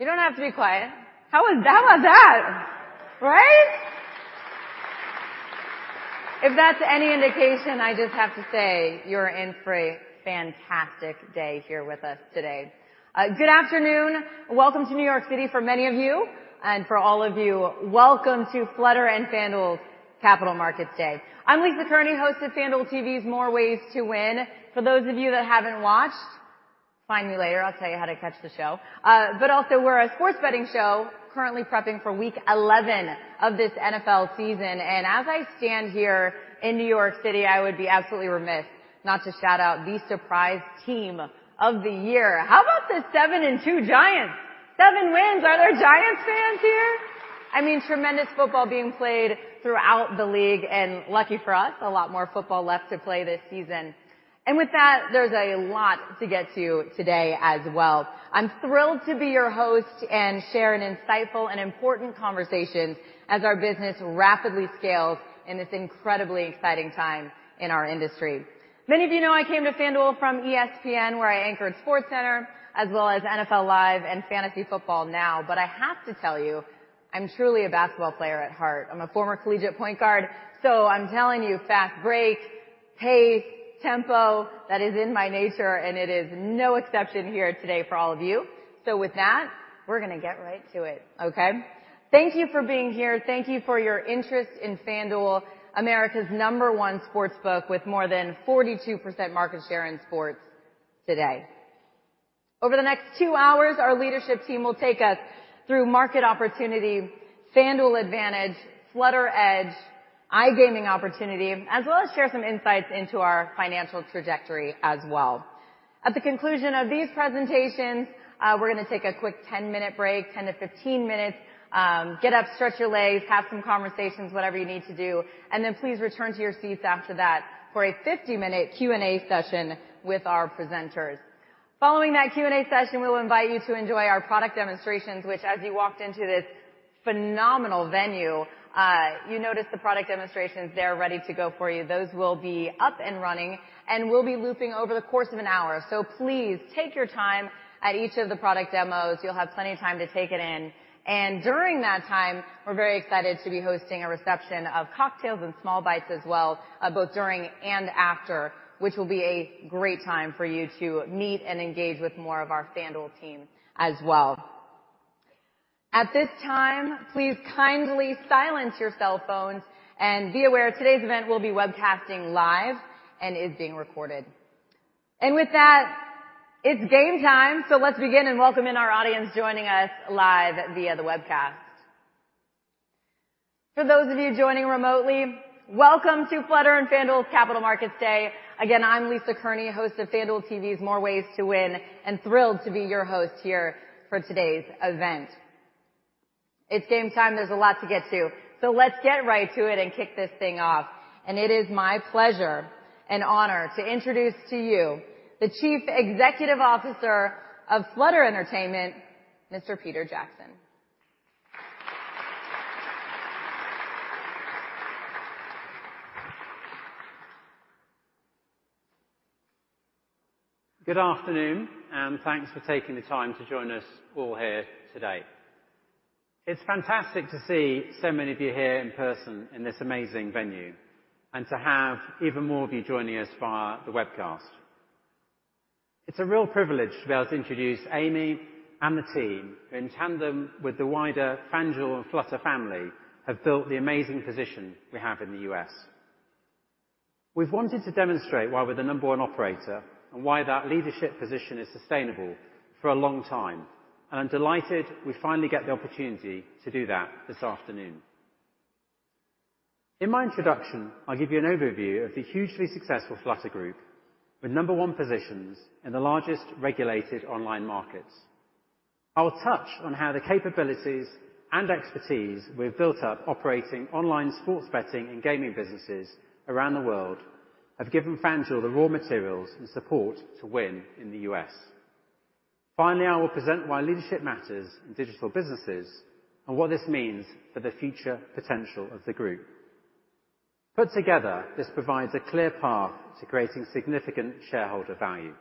You don't have to be quiet. How was that? How about that? Right? If that's any indication, I just have to say you're in for a fantastic day here with us today. Good afternoon. Welcome to New York City. For many of you and for all of you, welcome to Flutter & FanDuel's Capital Markets Day. I'm Lisa Kerney, host of FanDuel TV's More Ways to Win. For those of you that haven't watched, find me later, I'll tell you how to catch the show. But also we're a sports betting show currently prepping for week 11 of this NFL season. As I stand here in New York City, I would be absolutely remiss not to shout out the surprise team of the year. How about the 7-2 Giants? seven wins. Are there Giants fans here? I mean, tremendous football being played throughout the league and lucky for us, a lot more football left to play this season. With that, there's a lot to get to today as well. I'm thrilled to be your host and share an insightful and important conversations as our business rapidly scales in this incredibly exciting time in our industry. Many of you know, I came to FanDuel from ESPN, where I anchored SportsCenter as well as NFL Live and Fantasy Football Now. I have to tell you, I'm truly a basketball player at heart. I'm a former collegiate point guard, so I'm telling you, fast break, pace, tempo, that is in my nature, and it is no exception here today for all of you. With that, we're gonna get right to it. Okay. Thank you for being here. Thank you for your interest in FanDuel, America's number one sportsbook with more than 42% market share in sports today. Over the next two hours, our leadership team will take us through market opportunities, FanDuel Advantage, Flutter Edge, iGaming opportunity, as well as share some insights into our financial trajectory as well. At the conclusion of these presentations, we're gonna take a quick 10-minute break, 10-15 minutes, get up, stretch your legs, have some conversations, whatever you need to do, and then please return to your seats after that for a 50-minute Q&A session with our presenters. Following that Q&A session, we will invite you to enjoy our product demonstrations which, as you walked into this phenomenal venue, you noticed the product demonstrations there ready to go for you. Those will be up and running, and we'll be looping over the course of an hour. Please take your time at each of the product demos. You'll have plenty of time to take it in. During that time, we're very excited to be hosting a reception of cocktails and small bites as well, both during and after, which will be a great time for you to meet and engage with more of our FanDuel team as well. At this time, please kindly silence your cell phones and be aware today's event will be webcasting live and is being recorded. With that, it's game time. Let's begin and welcome in our audience joining us live via the webcast. For those of you joining remotely, welcome to Flutter & FanDuel's Capital Markets Day. Again, I'm Lisa Kerney, host of FanDuel TV's More Ways to Win, and thrilled to be your host here for today's event. It's game time. There's a lot to get to, so let's get right to it and kick this thing off. It is my pleasure and honor to introduce to you the Chief Executive Officer of Flutter Entertainment, Mr. Peter Jackson. Good afternoon, and thanks for taking the time to join us all here today. It's fantastic to see so many of you here in person in this amazing venue and to have even more of you joining us via the webcast. It's a real privilege to be able to introduce Amy and the team in tandem with the wider FanDuel and Flutter family have built the amazing position we have in the U.S. We've wanted to demonstrate why we're the number one operator and why that leadership position is sustainable for a long time. I'm delighted we finally get the opportunity to do that this afternoon. In my introduction, I'll give you an overview of the hugely successful Flutter Group, the number one positions in the largest regulated online markets. I will touch on how the capabilities and expertise we've built up operating online sports betting and gaming businesses around the world have given FanDuel the raw materials and support to win in the U.S. Finally, I will present why leadership matters in digital businesses and what this means for the future potential of the group. Put together, this provides a clear path to creating significant shareholder value.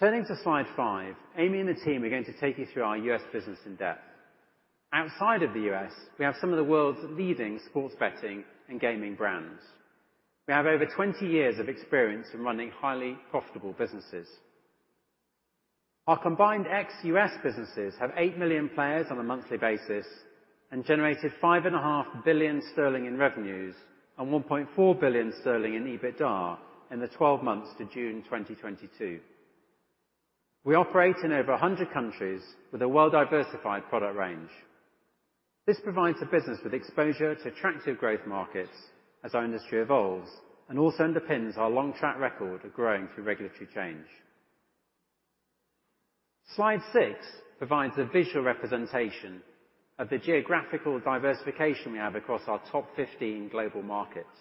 Turning to slide five, Amy and the team are going to take you through our U.S. business in-depth. Outside of the U.S., we have some of the world's leading sports betting and gaming brands. We have over 20 years of experience in running highly profitable businesses. Our combined ex-US businesses have eight million players on a monthly basis and generated 5.5 billion sterling in revenues and 1.4 billion sterling in EBITDA in the 12 months to June 2022. We operate in over 100 countries with a well-diversified product range. This provides the business with exposure to attractive growth markets as our industry evolves and also underpins our long track record of growing through regulatory change. Slide six provides a visual representation of the geographical diversification we have across our top 15 global markets.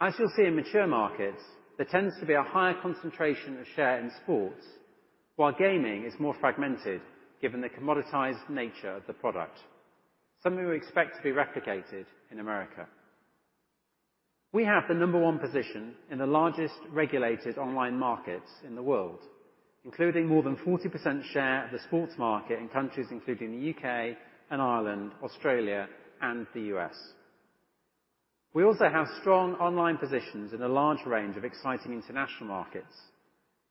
As you'll see in mature markets, there tends to be a higher concentration of share in sports while gaming is more fragmented given the commoditized nature of the product, something we expect to be replicated in America. We have the number one position in the largest regulated online markets in the world, including more than 40% share of the sports market in countries including the U.K. and Ireland, Australia, and the U.S. We also have strong online positions in a large range of exciting international markets,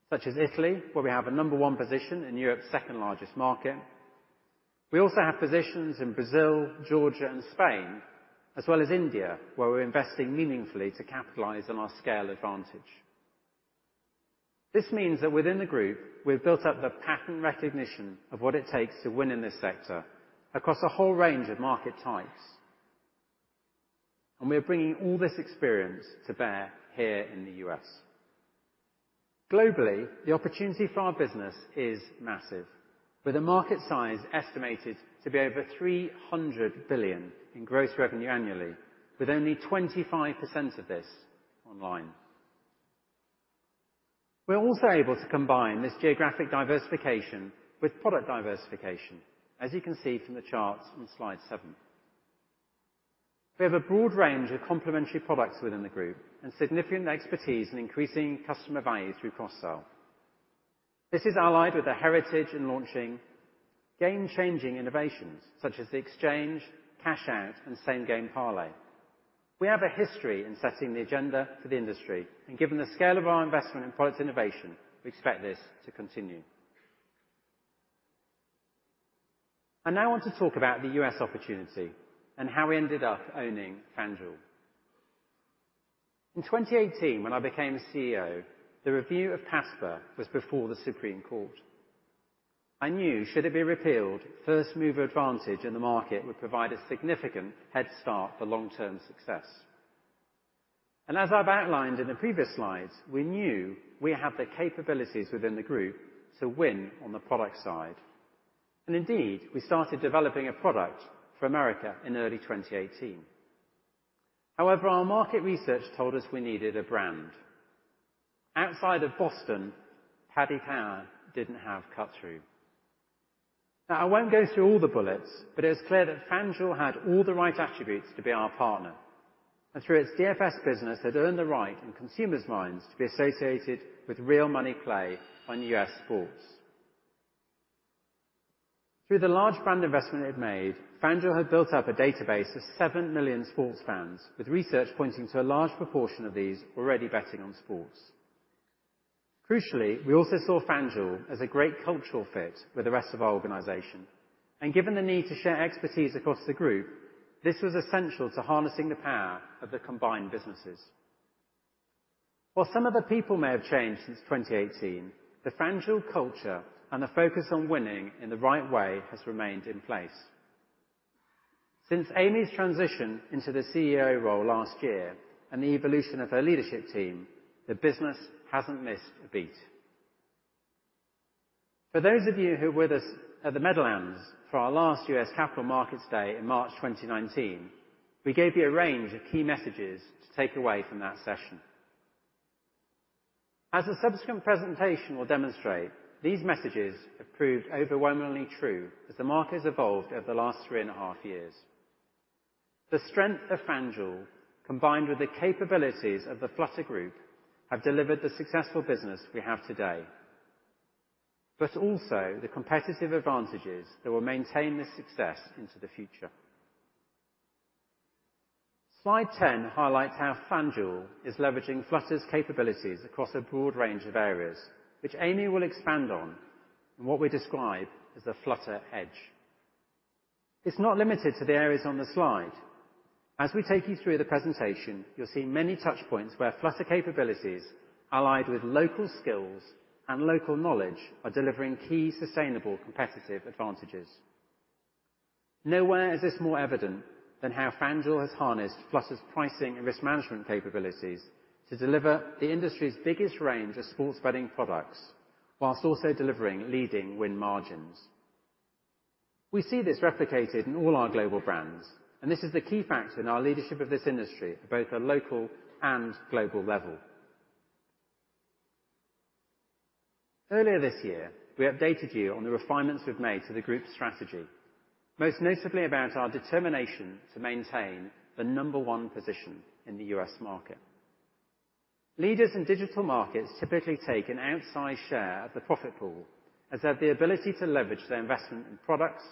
such as Italy, where we have a number one position in Europe's second-largest market. We also have positions in Brazil, Georgia, and Spain, as well as India, where we're investing meaningfully to capitalize on our scale advantage. This means that within the group, we've built up a pattern recognition of what it takes to win in this sector across a whole range of market types, and we're bringing all this experience to bear here in the U.S. Globally, the opportunity for our business is massive, with a market size estimated to be over 300 billion in gross revenue annually, with only 25% of this online. We're also able to combine this geographic diversification with product diversification, as you can see from the charts on slide seven. We have a broad range of complementary products within the group and significant expertise in increasing customer value through cross-sell. This is allied with a heritage in launching game-changing innovations such as the exchange, cash out, and same-game parlay. We have a history in setting the agenda for the industry, and given the scale of our investment in product innovation, we expect this to continue. I now want to talk about the U.S. opportunity and how we ended up owning FanDuel. In 2018, when I became CEO, the review of PASPA was before the Supreme Court. I knew, should it be repealed, first-mover advantage in the market would provide a significant head start for long-term success. As I've outlined in the previous slides, we knew we have the capabilities within the group to win on the product side. Indeed, we started developing a product for America in early 2018. However, our market research told us we needed a brand. Outside of Boston, Paddy Power didn't have cut-through. Now, I won't go through all the bullets, but it was clear that FanDuel had all the right attributes to be our partner. Through its DFS business, had earned the right in consumers' minds to be associated with real money play on U.S. sports. Through the large brand investment it made, FanDuel had built up a database of seven million sports fans, with research pointing to a large proportion of these already betting on sports. Crucially, we also saw FanDuel as a great cultural fit with the rest of our organization. Given the need to share expertise across the group, this was essential to harnessing the power of the combined businesses. While some of the people may have changed since 2018, the FanDuel culture and the focus on winning in the right way has remained in place. Since Amy's transition into the CEO role last year and the evolution of her leadership team, the business hasn't missed a beat. For those of you who were with us at the Meadowlands f-or our last U.S. Capital Markets Day in March 2019, we gave you a range of key messages to take away from that session. As a subsequent presentation will demonstrate, these messages have proved overwhelmingly true as the market has evolved over the last three and a half years. The strength of FanDuel, combined with the capabilities of the Flutter Group, have delivered the successful business we have today, but also the competitive advantages that will maintain this success into the future. Slide 10 highlights how FanDuel is leveraging Flutter's capabilities across a broad range of areas, which Amy will expand on in what we describe as the Flutter Edge. It's not limited to the areas on the slide. As we take you through the presentation, you'll see many touch points where Flutter capabilities, allied with local skills and local knowledge, are delivering key sustainable competitive advantages. Nowhere is this more evident than how FanDuel has harnessed Flutter's pricing and risk management capabilities to deliver the industry's biggest range of sports betting products while also delivering leading win margins. We see this replicated in all our global brands, and this is the key factor in our leadership of this industry at both a local and global level. Earlier this year, we updated you on the refinements we've made to the group's strategy, most notably about our determination to maintain the number one position in the U.S. market. Leaders in digital markets typically take an outsized share of the profit pool, as they have the ability to leverage their investment in products,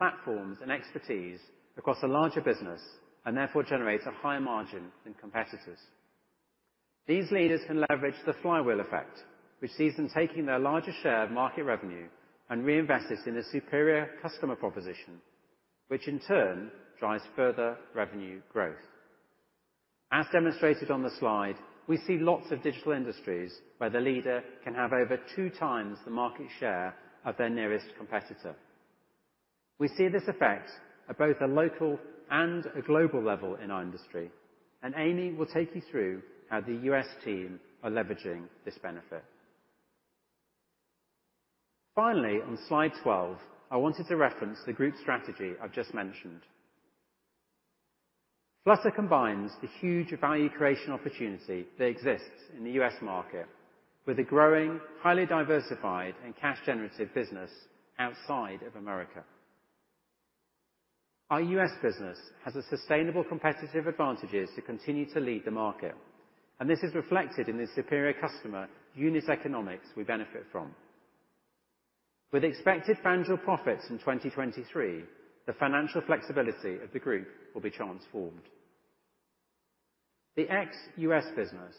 platforms, and expertise across a larger business, and therefore generate a higher margin than competitors. These leaders can leverage the flywheel effect, which sees them taking their largest share of market revenue and reinvest it in a superior customer proposition, which in turn drives further revenue growth. As demonstrated on the slide, we see lots of digital industries where the leader can have over 2x the market share of their nearest competitor. We see this effect at both a local and a global level in our industry, and Amy will take you through how the U.S. team are leveraging this benefit. Finally, on slide 12, I wanted to reference the group strategy I've just mentioned. Flutter combines the huge value creation opportunity that exists in the U.S. Market with a growing, highly diversified and cash generative business outside of America. Our U.S. business has a sustainable competitive advantages to continue to lead the market, and this is reflected in the superior customer unit economics we benefit from. With expected FanDuel profits in 2023, the financial flexibility of the group will be transformed. The ex-US business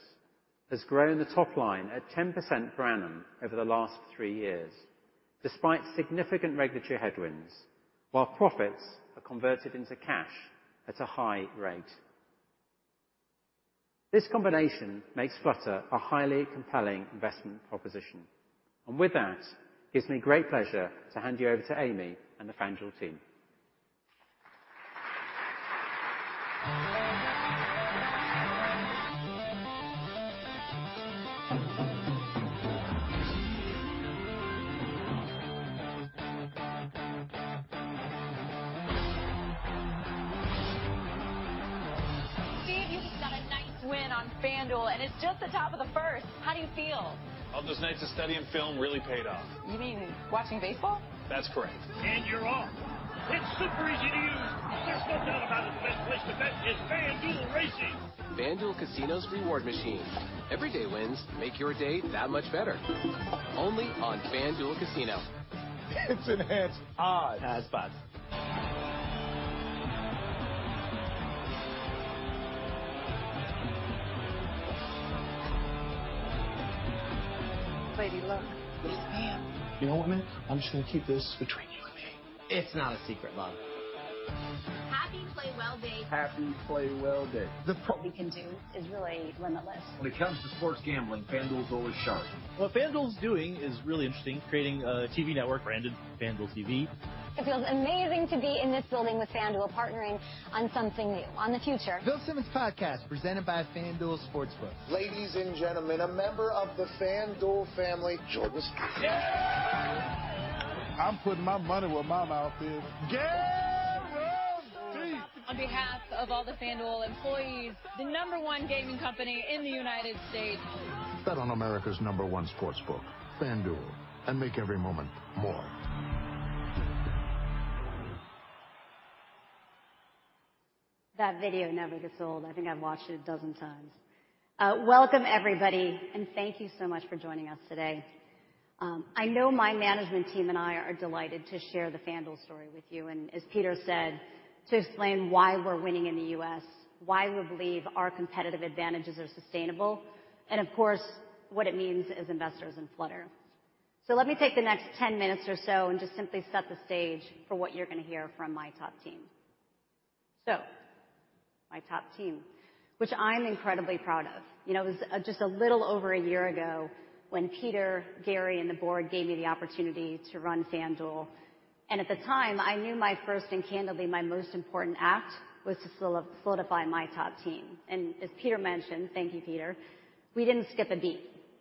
has grown the top line at 10% CAGR over the last three years, despite significant regulatory headwinds while profits are converted into cash at a high rate. This combination makes Flutter a highly compelling investment proposition. With that, gives me great pleasure to hand you over to Amy and the FanDuel team. Steve, you just got a nice win on FanDuel, and it's just the top of the first. How do you feel? All those nights of study and film really paid off. You mean watching baseball? That's correct. You're off. It's super easy to use. There's no doubt about it. The best place to bet is FanDuel Racing. FanDuel Casino's Reward Machine. Every day wins make your day that much better. Only on FanDuel Casino. It's enhanced odds. Enhanced odds. Lady, look, what is his name? You know what, man? I'm just gonna keep this between you and me. It's not a secret love. Happy Play Well Day. Happy Play Well Day. The promo we can do is really limitless. When it comes to sports gambling, FanDuel is always sharp. What FanDuel is doing is really interesting, creating a TV network branded FanDuel TV. It feels amazing to be in this building with FanDuel partnering on something new in the future. Bill Simmons Podcast, presented by FanDuel Sportsbook. Ladies and gentlemen, a member of the FanDuel family, Jordan Spieth. I'm putting my money where my mouth is. Gary McGann. On behalf of all the FanDuel employees, the number one gaming company in the United States. Bet on America's number one sportsbook, FanDuel, and make every moment more. That video never gets old. I think I've watched it a dozen times. Welcome, everybody, and thank you so much for joining us today. I know my management team and I are delighted to share the FanDuel story with you, and as Peter said, to explain why we're winning in the U.S., why we believe our competitive advantages are sustainable, and of course, what it means as investors in Flutter. Let me take the next 10 minutes or so and just simply set the stage for what you're gonna hear from my top team. My top team, which I'm incredibly proud of. You know, it was just a little over a year ago when Peter, Gary, and the board gave me the opportunity to run FanDuel. At the time, I knew my first and candidly, my most important act, was to solidify my top team. As Peter mentioned, thank you, Peter, we didn't skip a beat.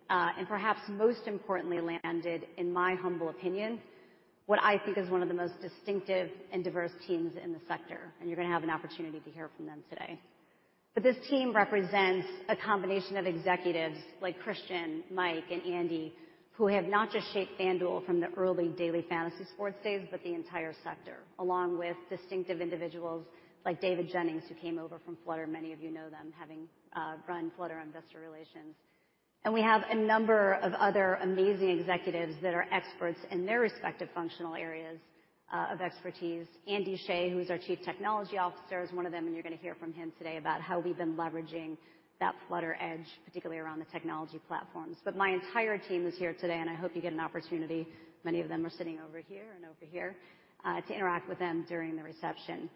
Perhaps most importantly, landed, in my humble opinion, what I think is one of the most distinctive and diverse teams in the sector, and you're gonna have an opportunity to hear from them today. This team represents a combination of executives like Christian, Mike, and Andy, who have not just shaped FanDuel from the early daily fantasy sports days, but the entire sector, along with distinctive individuals like David Jennings, who came over from Flutter. Many of you know them, having run Flutter Investor Relations. We have a number of other amazing executives that are experts in their respective functional areas of expertise. Andy Sheh, who's our Chief Technology Officer, is one of them, and you're gonna hear from him today about how we've been leveraging that Flutter Edge, particularly around the technology platforms. My entire team is here today, and I hope you get an opportunity. Many of them are sitting over here and over here to interact with them during the reception.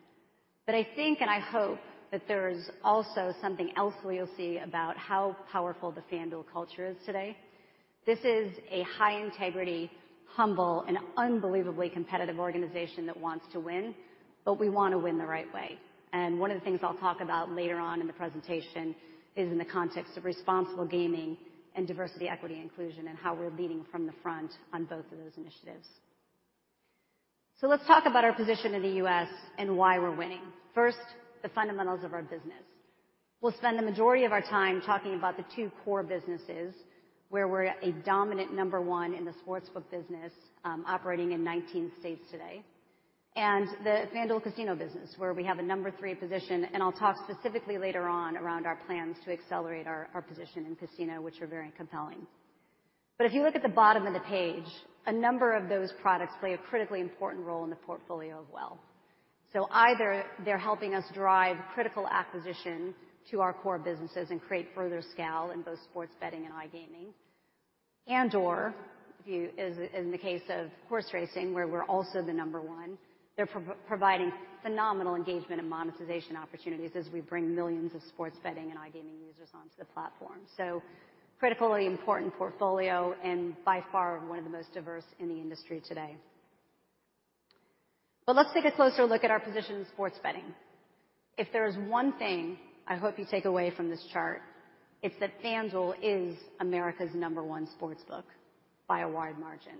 I think and I hope that there is also something else where you'll see about how powerful the FanDuel culture is today. This is a high-integrity, humble, and unbelievably competitive organization that wants to win, but we wanna win the right way. One of the things I'll talk about later on in the presentation is in the context of responsible gaming and diversity, equity, and inclusion, and how we're leading from the front on both of those initiatives. Let's talk about our position in the U.S. and why we're winning. First, the fundamentals of our business. We'll spend the majority of our time talking about the two core businesses where we're a dominant number one in the sportsbook business, operating in 19 states today, and the FanDuel Casino business, where we have a number three position, and I'll talk specifically later on around our plans to accelerate our position in casino, which are very compelling. If you look at the bottom of the page, a number of those products play a critically important role in the portfolio as well. Either they're helping us drive critical acquisition to our core businesses and create further scale in both sports betting and iGaming, and/or we use, as in the case of horse racing, where we're also the number one. They're providing phenomenal engagement and monetization opportunities as we bring millions of sports betting and iGaming users onto the platform. Critically important portfolio and by far one of the most diverse in the industry today. Let's take a closer look at our position in sports betting. If there is one thing I hope you take away from this chart, it's that FanDuel is America's number one sportsbook by a wide margin.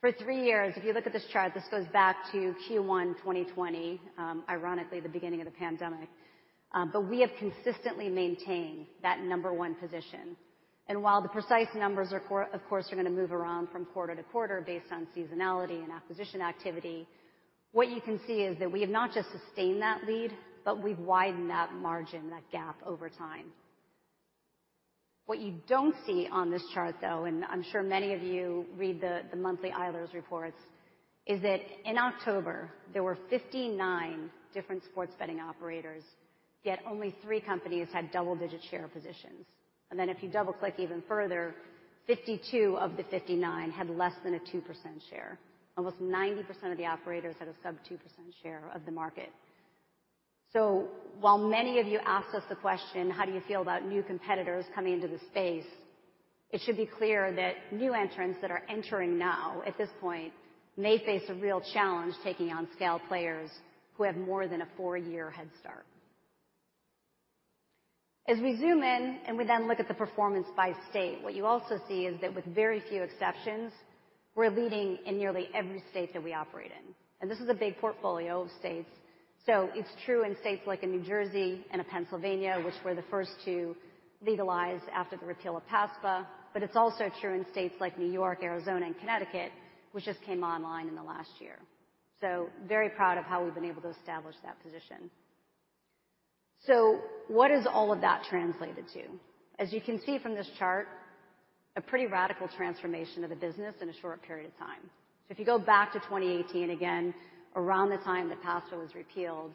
For three years, if you look at this chart, this goes back to Q1 2020, ironically, the beginning of the pandemic. We have consistently maintained that number one position. While the precise numbers are, of course, gonna move around from quarter-to-quarter based on seasonality and acquisition activity, what you can see is that we have not just sustained that lead, but we've widened that margin, that gap over time. What you don't see on this chart though, and I'm sure many of you read the monthly Eilers' reports, is that in October, there were 59 different sports betting operators, yet only three companies had double-digit share positions. If you double-click even further, 52 of the 59 had less than a 2% share. Almost 90% of the operators had a sub 2% share of the market. While many of you asked us the question, how do you feel about new competitors coming into the space? It should be clear that new entrants that are entering now, at this point, may face a real challenge taking on scale players who have more than a four-year head start. As we zoom in and we then look at the performance by state, what you also see is that with very few exceptions, we're leading in nearly every state that we operate in. This is a big portfolio of states. It's true in states like in New Jersey and in Pennsylvania, which were the first to legalize after the repeal of PASPA, but it's also true in states like New York, Arizona, and Connecticut, which just came online in the last year. Very proud of how we've been able to establish that position. What has all of that translated to? As you can see from this chart, a pretty radical transformation of the business in a short period of time. If you go back to 2018 again, around the time that PASPA was repealed,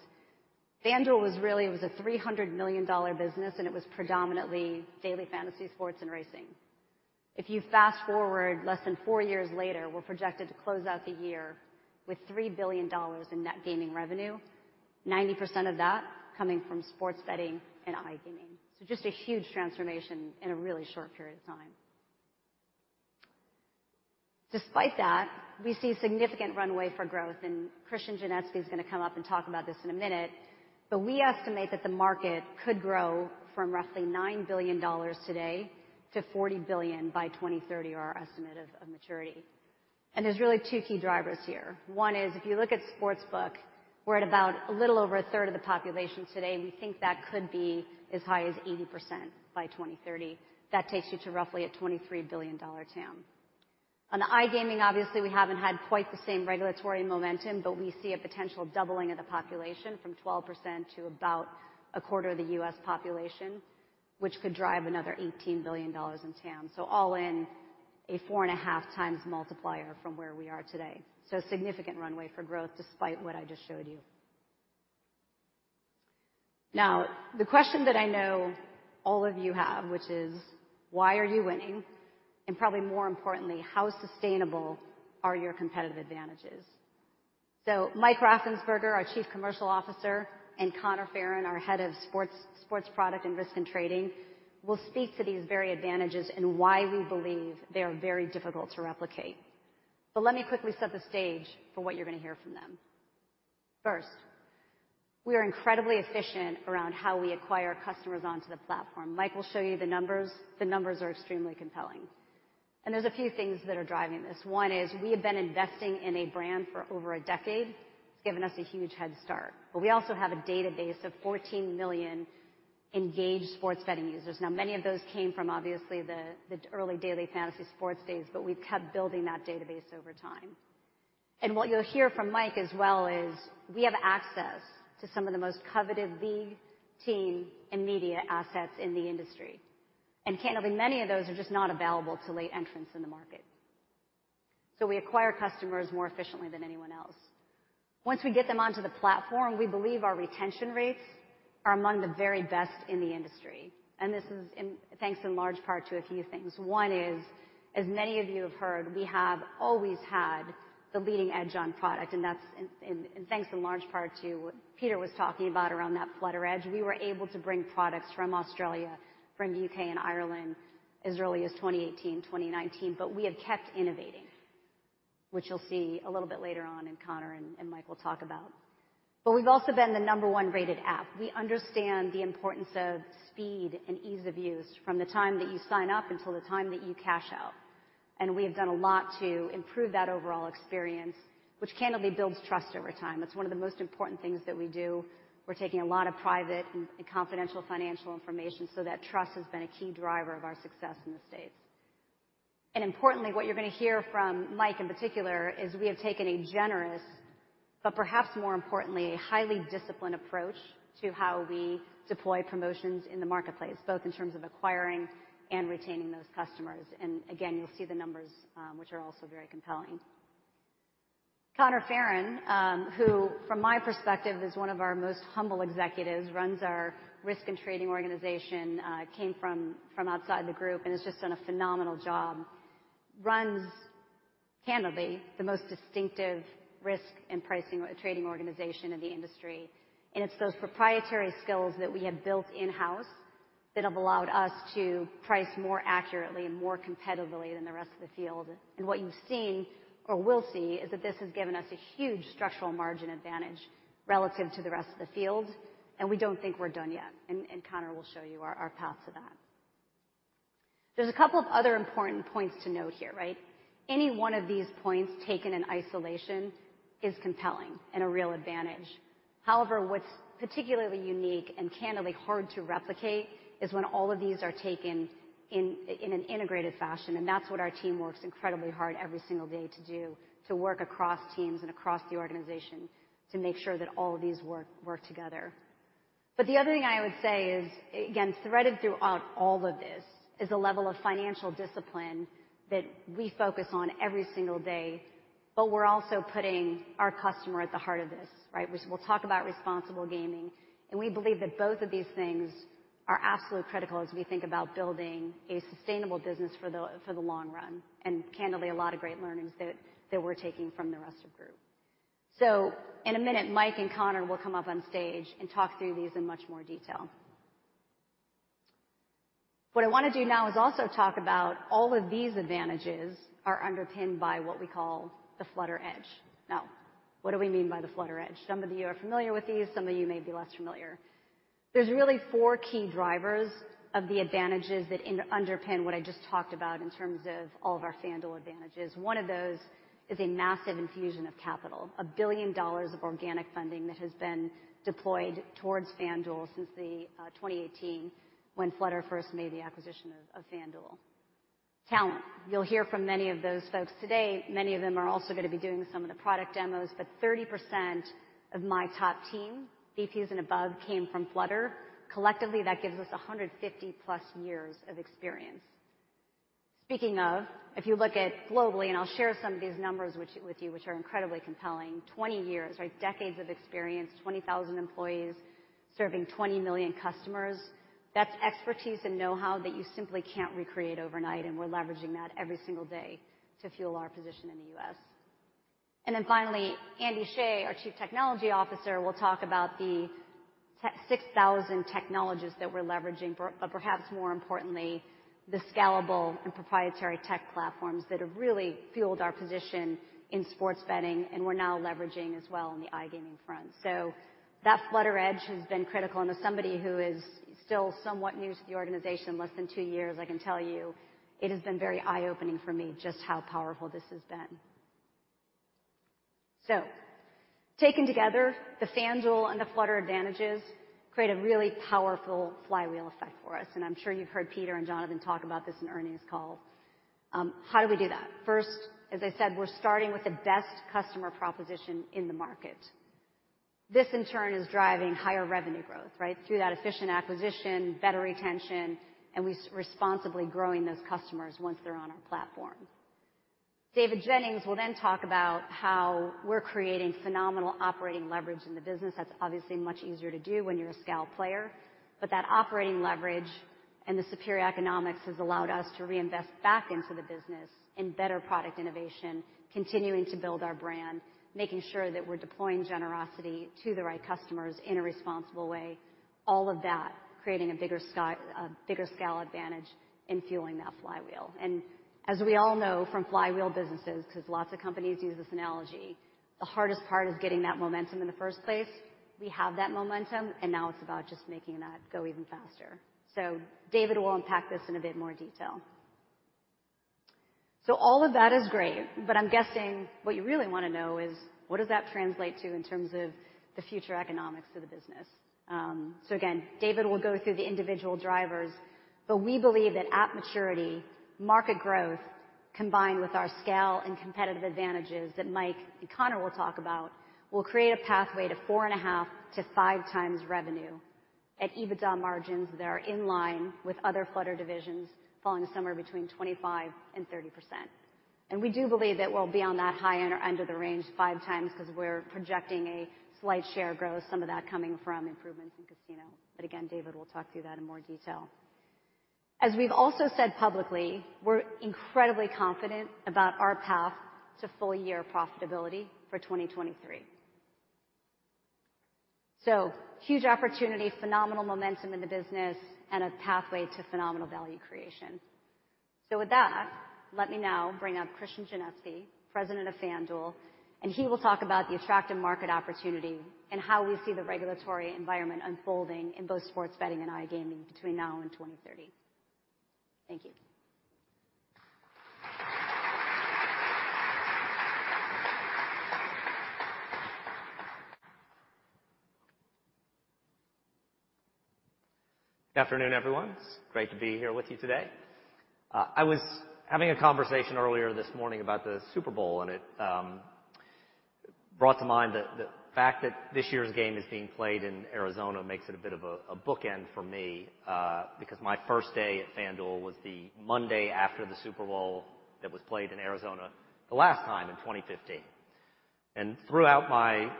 FanDuel was really, it was a $300 million business, and it was predominantly daily fantasy sports and racing. If you fast-forward less than four years later, we're projected to close out the year with $3 billion in net gaming revenue, 90% of that coming from sports betting and iGaming. Just a huge transformation in a really short period of time. Despite that, we see significant runway for growth, and Christian Genetski is gonna come up and talk about this in a minute. We estimate that the market could grow from roughly $9 billion today to $40 billion by 2030, our estimate of maturity. There's really two key drivers here. One is, if you look at sportsbook, we're at about a little over 1/3 of the population today. We think that could be as high as 80% by 2030. That takes you to roughly a $23 billion TAM. On iGaming, obviously, we haven't had quite the same regulatory momentum, but we see a potential doubling of the population from 12% to about a quarter of the U.S. population, which could drive another $18 billion in TAM. All in a 4.5x multiplier from where we are today. Significant runway for growth despite what I just showed you. Now, the question that I know all of you have, which is, why are you winning? And probably more importantly, how sustainable are your competitive advantages? Mike Raffensperger, our Chief Commercial Officer, and Conor Farren, our Head of Sports Product and Risk and Trading, will speak to these very advantages and why we believe they are very difficult to replicate. Let me quickly set the stage for what you're gonna hear from them. First, we are incredibly efficient around how we acquire customers onto the platform. Mike will show you the numbers. The numbers are extremely compelling. There's a few things that are driving this. One is we have been investing in a brand for over a decade. It's given us a huge head start. We also have a database of 14 million engaged sports betting users. Now, many of those came from obviously the early daily fantasy sports days, but we've kept building that database over time. What you'll hear from Mike as well is we have access to some of the most coveted league, team, and media assets in the industry. Candidly, many of those are just not available to late entrants in the market. We acquire customers more efficiently than anyone else. Once we get them onto the platform, we believe our retention rates are among the very best in the industry. This is thanks in large part to a few things. One is, as many of you have heard, we have always had the leading edge on product, and that's thanks in large part to what Peter was talking about around that Flutter Edge. We were able to bring products from Australia, from U.K. and Ireland as early as 2018, 2019, but we have kept innovating, which you'll see a little bit later on, and Conor and Mike will talk about. We've also been the number one rated app. We understand the importance of speed and ease of use from the time that you sign up until the time that you cash out. We have done a lot to improve that overall experience, which candidly builds trust over time. That's one of the most important things that we do. We're taking a lot of private and confidential financial information, so that trust has been a key driver of our success in the States. Importantly, what you're gonna hear from Mike in particular is we have taken a generous, but perhaps more importantly, a highly disciplined approach to how we deploy promotions in the marketplace, both in terms of acquiring and retaining those customers. Again, you'll see the numbers, which are also very compelling. Conor Farren, who from my perspective is one of our most humble executives, runs our risk and trading organization, came from outside the group and has just done a phenomenal job. Runs candidly the most distinctive risk and pricing and trading organization in the industry. It's those proprietary skills that we have built in-house that have allowed us to price more accurately and more competitively than the rest of the field. What you've seen or will see is that this has given us a huge structural margin advantage relative to the rest of the field, and we don't think we're done yet. Conor will show you our path to that. There's a couple of other important points to note here, right? Any one of these points taken in isolation is compelling and a real advantage. However, what's particularly unique and candidly hard to replicate is when all of these are taken in an integrated fashion, and that's what our team works incredibly hard every single day to do, to work across teams and across the organization to make sure that all of these work together. The other thing I would say is, again, threaded throughout all of this is a level of financial discipline that we focus on every single day, but we're also putting our customer at the heart of this, right? We'll talk about responsible gaming, and we believe that both of these things are absolutely critical as we think about building a sustainable business for the long run, and candidly, a lot of great learnings that we're taking from the rest of group. In a minute, Mike and Conor will come up on stage and talk through these in much more detail. What I wanna do now is also talk about all of these advantages are underpinned by what we call the Flutter Edge. Now, what do we mean by the Flutter Edge? Some of you are familiar with these, some of you may be less familiar. There's really four key drivers of the advantages that underpin what I just talked about in terms of all of our FanDuel advantages. One of those is a massive infusion of capital. $1 billion of organic funding that has been deployed towards FanDuel since the 2018 when Flutter first made the acquisition of FanDuel. Talent. You'll hear from many of those folks today. Many of them are also gonna be doing some of the product demos, but 30% of my top team, VPs and above, came from Flutter. Collectively, that gives us 150+ years of experience. Speaking of, if you look at globally, and I'll share some of these numbers with you, which are incredibly compelling. 20 years or decades of experience, 20,000 employees serving 20 million customers. That's expertise and know-how that you simply can't recreate overnight, and we're leveraging that every single day to fuel our position in the U.S. Finally, Andrew Sheh, our Chief Technology Officer, will talk about the 6,000 technologies that we're leveraging, but perhaps more importantly, the scalable and proprietary tech platforms that have really fueled our position in sports betting, and we're now leveraging as well on the iGaming front. That Flutter Edge has been critical, and as somebody who is still somewhat new to the organization, less than two years, I can tell you it has been very eye-opening for me just how powerful this has been. Taken together, the FanDuel and the Flutter advantages create a really powerful flywheel effect for us, and I'm sure you've heard Peter and Jonathan talk about this in earnings call. How do we do that? First, as I said, we're starting with the best customer proposition in the market. This, in turn, is driving higher revenue growth, right? Through that efficient acquisition, better retention, and responsibly growing those customers once they're on our platform. David Jennings will then talk about how we're creating phenomenal operating leverage in the business. That's obviously much easier to do when you're a scale player. But that operating leverage and the superior economics has allowed us to reinvest back into the business in better product innovation, continuing to build our brand, making sure that we're deploying generosity to the right customers in a responsible way, all of that creating a bigger scale advantage in fueling that flywheel. As we all know from flywheel businesses, 'cause lots of companies use this analogy, the hardest part is getting that momentum in the first place. We have that momentum, and now it's about just making that go even faster. David will unpack this in a bit more detail. All of that is great, but I'm guessing what you really wanna know is what does that translate to in terms of the future economics of the business. Again, David will go through the individual drivers, but we believe that at maturity, market growth combined with our scale and competitive advantages that Mike and Conor will talk about, will create a pathway to 4.5x-5x revenue at EBITDA margins that are in line with other Flutter divisions, falling somewhere between 25%-30%. We do believe that we'll be on that high end of the range 5x 'cause we're projecting a slight share growth, some of that coming from improvements in casino. Again, David will talk through that in more detail. As we've also said publicly, we're incredibly confident about our path to full year profitability for 2023. Huge opportunity, phenomenal momentum in the business, and a pathway to phenomenal value creation. With that, let me now bring up Christian Genetski, President of FanDuel, and he will talk about the attractive market opportunity and how we see the regulatory environment unfolding in both sports betting and iGaming between now and 2030. Thank you. Good afternoon, everyone. It's great to be here with you today. I was having a conversation earlier this morning about the Super Bowl, and it brought to mind the fact that this year's game is being played in Arizona makes it a bit of a bookend for me, because my first day at FanDuel was the Monday after the Super Bowl that was played in Arizona the last time in 2015. Throughout my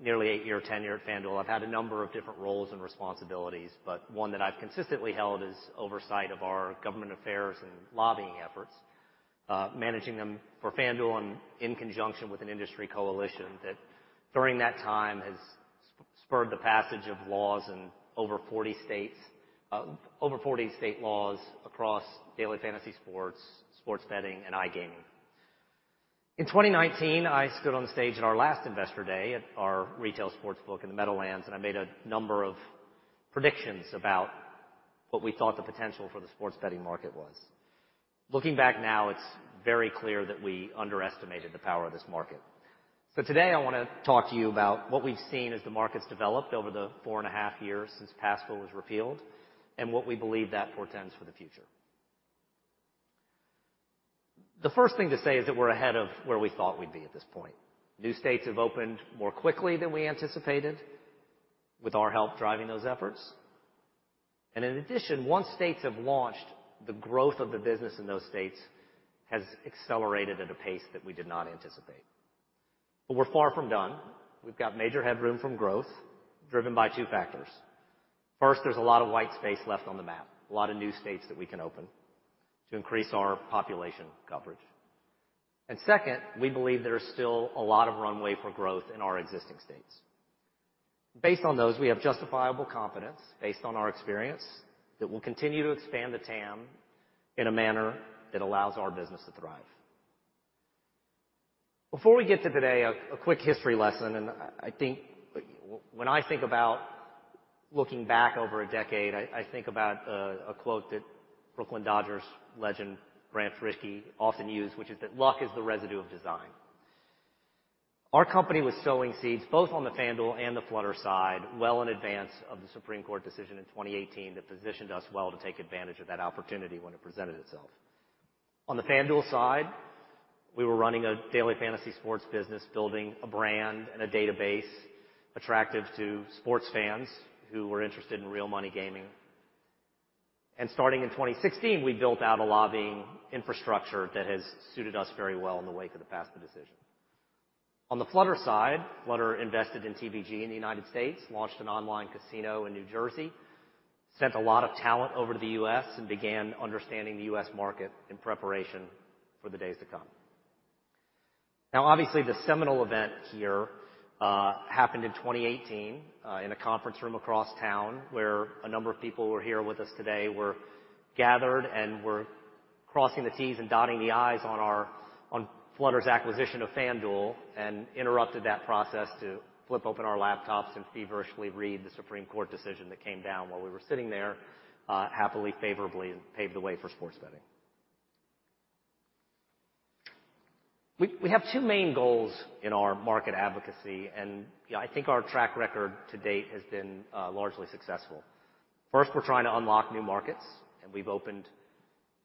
nearly eight-year tenure at FanDuel, I've had a number of different roles and responsibilities, but one that I've consistently held is oversight of our government affairs and lobbying efforts, managing them for FanDuel and in conjunction with an industry coalition that during that time has spurred the passage of laws in over 40 states, over 40 state laws across daily fantasy sports betting, and iGaming. In 2019, I stood on the stage at our last investor day at our retail sportsbook in the Meadowlands, and I made a number of predictions about what we thought the potential for the sports betting market was. Looking back now, it's very clear that we underestimated the power of this market. Today I wanna talk to you about what we've seen as the market's developed over the four and a half years since PASPA was repealed and what we believe that portends for the future. The first thing to say is that we're ahead of where we thought we'd be at this point. New states have opened more quickly than we anticipated with our help driving those efforts. In addition, once states have launched, the growth of the business in those states has accelerated at a pace that we did not anticipate. We're far from done. We've got major headroom from growth driven by two factors. First, there's a lot of white space left on the map, a lot of new states that we can open to increase our population coverage. Second, we believe there is still a lot of runway for growth in our existing states. Based on those, we have justifiable confidence based on our experience that we'll continue to expand the TAM in a manner that allows our business to thrive. Before we get to today, quick history lesson. When I think about looking back over a decade, I think about a quote that Brooklyn Dodgers legend Branch Rickey often used, which is that, "Luck is the residue of design." Our company was sowing seeds both on the FanDuel and the Flutter side, well in advance of the Supreme Court decision in 2018 that positioned us well to take advantage of that opportunity when it presented itself. On the FanDuel side, we were running a daily fantasy sports business, building a brand and a database attractive to sports fans who were interested in real money gaming. Starting in 2016, we built out a lobbying infrastructure that has suited us very well in the wake of the PASPA decision. On the Flutter side, Flutter invested in TVG in the United States, launched an online casino in New Jersey, sent a lot of talent over to the U.S. and began understanding the U.S. market in preparation for the days to come. Now, obviously, the seminal event here happened in 2018 in a conference room across town, where a number of people who are here with us today were gathered and were crossing the T's and dotting the I's on Flutter's acquisition of FanDuel and interrupted that process to flip open our laptops and feverishly read the Supreme Court decision that came down while we were sitting there, happily, favorably, and paved the way for sports betting. We have two main goals in our market advocacy, and I think our track record to date has been largely successful. First, we're trying to unlock new markets, and we've opened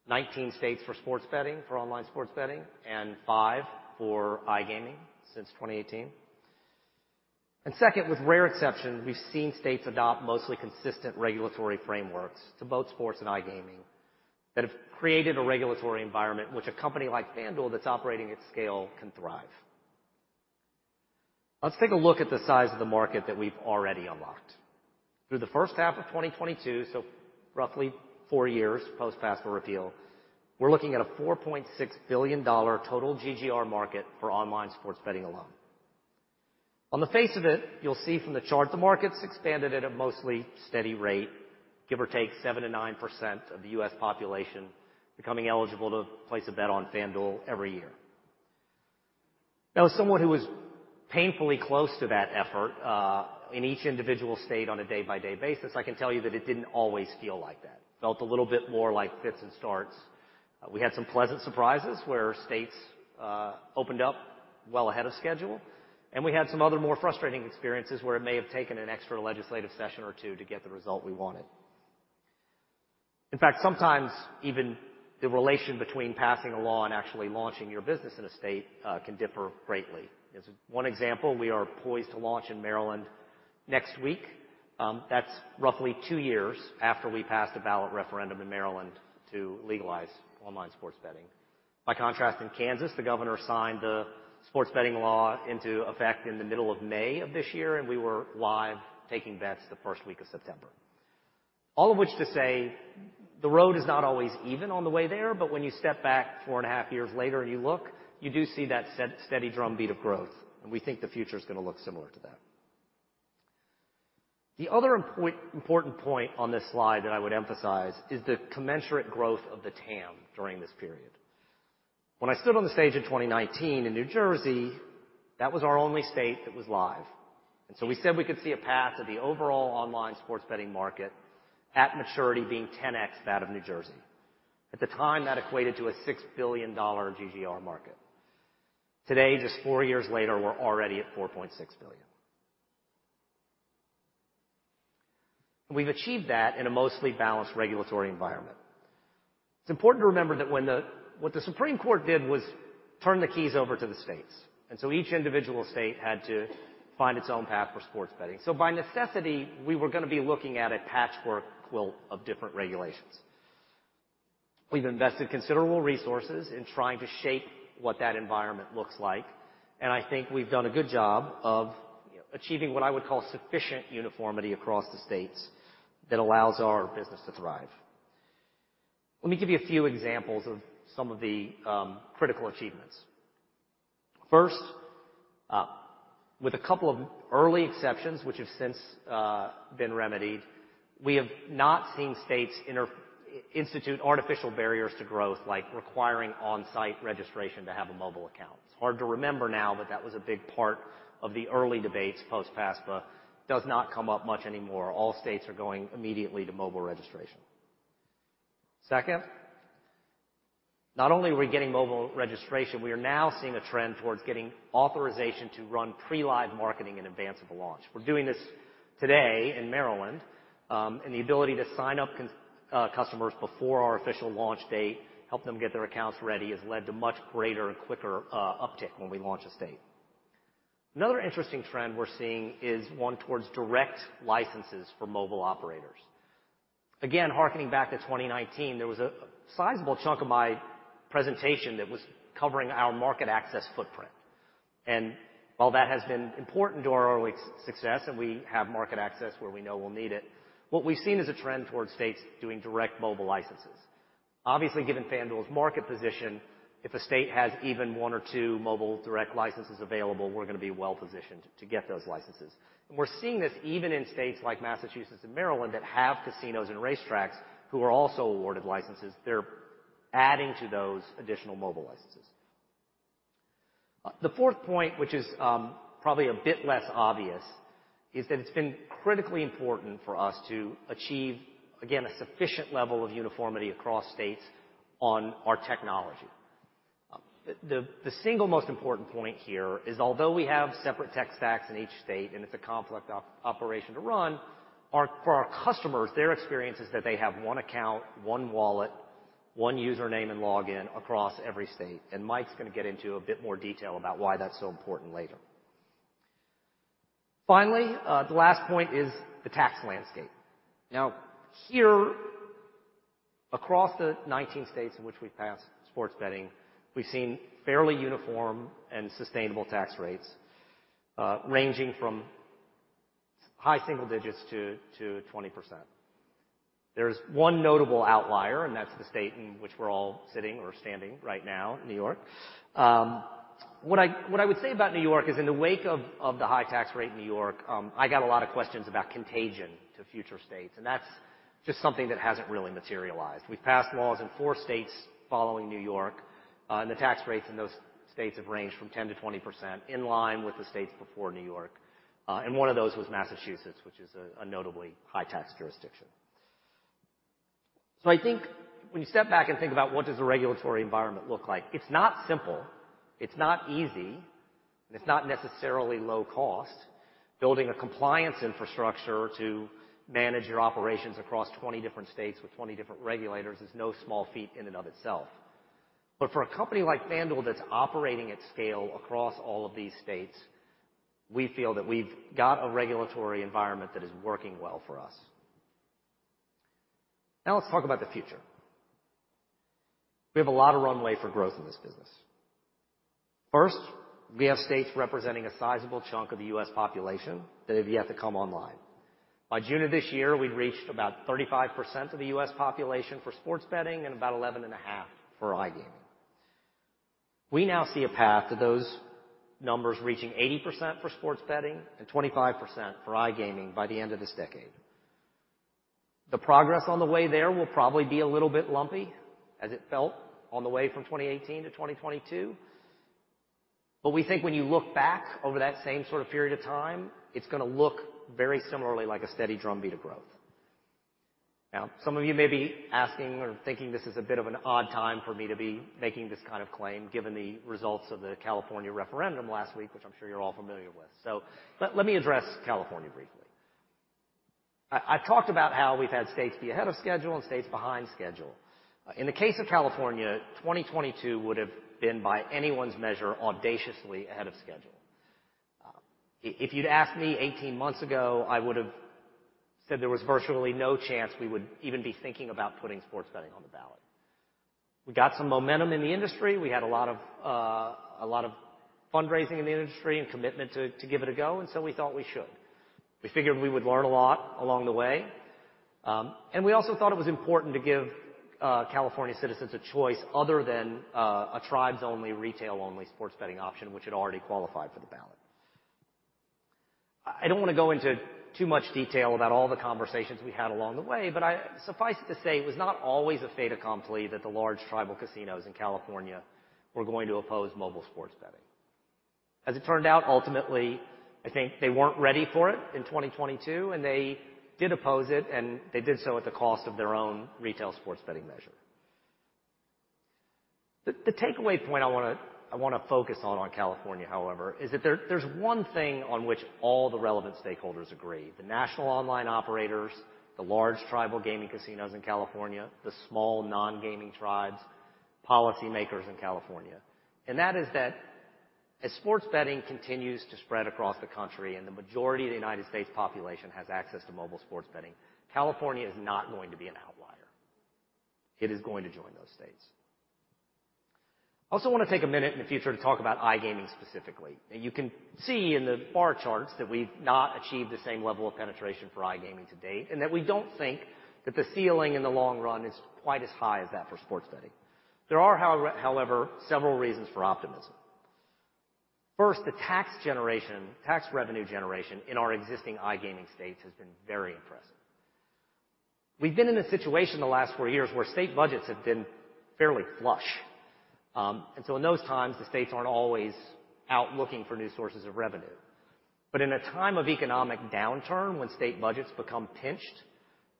19 states for sports betting, for online sports betting and five for iGaming since 2018. Second, with rare exception, we've seen states adopt mostly consistent regulatory frameworks to both sports and iGaming that have created a regulatory environment in which a company like FanDuel that's operating at scale can thrive. Let's take a look at the size of the market that we've already unlocked. Through the first half of 2022, so roughly four years post-PASPA repeal, we're looking at a $4.6 billion total GGR market for online sports betting alone. On the face of it, you'll see from the chart, the market's expanded at a mostly steady rate, give or take 7%-9% of the U.S. population becoming eligible to place a bet on FanDuel every year. Now, as someone who was painfully close to that effort in each individual state on a day-by-day basis, I can tell you that it didn't always feel like that. Felt a little bit more like fits and starts. We had some pleasant surprises where states opened up well ahead of schedule, and we had some other more frustrating experiences where it may have taken an extra legislative session or two to get the result we wanted. In fact, sometimes even the relation between passing a law and actually launching your business in a state can differ greatly. As one example, we are poised to launch in Maryland next week. That's roughly two years after we passed a ballot referendum in Maryland to legalize online sports betting. By contrast, in Kansas, the governor signed the sports betting law into effect in the middle of May of this year, and we were live taking bets the first week of September. All of which to say, the road is not always even on the way there, but when you step back four and a half years later and you look, you do see that steady drumbeat of growth, and we think the future is gonna look similar to that. The other important point on this slide that I would emphasize is the commensurate growth of the TAM during this period. When I stood on the stage in 2019 in New Jersey, that was our only state that was live. We said we could see a path of the overall online sports betting market at maturity being 10x that of New Jersey. At the time, that equated to a $6 billion GGR market. Today, just four years later, we're already at $4.6 billion. We've achieved that in a mostly balanced regulatory environment. It's important to remember that what the Supreme Court did was turn the keys over to the states, and each individual state had to find its own path for sports betting. By necessity, we were gonna be looking at a patchwork quilt of different regulations. We've invested considerable resources in trying to shape what that environment looks like, and I think we've done a good job of, you know, achieving what I would call sufficient uniformity across the states that allows our business to thrive. Let me give you a few examples of some of the critical achievements. First, with a couple of early exceptions, which have since been remedied, we have not seen states institute artificial barriers to growth, like requiring on-site registration to have a mobile account. It's hard to remember now, but that was a big part of the early debates post-PASPA. Does not come up much anymore. All states are going immediately to mobile registration. Second, not only are we getting mobile registration, we are now seeing a trend towards getting authorization to run pre-live marketing in advance of a launch. We're doing this today in Maryland, and the ability to sign up customers before our official launch date, help them get their accounts ready, has led to much greater and quicker uptick when we launch a state. Another interesting trend we're seeing is one towards direct licenses for mobile operators. Again, harkening back to 2019, there was a sizable chunk of my presentation that was covering our market access footprint. While that has been important to our early success, and we have market access where we know we'll need it, what we've seen is a trend towards states doing direct mobile licenses. Obviously, given FanDuel's market position, if a state has even one or two mobile direct licenses available, we're gonna be well-positioned to get those licenses. We're seeing this even in states like Massachusetts and Maryland that have casinos and racetracks who are also awarded licenses. They're adding to those additional mobile licenses. The fourth point, which is, probably a bit less obvious, is that it's been critically important for us to achieve, again, a sufficient level of uniformity across states on our technology. The single most important point here is, although we have separate tech stacks in each state, and it's a complex operation to run, for our customers, their experience is that they have one account, one wallet, one username and login across every state, and Mike's gonna get into a bit more detail about why that's so important later. Finally, the last point is the tax landscape. Now here, across the 19 states in which we've passed sports betting, we've seen fairly uniform and sustainable tax rates, ranging from high single digits to 20%. There's one notable outlier, and that's the state in which we're all sitting or standing right now, New York. What I would say about New York is, in the wake of the high tax rate in New York, I got a lot of questions about contagion to future states, and that's just something that hasn't really materialized. We've passed laws in four states following New York, and the tax rates in those states have ranged from 10%-20%, in line with the states before New York. One of those was Massachusetts, which is a notably high tax jurisdiction. I think when you step back and think about what does the regulatory environment look like, it's not simple, it's not easy, and it's not necessarily low cost. Building a compliance infrastructure to manage your operations across 20 different states with 20 different regulators is no small feat in and of itself. For a company like FanDuel that's operating at scale across all of these states, we feel that we've got a regulatory environment that is working well for us. Now let's talk about the future. We have a lot of runway for growth in this business. First, we have states representing a sizable chunk of the U.S. population that have yet to come online. By June of this year, we'd reached about 35% of the U.S. population for sports betting and about 11.5% for iGaming. We now see a path to those numbers reaching 80% for sports betting and 25% for iGaming by the end of this decade. The progress on the way there will probably be a little bit lumpy, as it felt on the way from 2018 to 2022, but we think when you look back over that same sort of period of time, it's gonna look very similarly like a steady drumbeat of growth. Now, some of you may be asking or thinking this is a bit of an odd time for me to be making this kind of claim, given the results of the California referendum last week, which I'm sure you're all familiar with. Let me address California briefly. I talked about how we've had states be ahead of schedule and states behind schedule. In the case of California, 2022 would have been, by anyone's measure, audaciously ahead of schedule. If you'd asked me 18 months ago, I would've said there was virtually no chance we would even be thinking about putting sports betting on the ballot. We got some momentum in the industry. We had a lot of fundraising in the industry and commitment to give it a go, and we thought we should. We figured we would learn a lot along the way, and we also thought it was important to give California citizens a choice other than a Tribes-only, retail-only sports betting option, which had already qualified for the ballot. I don't wanna go into too much detail about all the conversations we had along the way, but suffice it to say, it was not always a fait accompli that the large tribal casinos in California were going to oppose mobile sports betting. As it turned out, ultimately, I think they weren't ready for it in 2022, and they did oppose it, and they did so at the cost of their own retail sports betting measure. The takeaway point I wanna focus on California, however, is that there's one thing on which all the relevant stakeholders agree, the national online operators, the large tribal gaming casinos in California, the small non-gaming Tribes, policymakers in California, and that is that as sports betting continues to spread across the country and the majority of the United States population has access to mobile sports betting, California is not going to be an outlier. It is going to join those states. I also wanna take a minute in the future to talk about iGaming specifically. You can see in the bar charts that we've not achieved the same level of penetration for iGaming to date, and that we don't think that the ceiling in the long run is quite as high as that for sports betting. There are however several reasons for optimism. First, the tax generation, tax revenue generation in our existing iGaming states has been very impressive. We've been in a situation the last four years where state budgets have been fairly flush. In those times, the states aren't always out looking for new sources of revenue. In a time of economic downturn, when state budgets become pinched,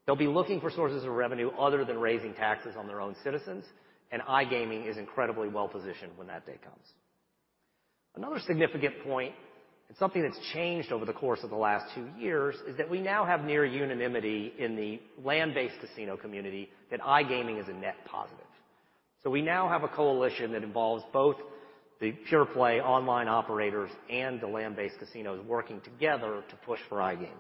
they'll be looking for sources of revenue other than raising taxes on their own citizens, and iGaming is incredibly well-positioned when that day comes. Another significant point, and something that's changed over the course of the last two years, is that we now have near unanimity in the land-based casino community that iGaming is a net positive. We now have a coalition that involves both the pure play online operators and the land-based casinos working together to push for iGaming.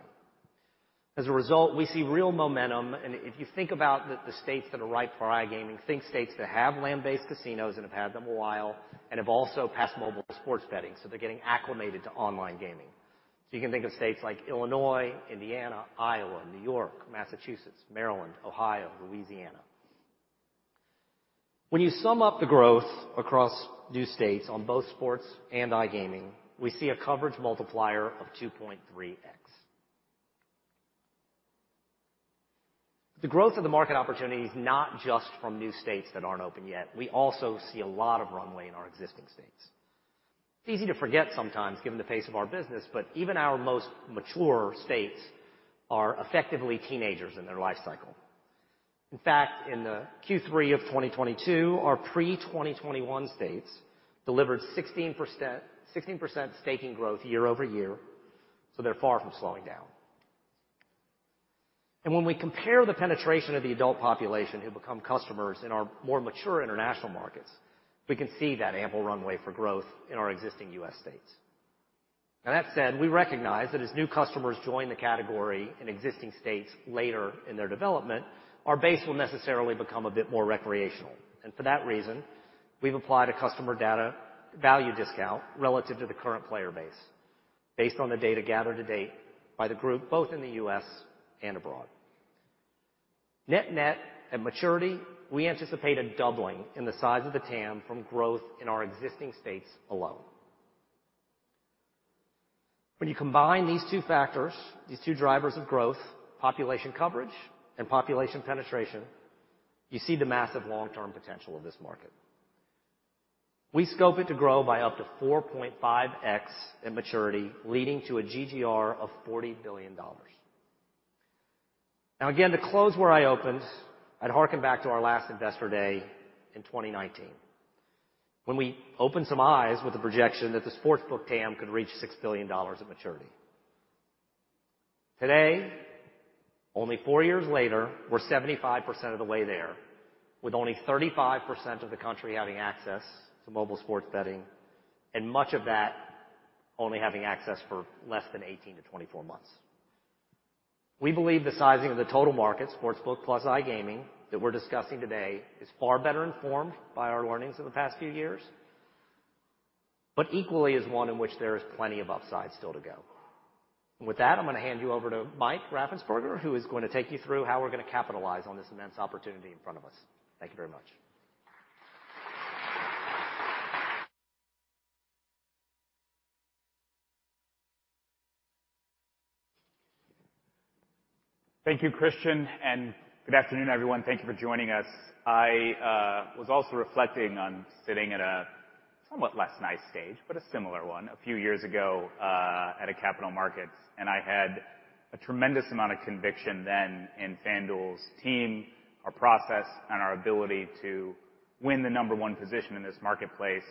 As a result, we see real momentum, and if you think about the states that are ripe for iGaming, think states that have land-based casinos and have had them a while, and have also passed mobile sports betting, so they're getting acclimated to online gaming. You can think of states like Illinois, Indiana, Iowa, New York, Massachusetts, Maryland, Ohio, Louisiana. When you sum up the growth across new states on both sports and iGaming, we see a coverage multiplier of 2.3x. The growth of the market opportunity is not just from new states that aren't open yet. We also see a lot of runway in our existing states. It's easy to forget sometimes, given the pace of our business, but even our most mature states are effectively teenagers in their life cycle. In fact, in the Q3 of 2022, our pre-2021 states delivered 16%, 16% staking growth year-over-year, so they're far from slowing down. When we compare the penetration of the adult population who become customers in our more mature international markets, we can see that ample runway for growth in our existing U.S. states. Now that said, we recognize that as new customers join the category in existing states later in their development, our base will necessarily become a bit more recreational. For that reason, we've applied a customer data value discount relative to the current player base based on the data gathered to date by the group, both in the U.S. and abroad. Net net at maturity, we anticipate a doubling in the size of the TAM from growth in our existing states alone. When you combine these two factors, these two drivers of growth, population coverage and population penetration, you see the massive long-term potential of this market. We scope it to grow by up to 4.5x at maturity, leading to a GGR of $40 billion. Now again, to close where I opened, I'd harken back to our last Investor Day in 2019 when we opened some eyes with the projection that the sports book TAM could reach $6 billion at maturity. Today, only four years later, we're 75% of the way there with only 35% of the country having access to mobile sports betting and much of that only having access for less than 18-24 months. We believe the sizing of the total market, sportsbook plus iGaming that we're discussing today, is far better informed by our learnings in the past few years, but equally is one in which there is plenty of upside still to go. With that, I'm gonna hand you over to Mike Raffensperger, who is gonna take you through how we're gonna capitalize on this immense opportunity in front of us. Thank you very much. Thank you, Christian, and good afternoon, everyone. Thank you for joining us. I was also reflecting on sitting at a somewhat less nice stage, but a similar one a few years ago, at a capital markets, and I had a tremendous amount of conviction then in FanDuel's team, our process, and our ability to win the number one position in this marketplace.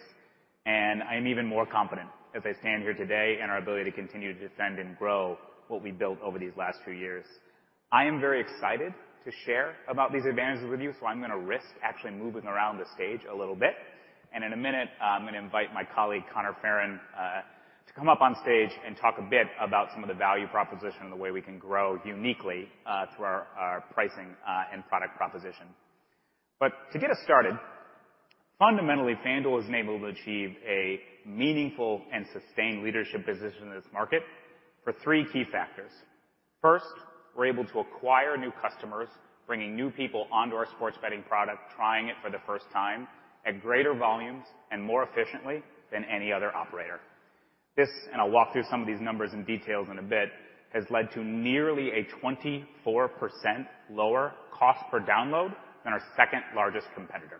I'm even more confident as I stand here today in our ability to continue to defend and grow what we've built over these last few years. I am very excited to share about these advantages with you, so I'm gonna risk actually moving around the stage a little bit. In a minute, I'm gonna invite my colleague, Conor Farren, to come up on stage and talk a bit about some of the value proposition and the way we can grow uniquely through our pricing and product proposition. To get us started, fundamentally, FanDuel has been able to achieve a meaningful and sustained leadership position in this market for three key factors. First, we're able to acquire new customers, bringing new people onto our sports betting product, trying it for the first time at greater volumes and more efficiently than any other operator. This, and I'll walk through some of these numbers and details in a bit, has led to nearly a 24% lower cost per download than our second-largest competitor.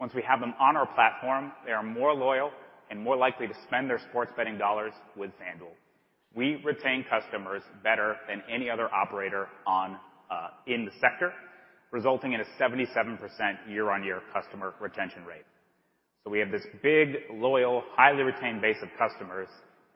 Once we have them on our platform, they are more loyal and more likely to spend their sports betting dollars with FanDuel. We retain customers better than any other operator online in the sector, resulting in a 77% year-on-year customer retention rate. We have this big, loyal, highly retained base of customers.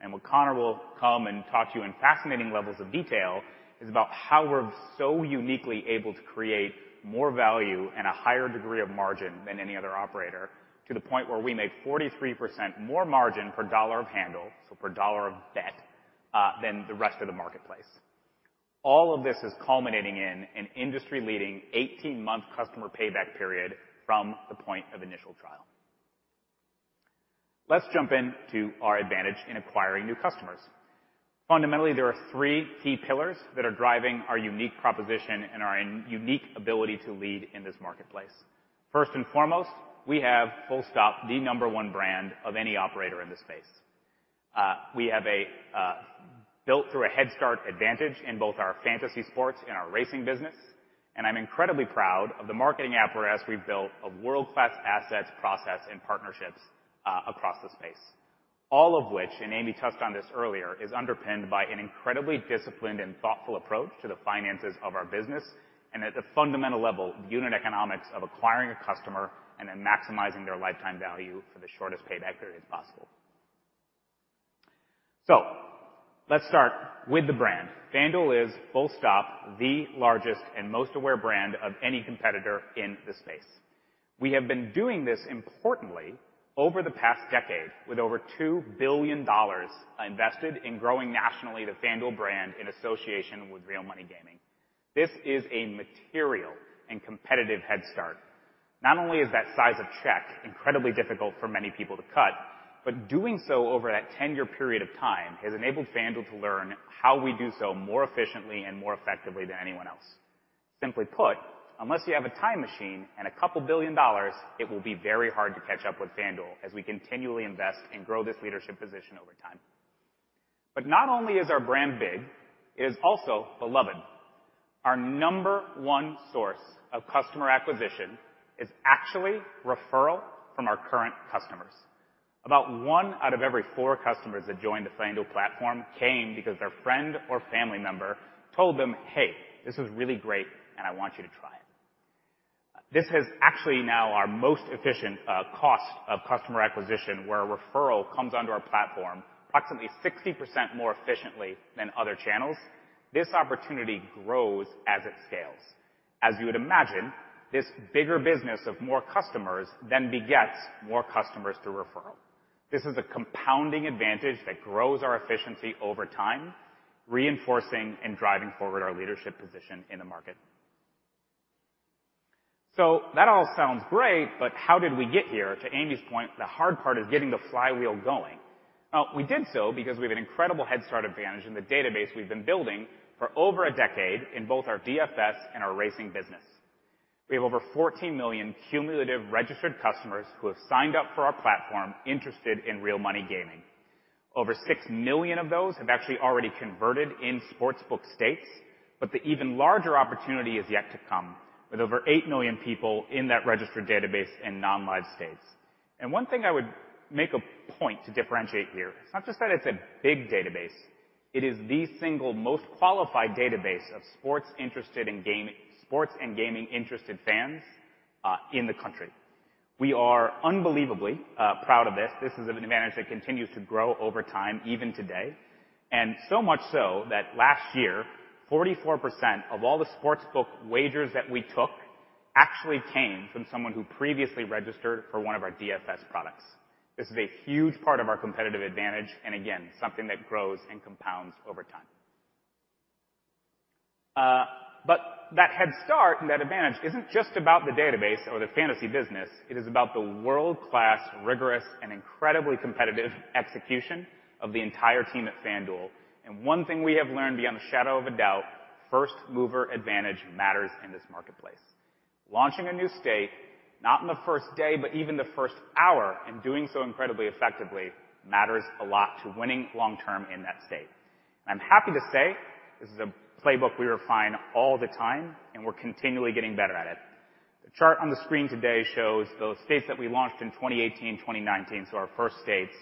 What Conor will come and talk to you in fascinating levels of detail is about how we're so uniquely able to create more value and a higher degree of margin than any other operator, to the point where we make 43% more margin per dollar of handle, so per dollar of bet, than the rest of the marketplace. All of this is culminating in an industry-leading 18-month customer payback period from the point of initial trial. Let's jump into our advantage in acquiring new customers. Fundamentally, there are three key pillars that are driving our unique proposition and our unique ability to lead in this marketplace. First and foremost, we have full stop, the number one brand of any operator in this space. We have built a head start advantage in both our fantasy sports and our racing business. I'm incredibly proud of the marketing apparatus we've built of world-class assets, process, and partnerships across the space. All of which, and Amy touched on this earlier, is underpinned by an incredibly disciplined and thoughtful approach to the finances of our business and at the fundamental level, the unit economics of acquiring a customer and then maximizing their lifetime value for the shortest payback period as possible. Let's start with the brand. FanDuel is full stop, the largest and most aware brand of any competitor in the space. We have been doing this importantly over the past decade, with over $2 billion invested in growing nationally the FanDuel brand in association with real money gaming. This is a material and competitive head start. Not only is that size of check incredibly difficult for many people to cut, but doing so over that 10-year period of time has enabled FanDuel to learn how we do so more efficiently and more effectively than anyone else. Simply put, unless you have a time machine and a couple billion dollars, it will be very hard to catch up with FanDuel as we continually invest and grow this leadership position over time. Not only is our brand big, it is also beloved. Our number one source of customer acquisition is actually referral from our current customers. About one out of every four customers that join the FanDuel platform came because their friend or family member told them, "Hey, this is really great and I want you to try it." This is actually now our most efficient cost of customer acquisition, where a referral comes onto our platform approximately 60% more efficiently than other channels. This opportunity grows as it scales. As you would imagine, this bigger business of more customers than begets more customers through referral. This is a compounding advantage that grows our efficiency over time, reinforcing and driving forward our leadership position in the market. That all sounds great, but how did we get here? To Amy's point, the hard part is getting the flywheel going. We did so because we have an incredible head start advantage in the database we've been building for over a decade in both our DFS and our racing business. We have over 14 million cumulative registered customers who have signed up for our platform interested in real money gaming. Over six million of those have actually already converted in sportsbook states, but the even larger opportunity is yet to come with over eight million people in that registered database in non-live states. One thing I would make a point to differentiate here, it's not just that it's a big database. It is the single most qualified database of sports and gaming-interested fans in the country. We are unbelievably proud of this. This is an advantage that continues to grow over time, even today. So much so that last year, 44% of all the sports book wagers that we took actually came from someone who previously registered for one of our DFS products. This is a huge part of our competitive advantage, and again, something that grows and compounds over time. But that head start and that advantage isn't just about the database or the fantasy business, it is about the world-class, rigorous and incredibly competitive execution of the entire team at FanDuel. One thing we have learned beyond the shadow of a doubt, first mover advantage matters in this marketplace. Launching a new state, not in the first day, but even the first hour, and doing so incredibly effectively, matters a lot to winning long-term in that state. I'm happy to say this is a playbook we refine all the time and we're continually getting better at it. The chart on the screen today shows those states that we launched in 2018, 2019, so our first states.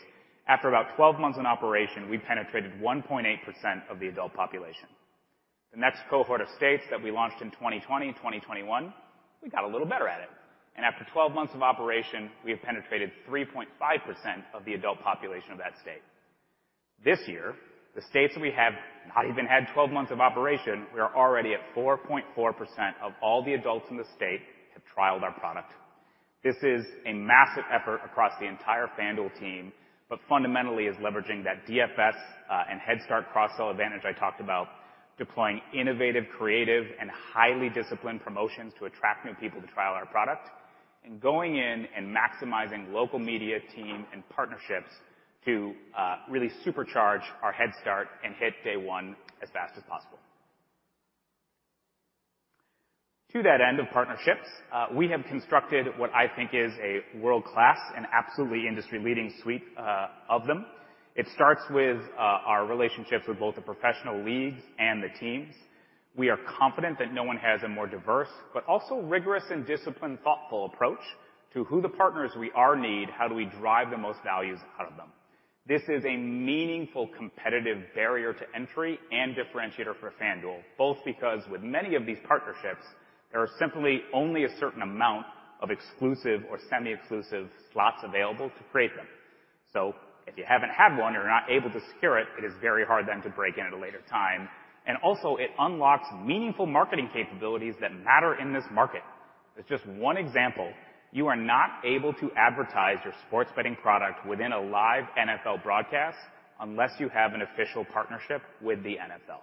After about 12 months in operation, we penetrated 1.8% of the adult population. The next cohort of states that we launched in 2020, 2021, we got a little better at it, and after 12 months of operation, we have penetrated 3.5% of the adult population of that state. This year, the states that we have not even had 12 months of operation, we are already at 4.4% of all the adults in the state have trialed our product. This is a massive effort across the entire FanDuel team, but fundamentally is leveraging that DFS, and headstart cross-sell advantage I talked about, deploying innovative, creative and highly disciplined promotions to attract new people to trial our product, and going in and maximizing local media team and partnerships to, really supercharge our headstart and hit day one as fast as possible. To that end of partnerships, we have constructed what I think is a world-class and absolutely industry-leading suite, of them. It starts with, our relationships with both the professional leagues and the teams. We are confident that no one has a more diverse but also rigorous and disciplined, thoughtful approach to who the partners we are need, how do we drive the most values out of them. This is a meaningful competitive barrier to entry and differentiator for FanDuel, both because with many of these partnerships, there are simply only a certain amount of exclusive or semi-exclusive slots available to create them. If you haven't had one or you're not able to secure it is very hard then to break in at a later time. It unlocks meaningful marketing capabilities that matter in this market. It's just one example. You are not able to advertise your sports betting product within a live NFL broadcast unless you have an official partnership with the NFL.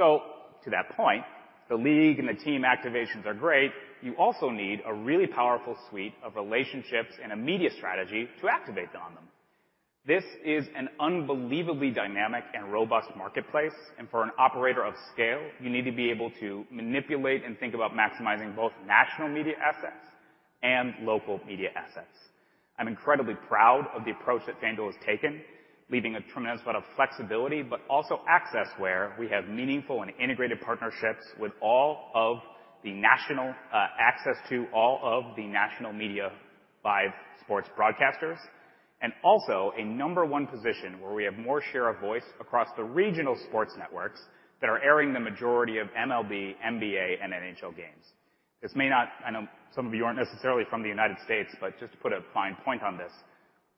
To that point, the league and the team activations are great. You also need a really powerful suite of relationships and a media strategy to activate on them. This is an unbelievably dynamic and robust marketplace, and for an operator of scale, you need to be able to manipulate and think about maximizing both national media assets and local media assets. I'm incredibly proud of the approach that FanDuel has taken, leaving a tremendous lot of flexibility, but also access, where we have meaningful and integrated partnerships with all of the national media's five sports broadcasters. Also a number one position where we have more share of voice across the regional sports networks that are airing the majority of MLB, NBA, and NHL games. I know some of you aren't necessarily from the United States, but just to put a fine point on this,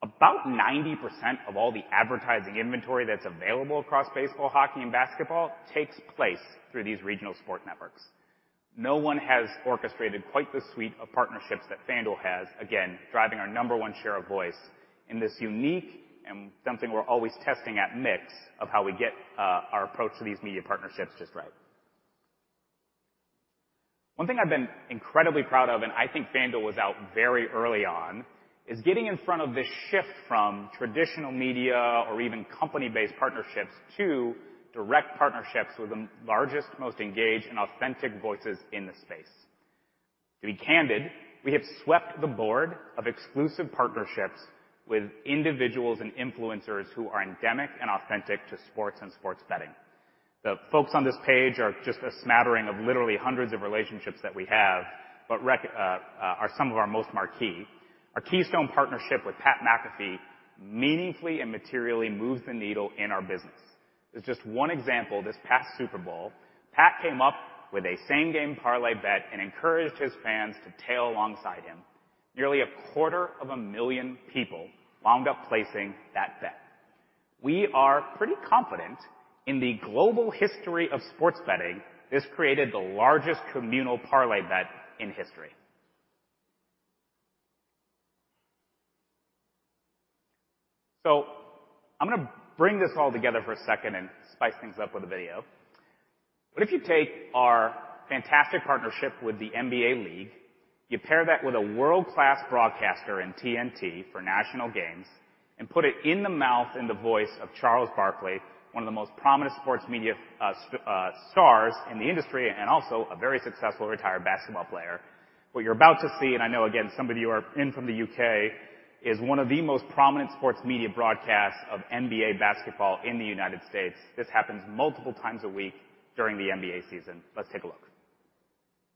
about 90% of all the advertising inventory that's available across baseball, hockey, and basketball takes place through these regional sports networks. No one has orchestrated quite the suite of partnerships that FanDuel has, again, driving our number one share of voice in this unique and something we're always testing, a mix of how we get our approach to these media partnerships just right. One thing I've been incredibly proud of, and I think FanDuel was out very early on, is getting in front of this shift from traditional media or even company-based partnerships to direct partnerships with the largest, most engaged and authentic voices in the space. To be candid, we have swept the board of exclusive partnerships with individuals and influencers who are endemic and authentic to sports and sports betting. The folks on this page are just a smattering of literally hundreds of relationships that we have, but are some of our most marquee. Our keystone partnership with Pat McAfee meaningfully and materially moves the needle in our business. There's just one example, this past Super Bowl, Pat came up with a Same Game Parlay bet and encouraged his fans to tail alongside him. Nearly a quarter of a million people wound up placing that bet. We are pretty confident in the global history of sports betting, this created the largest communal parlay bet in history. I'm gonna bring this all together for a second and spice things up with a video. If you take our fantastic partnership with the NBA league, you pair that with a world-class broadcaster in TNT for national games and put it in the mouth and the voice of Charles Barkley, one of the most prominent sports media stars in the industry and also a very successful retired basketball player. What you're about to see, and I know again, some of you are in from the U.K., is one of the most prominent sports media broadcasts of NBA basketball in the United States. This happens multiple times a week during the NBA season. Let's take a look.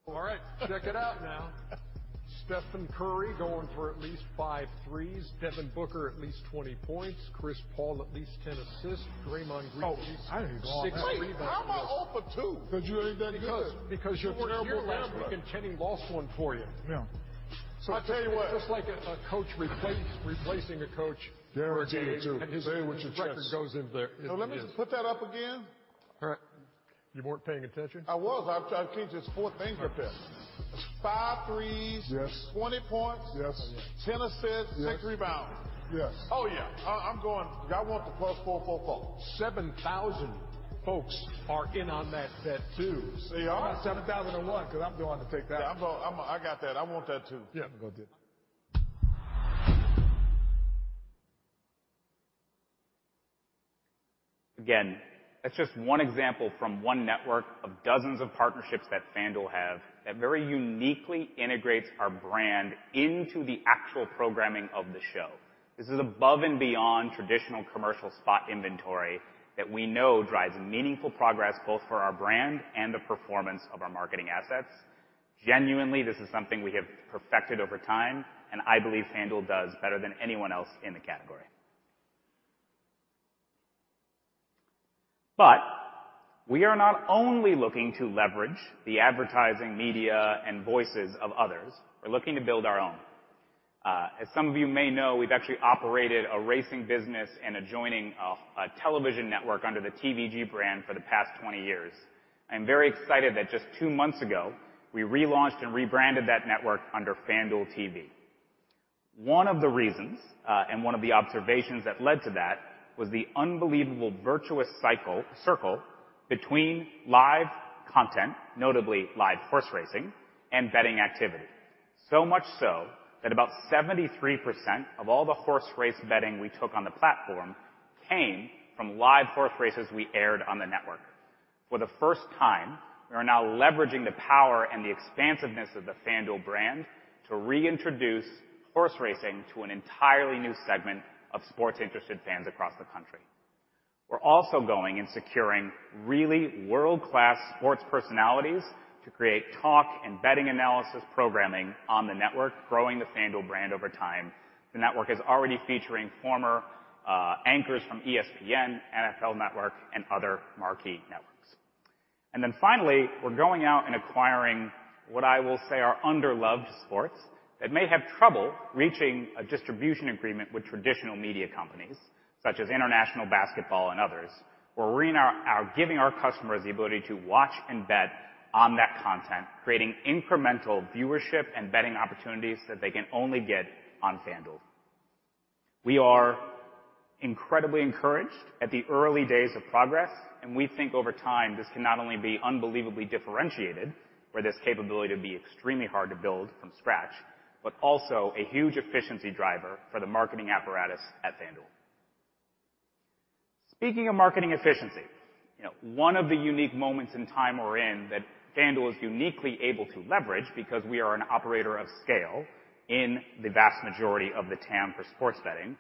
All right. Check it out now. Stephen Curry going for at least five threes. Devin Booker at least 20 points. Chris Paul, at least 10 assists. Draymond Green-Oh, I didn't even go off that. Six rebounds. Wait, how am I off of two? 'Cause you ain't done it good. Because you were here last week, and Kenny lost one for you. Yeah. I tell you what. It's just like a coach replacing a coach for a game and his record goes in there in. Let me just put that up again. All right. You weren't paying attention? I was. I'm trying to keep these four things right there. five threes. Yes. 20 points. Yes. 10 assists. Yes. six rebounds. Yes. Oh, yeah. I'm going. Y'all want the plus +4, +4. 7,000 folks are in on that bet too. See, y'all got 7,001 'cause I'm going to take that. Yeah, I got that. I want that too. Yeah. I'm gonna do it. Again, that's just one example from one network of dozens of partnerships that FanDuel have that very uniquely integrates our brand into the actual programming of the show. This is above and beyond traditional commercial spot inventory that we know drives meaningful progress both for our brand and the performance of our marketing assets. Genuinely, this is something we have perfected over time, and I believe FanDuel does better than anyone else in the category. We are not only looking to leverage the advertising media and voices of others, we're looking to build our own. As some of you may know, we've actually operated a racing business and adjoining a television network under the TVG brand for the past 20 years. I'm very excited that just two months ago, we relaunched and rebranded that network under FanDuel TV. One of the reasons and one of the observations that led to that was the unbelievable virtuous cycle between live content, notably live horse racing and betting activity. So much so that about 73% of all the horse race betting we took on the platform came from live horse races we aired on the network. For the first time, we are now leveraging the power and the expansiveness of the FanDuel brand to reintroduce horse racing to an entirely new segment of sports-interested fans across the country. We're also going and securing really world-class sports personalities to create talk and betting analysis programming on the network, growing the FanDuel brand over time. The network is already featuring former anchors from ESPN, NFL Network, and other marquee networks. We're going out and acquiring what I will say are underloved sports that may have trouble reaching a distribution agreement with traditional media companies such as International Basketball and others. We're giving our customers the ability to watch and bet on that content, creating incremental viewership and betting opportunities that they can only get on FanDuel. We are incredibly encouraged at the early days of progress, and we think over time, this can not only be unbelievably differentiated where this capability to be extremely hard to build from scratch, but also a huge efficiency driver for the marketing apparatus at FanDuel. Speaking of marketing efficiency, you know, one of the unique moments in time we're in that FanDuel is uniquely able to leverage because we are an operator of scale in the vast majority of the TAM for sports betting,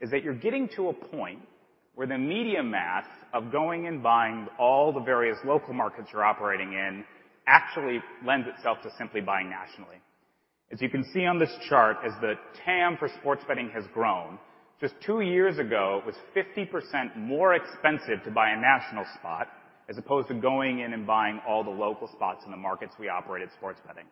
is that you're getting to a point where the media math of going and buying all the various local markets you're operating in actually lends itself to simply buying nationally. As you can see on this chart, as the TAM for sports betting has grown, just two years ago, it was 50% more expensive to buy a national spot as opposed to going in and buying all the local spots in the markets we operate at sports betting.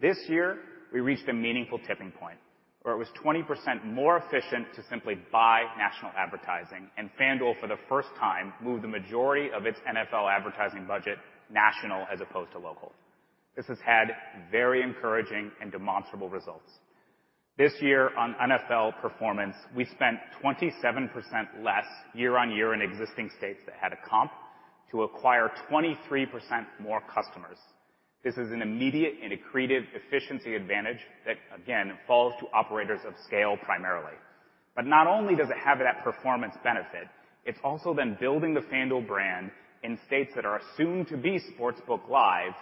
This year, we reached a meaningful tipping point where it was 20% more efficient to simply buy national advertising, and FanDuel, for the first time, moved the majority of its NFL advertising budget national as opposed to local. This has had very encouraging and demonstrable results. This year on NFL performance, we spent 27% less year-on-year in existing states that had a comp to acquire 23% more customers. This is an immediate and accretive efficiency advantage that again, falls to operators of scale primarily. Not only does it have that performance benefit, it's also then building the FanDuel brand in states that are soon to be sportsbook live,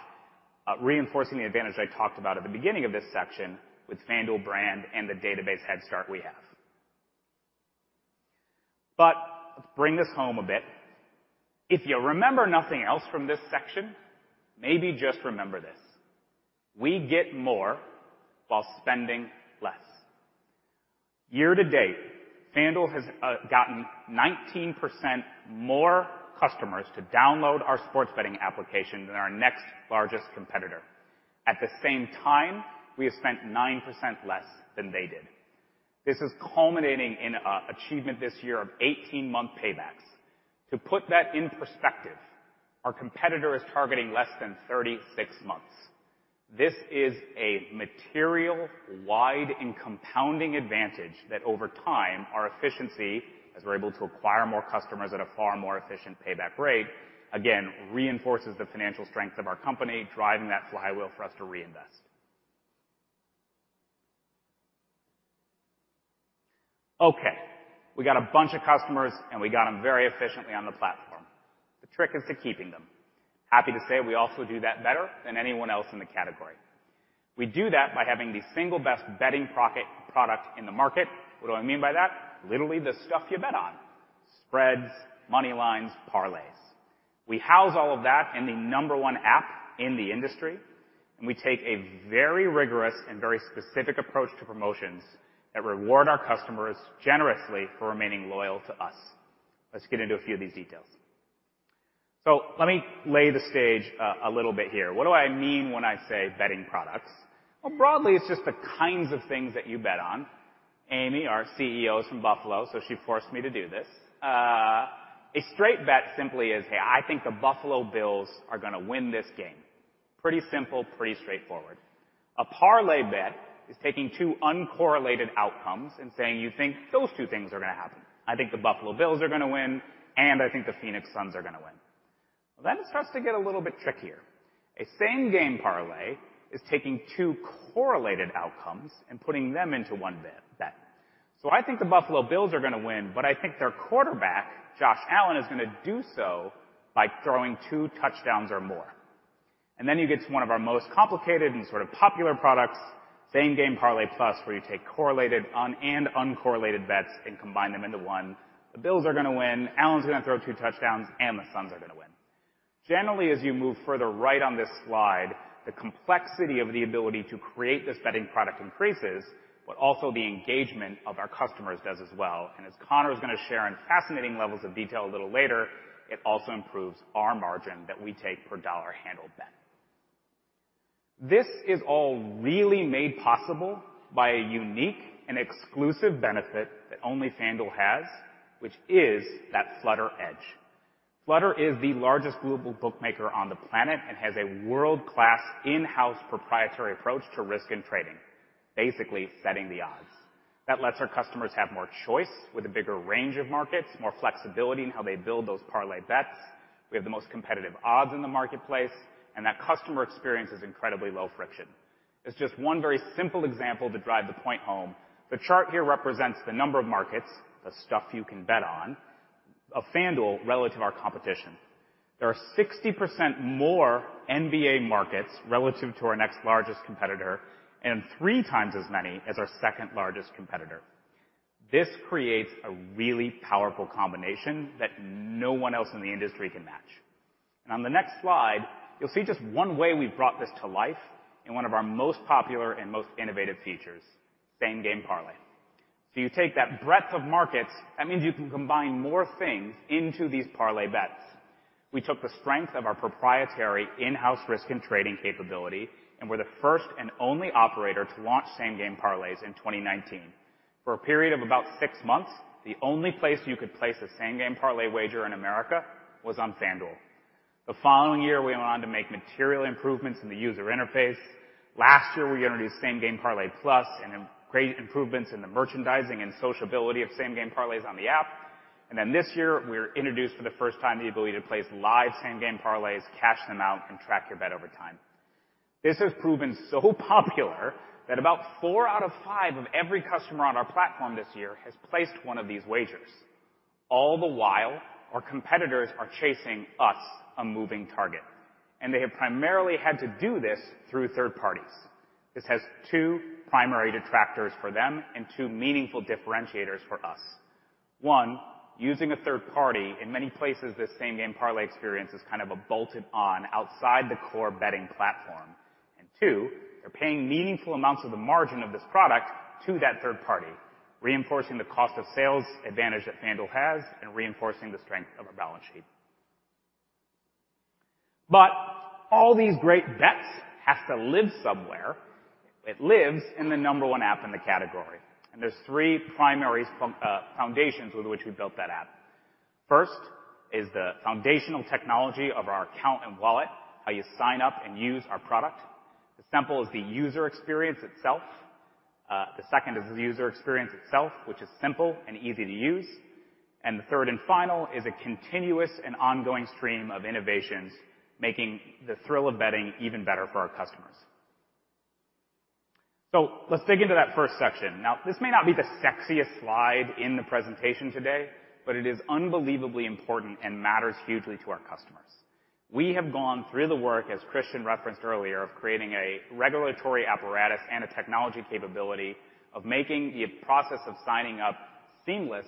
reinforcing the advantage I talked about at the beginning of this section with FanDuel brand and the database head start we have. Let's bring this home a bit. If you remember nothing else from this section, maybe just remember this: We get more while spending less. Year to date, FanDuel has gotten 19% more customers to download our sports betting application than our next largest competitor. At the same time, we have spent 9% less than they did. This is culminating in achievement this year of 18-month paybacks. To put that in perspective, our competitor is targeting less than 36 months. This is a material wide and compounding advantage that over time, our efficiency, as we're able to acquire more customers at a far more efficient payback rate, again, reinforces the financial strength of our company, driving that flywheel for us to reinvest. Okay, we got a bunch of customers, and we got them very efficiently on the platform. The trick is to keeping them. Happy to say, we also do that better than anyone else in the category. We do that by having the single best betting product in the market. What do I mean by that? Literally the stuff you bet on. Spreads, money lines, parlays. We house all of that in the number one app in the industry, and we take a very rigorous and very specific approach to promotions that reward our customers generously for remaining loyal to us. Let's get into a few of these details. Let me set the stage a little bit here. What do I mean when I say betting products? Well, broadly, it's just the kinds of things that you bet on. Amy, our CEO, is from Buffalo, so she forced me to do this. A straight bet simply is, "Hey, I think the Buffalo Bills are gonna win this game." Pretty simple, pretty straightforward. A parlay bet is taking two uncorrelated outcomes and saying you think those two things are gonna happen. "I think the Buffalo Bills are gonna win, and I think the Phoenix Suns are gonna win." It starts to get a little bit trickier. A Same Game Parlay is taking two correlated outcomes and putting them into one bet. "So I think the Buffalo Bills are gonna win, but I think their quarterback, Josh Allen, is gonna do so by throwing two touchdowns or more." You get to one of our most complicated and sort of popular products, Same Game Parlay+, where you take correlated and uncorrelated bets and combine them into one. The Bills are gonna win, Allen's gonna throw two touchdowns, and the Suns are gonna win." Generally, as you move further right on this slide, the complexity of the ability to create this betting product increases, but also the engagement of our customers does as well. As Conor is gonna share in fascinating levels of detail a little later, it also improves our margin that we take per dollar handled bet. This is all really made possible by a unique and exclusive benefit that only FanDuel has, which is that Flutter Edge. Flutter is the largest global bookmaker on the planet and has a world-class in-house proprietary approach to risk and trading, basically setting the odds. That lets our customers have more choice with a bigger range of markets, more flexibility in how they build those parlay bets. We have the most competitive odds in the marketplace, and that customer experience is incredibly low friction. It's just one very simple example to drive the point home. The chart here represents the number of markets, the stuff you can bet on, of FanDuel relative to our competition. There are 60% more NBA markets relative to our next largest competitor and 3x as many as our second-largest competitor. This creates a really powerful combination that no one else in the industry can match. On the next slide, you'll see just one way we've brought this to life in one of our most popular and most innovative features, Same Game Parlay. You take that breadth of markets, that means you can combine more things into these parlay bets. We took the strength of our proprietary in-house risk and trading capability and were the first and only operator to launch Same Game Parlays in 2019. For a period of about six months, the only place you could place a Same Game Parlay wager in America was on FanDuel. The following year, we went on to make material improvements in the user interface. Last year, we introduced Same Game Parlay+ and great improvements in the merchandising and sociability of Same Game Parlays on the app. This year, we introduced for the first time the ability to place live Same Game Parlays, cash them out, and track your bet over time. This has proven so popular that about four out of five of every customer on our platform this year has placed one of these wagers. All the while, our competitors are chasing us, a moving target, and they have primarily had to do this through third parties. This has two primary detractors for them and two meaningful differentiators for us. One, using a third party in many places, this Same Game Parlay experience is kind of a bolted on outside the core betting platform. Two, they're paying meaningful amounts of the margin of this product to that third party, reinforcing the cost of sales advantage that FanDuel has and reinforcing the strength of our balance sheet. All these great bets has to live somewhere. It lives in the number one app in the category. There's three primary foundations with which we built that app. First is the foundational technology of our account and wallet, how you sign up and use our product. As simple as the user experience itself. The second is the user experience itself, which is simple and easy to use. The third and final is a continuous and ongoing stream of innovations, making the thrill of betting even better for our customers. Let's dig into that first section. Now, this may not be the sexiest slide in the presentation today, but it is unbelievably important and matters hugely to our customers. We have gone through the work, as Christian referenced earlier, of creating a regulatory apparatus and a technology capability of making the process of signing up seamless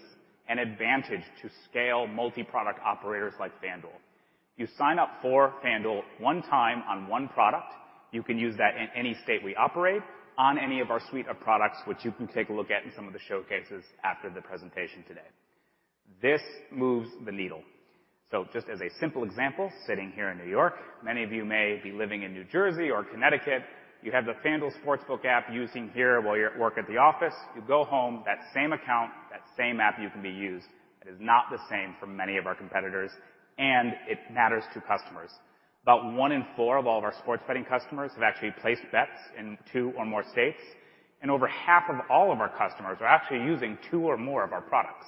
and an advantage to scale multi-product operators like FanDuel. You sign up for FanDuel one time on one product. You can use that in any state we operate on any of our suite of products, which you can take a look at in some of the showcases after the presentation today. This moves the needle. Just as a simple example, sitting here in New York, many of you may be living in New Jersey or Connecticut. You have the FanDuel Sportsbook app you're using here while you're at work at the office, you go home, that same account, that same app you can use. It is not the same for many of our competitors, and it matters to customers. About one in four of all of our sports betting customers have actually placed bets in two or more states, and over half of all of our customers are actually using two or more of our products.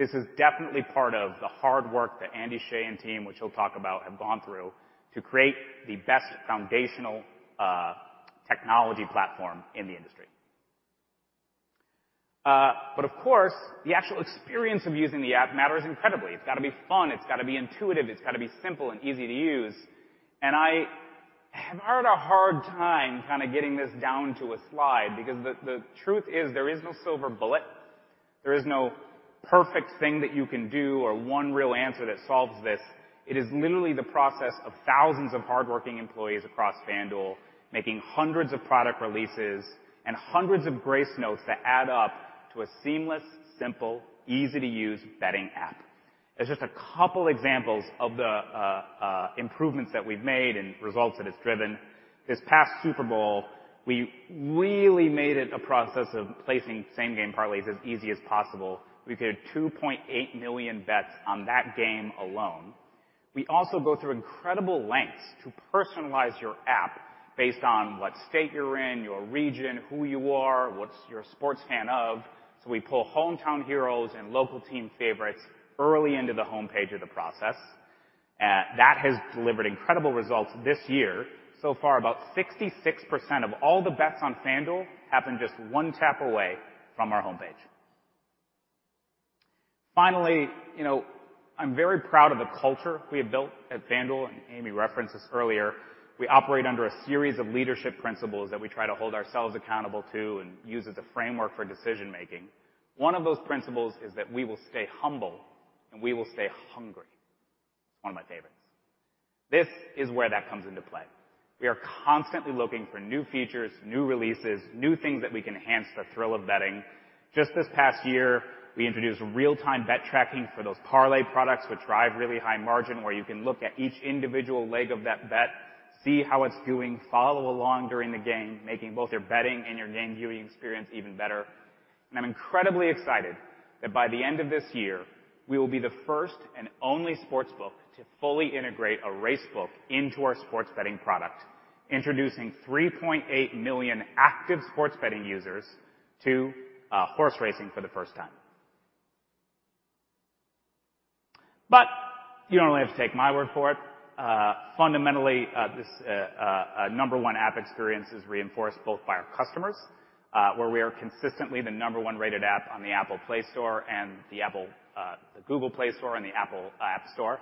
This is definitely part of the hard work that Andrew Sheh and team, which he'll talk about, have gone through to create the best foundational technology platform in the industry. Of course, the actual experience of using the app matters incredibly. It's got to be fun. It's gotta be intuitive. It's gotta be simple and easy to use. I have had a hard time kinda getting this down to a slide because the truth is there is no silver bullet. There is no perfect thing that you can do or one real answer that solves this. It is literally the process of thousands of hardworking employees across FanDuel making hundreds of product releases and hundreds of grace notes that add up to a seamless, simple, easy-to-use betting app. There's just a couple examples of the improvements that we've made and results that it's driven. This past Super Bowl, we really made it a process of placing Same Game Parlays as easy as possible. We did 2.8 million bets on that game alone. We also go through incredible lengths to personalize your app based on what state you're in, your region, who you are, what's your sports fan of. We pull hometown heroes and local team favorites early into the homepage of the process. That has delivered incredible results this year. So far, about 66% of all the bets on FanDuel happen just one tap away from our homepage. Finally, you know, I'm very proud of the culture we have built at FanDuel, and Amy referenced this earlier. We operate under a series of leadership principles that we try to hold ourselves accountable to and use as a framework for decision-making. One of those principles is that we will stay humble, and we will stay hungry. It's one of my favorites. This is where that comes into play. We are constantly looking for new features, new releases, new things that we can enhance the thrill of betting. Just this past year, we introduced real-time bet tracking for those parlay products, which drive really high margin, where you can look at each individual leg of that bet, see how it's doing, follow along during the game, making both your betting and your game viewing experience even better. I'm incredibly excited that by the end of this year, we will be the first and only sports book to fully integrate a race book into our sports betting product, introducing 3.8 million active sports betting users to horse racing for the first time. You don't really have to take my word for it. Fundamentally, this number one app experience is reinforced both by our customers, where we are consistently the number one rated app on the Google Play Store and the Apple App Store,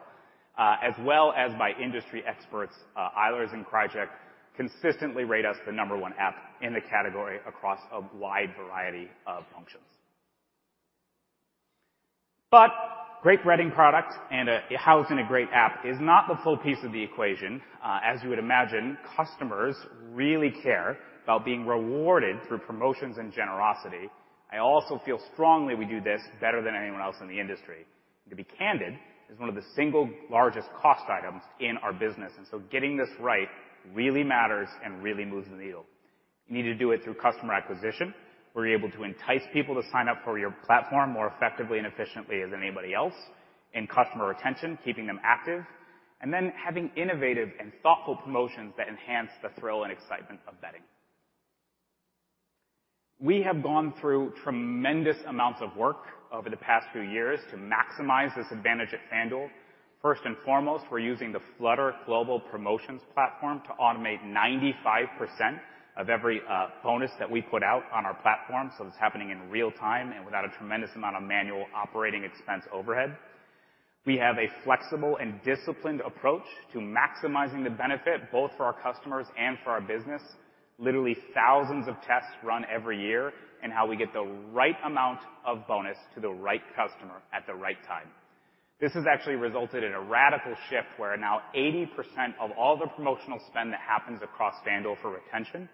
as well as by industry experts. Eilers & Krejcik consistently rate us the number one app in the category across a wide variety of functions. Great betting product and housed in a great app is not the full piece of the equation. As you would imagine, customers really care about being rewarded through promotions and generosity. I also feel strongly we do this better than anyone else in the industry. To be candid, it's one of the single largest cost items in our business, and so getting this right really matters and really moves the needle. You need to do it through customer acquisition, where you're able to entice people to sign up for your platform more effectively and efficiently than anybody else, and customer retention, keeping them active, and then having innovative and thoughtful promotions that enhance the thrill and excitement of betting. We have gone through tremendous amounts of work over the past few years to maximize this advantage at FanDuel. First and foremost, we're using the Flutter Global Promotions platform to automate 95% of every bonus that we put out on our platform, so it's happening in real time and without a tremendous amount of manual operating expense overhead. We have a flexible and disciplined approach to maximizing the benefit both for our customers and for our business. Literally thousands of tests run every year in how we get the right amount of bonus to the right customer at the right time. This has actually resulted in a radical shift where now 80% of all the promotional spend that happens across FanDuel for retention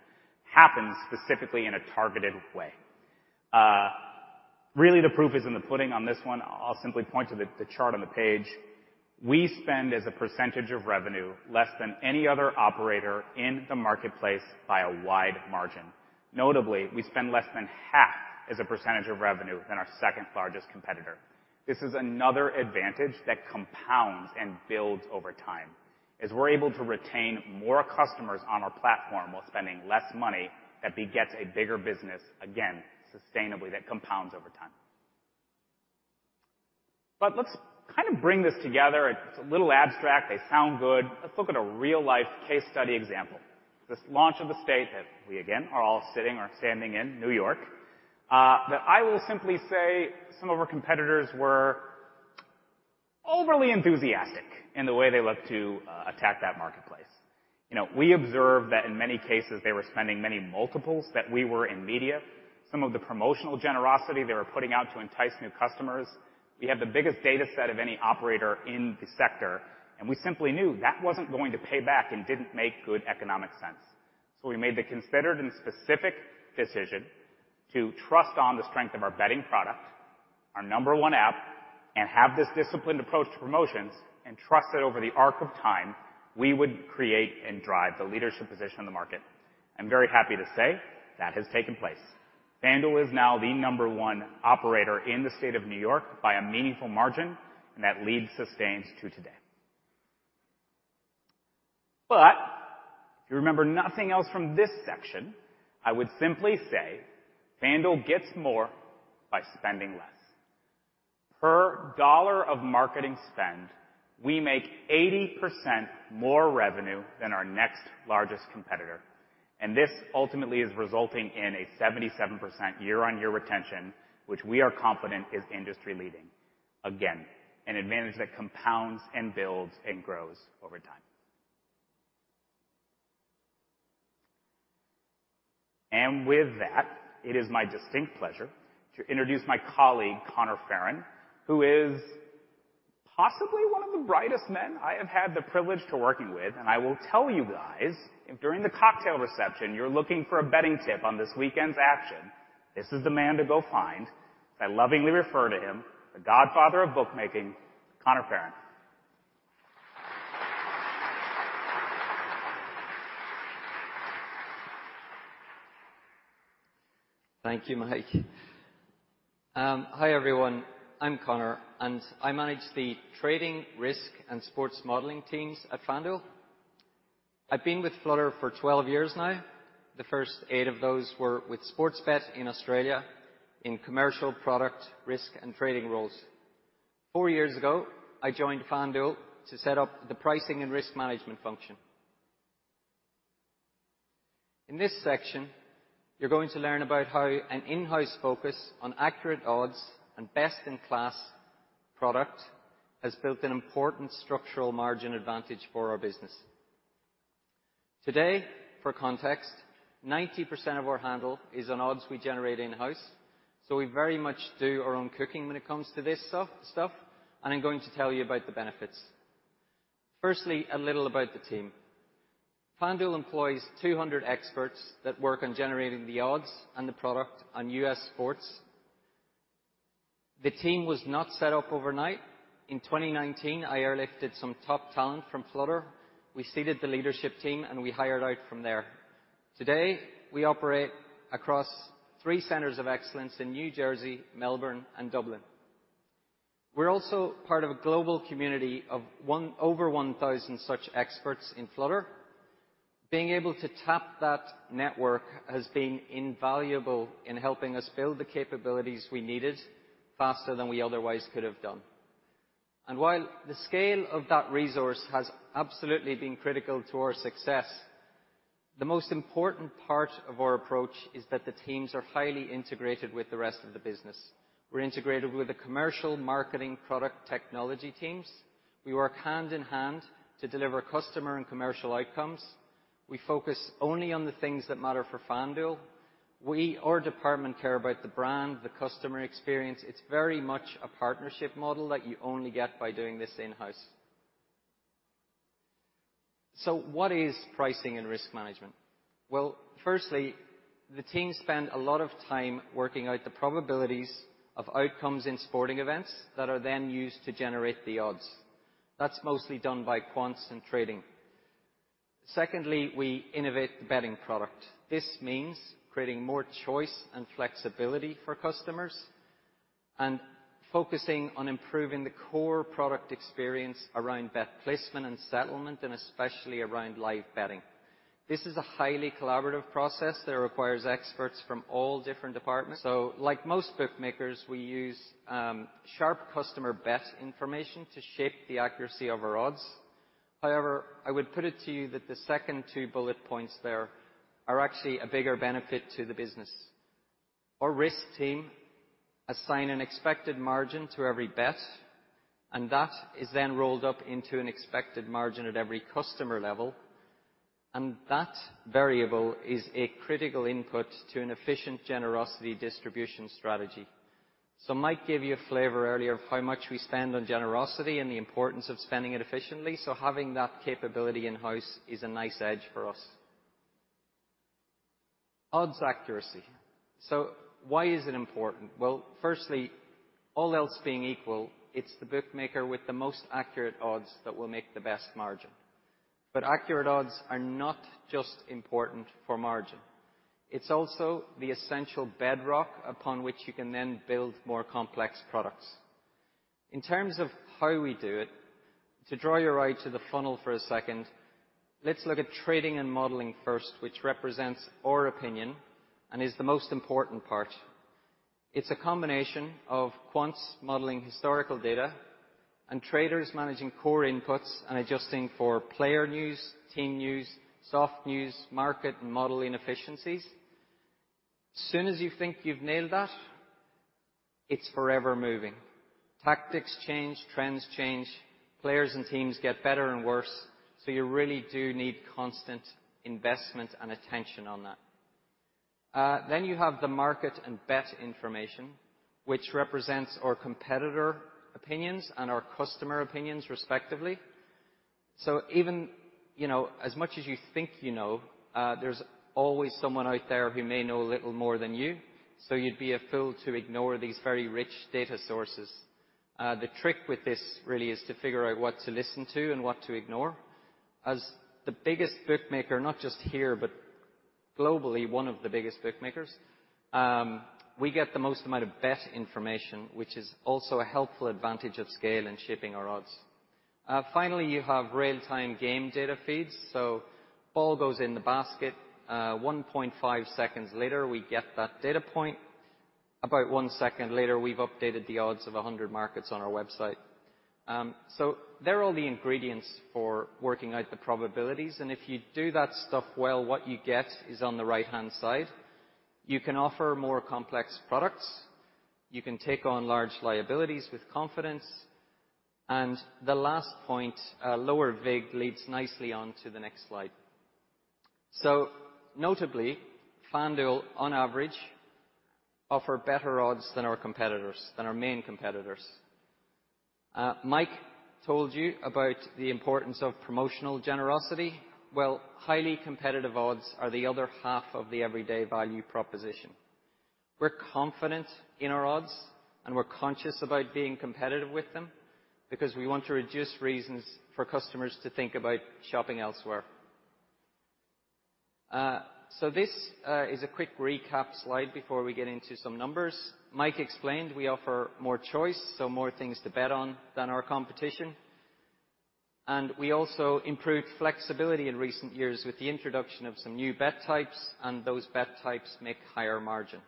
happens specifically in a targeted way. Really the proof is in the pudding on this one. I'll simply point to the chart on the page. We spend, as a percentage of revenue, less than any other operator in the marketplace by a wide margin. Notably, we spend less than half as a percentage of revenue than our second largest competitor. This is another advantage that compounds and builds over time. As we're able to retain more customers on our platform while spending less money, that begets a bigger business, again, sustainably, that compounds over time. Let's kind of bring this together. It's a little abstract. They sound good. Let's look at a real-life case study example. This launch of the state that we again are all sitting or standing in, New York, that I will simply say some of our competitors were overly enthusiastic in the way they looked to attack that marketplace. You know, we observed that in many cases, they were spending many multiples that we were in media. Some of the promotional generosity they were putting out to entice new customers. We had the biggest data set of any operator in the sector, and we simply knew that wasn't going to pay back and didn't make good economic sense. We made the considered and specific decision to trust on the strength of our betting product, our number one app, and have this disciplined approach to promotions and trust that over the arc of time, we would create and drive the leadership position in the market. I'm very happy to say that has taken place. FanDuel is now the number one operator in the state of New York by a meaningful margin, and that lead sustains to today. If you remember nothing else from this section, I would simply say FanDuel gets more by spending less. Per $1 of marketing spend, we make 80% more revenue than our next largest competitor, and this ultimately is resulting in a 77% year-on-year retention, which we are confident is industry-leading. Again, an advantage that compounds and builds and grows over time. With that, it is my distinct pleasure to introduce my colleague, Conor Farren, who is possibly one of the brightest men I have had the privilege to working with. I will tell you guys, if during the cocktail reception you're looking for a betting tip on this weekend's action, this is the man to go find. I lovingly refer to him, the godfather of bookmaking, Conor Farren. Thank you, Mike. Hey, everyone. I'm Conor, and I manage the trading, risk, and sports modeling teams at FanDuel. I've been with Flutter for 12 years now. The first eight of those were with Sportsbet in Australia in commercial product, risk, and trading roles. four years ago, I joined FanDuel to set up the pricing and risk management function. In this section, you're going to learn about how an in-house focus on accurate odds and best-in-class product has built an important structural margin advantage for our business. Today, for context, 90% of our handle is on odds we generate in-house, so we very much do our own cooking when it comes to this stuff, and I'm going to tell you about the benefits. Firstly, a little about the team. FanDuel employs 200 experts that work on generating the odds and the product on U.S. sports. The team was not set up overnight. In 2019, I airlifted some top talent from Flutter. We seeded the leadership team, and we hired out from there. Today, we operate across three centers of excellence in New Jersey, Melbourne, and Dublin. We're also part of a global community of over 1,000 such experts in Flutter. Being able to tap that network has been invaluable in helping us build the capabilities we needed faster than we otherwise could have done. While the scale of that resource has absolutely been critical to our success, the most important part of our approach is that the teams are highly integrated with the rest of the business. We're integrated with the commercial, marketing, product, technology teams. We work hand in hand to deliver customer and commercial outcomes. We focus only on the things that matter for FanDuel. We, our department, care about the brand, the customer experience. It's very much a partnership model that you only get by doing this in-house. What is pricing and risk management? Well, firstly, the team spent a lot of time working out the probabilities of outcomes in sporting events that are then used to generate the odds. That's mostly done by quants and trading. Secondly, we innovate the betting product. This means creating more choice and flexibility for customers and focusing on improving the core product experience around bet placement and settlement and especially around live betting. This is a highly collaborative process that requires experts from all different departments. Like most bookmakers, we use sharp customer bet information to shape the accuracy of our odds. However, I would put it to you that the second two bullet points there are actually a bigger benefit to the business. Our risk team assign an expected margin to every bet, and that is then rolled up into an expected margin at every customer level, and that variable is a critical input to an efficient generosity distribution strategy. Mike gave you a flavor earlier of how much we spend on generosity and the importance of spending it efficiently, so having that capability in-house is a nice edge for us. Odds accuracy. Why is it important? Well, firstly, all else being equal, it's the bookmaker with the most accurate odds that will make the best margin. Accurate odds are not just important for margin. It's also the essential bedrock upon which you can then build more complex products. In terms of how we do it, to draw your eye to the funnel for a second, let's look at trading and modeling first, which represents our opinion and is the most important part. It's a combination of quants modeling historical data and traders managing core inputs and adjusting for player news, team news, soft news, market and model inefficiencies. Soon as you think you've nailed that, it's forever moving. Tactics change, trends change, players and teams get better and worse, so you really do need constant investment and attention on that. You have the market and bet information, which represents our competitor opinions and our customer opinions respectively. Even, you know, as much as you think you know, there's always someone out there who may know a little more than you, so you'd be a fool to ignore these very rich data sources. The trick with this really is to figure out what to listen to and what to ignore. As the biggest bookmaker, not just here, but globally one of the biggest bookmakers, we get the most amount of bet information, which is also a helpful advantage of scale in shaping our odds. Finally, you have real-time game data feeds. So ball goes in the basket, 1.5 seconds later, we get that data point. About one second later, we've updated the odds of 100 markets on our website. So they're all the ingredients for working out the probabilities, and if you do that stuff well, what you get is on the right-hand side. You can offer more complex products. You can take on large liabilities with confidence, and the last point, lower vig leads nicely on to the next slide. Notably, FanDuel on average offer better odds than our competitors, than our main competitors. Mike told you about the importance of promotional generosity. Well, highly competitive odds are the other half of the everyday value proposition. We're confident in our odds, and we're conscious about being competitive with them because we want to reduce reasons for customers to think about shopping elsewhere. This is a quick recap slide before we get into some numbers. Mike explained we offer more choice, so more things to bet on than our competition. We also improved flexibility in recent years with the introduction of some new bet types, and those bet types make higher margin.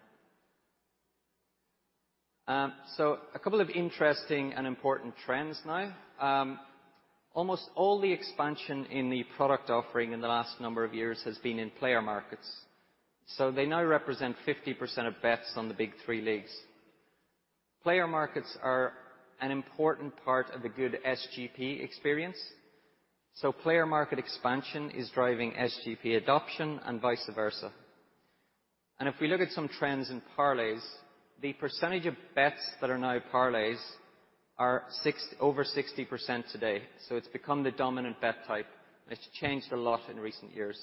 A couple of interesting and important trends now. Almost all the expansion in the product offering in the last number of years has been in player markets. They now represent 50% of bets on the big three leagues. Player markets are an important part of the good SGP experience, so player market expansion is driving SGP adoption and vice versa. If we look at some trends in parlays, the percentage of bets that are now parlays are over 60% today. It's become the dominant bet type. It's changed a lot in recent years.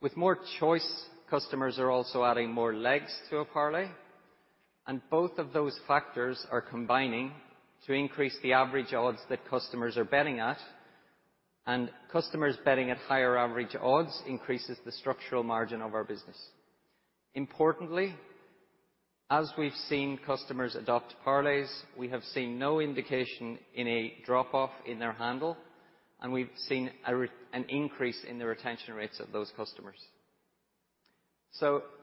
With more choice, customers are also adding more legs to a parlay, and both of those factors are combining to increase the average odds that customers are betting at. Customers betting at higher average odds increases the structural margin of our business. Importantly, as we've seen customers adopt parlays, we have seen no indication in a drop off in their handle, and we've seen an increase in the retention rates of those customers.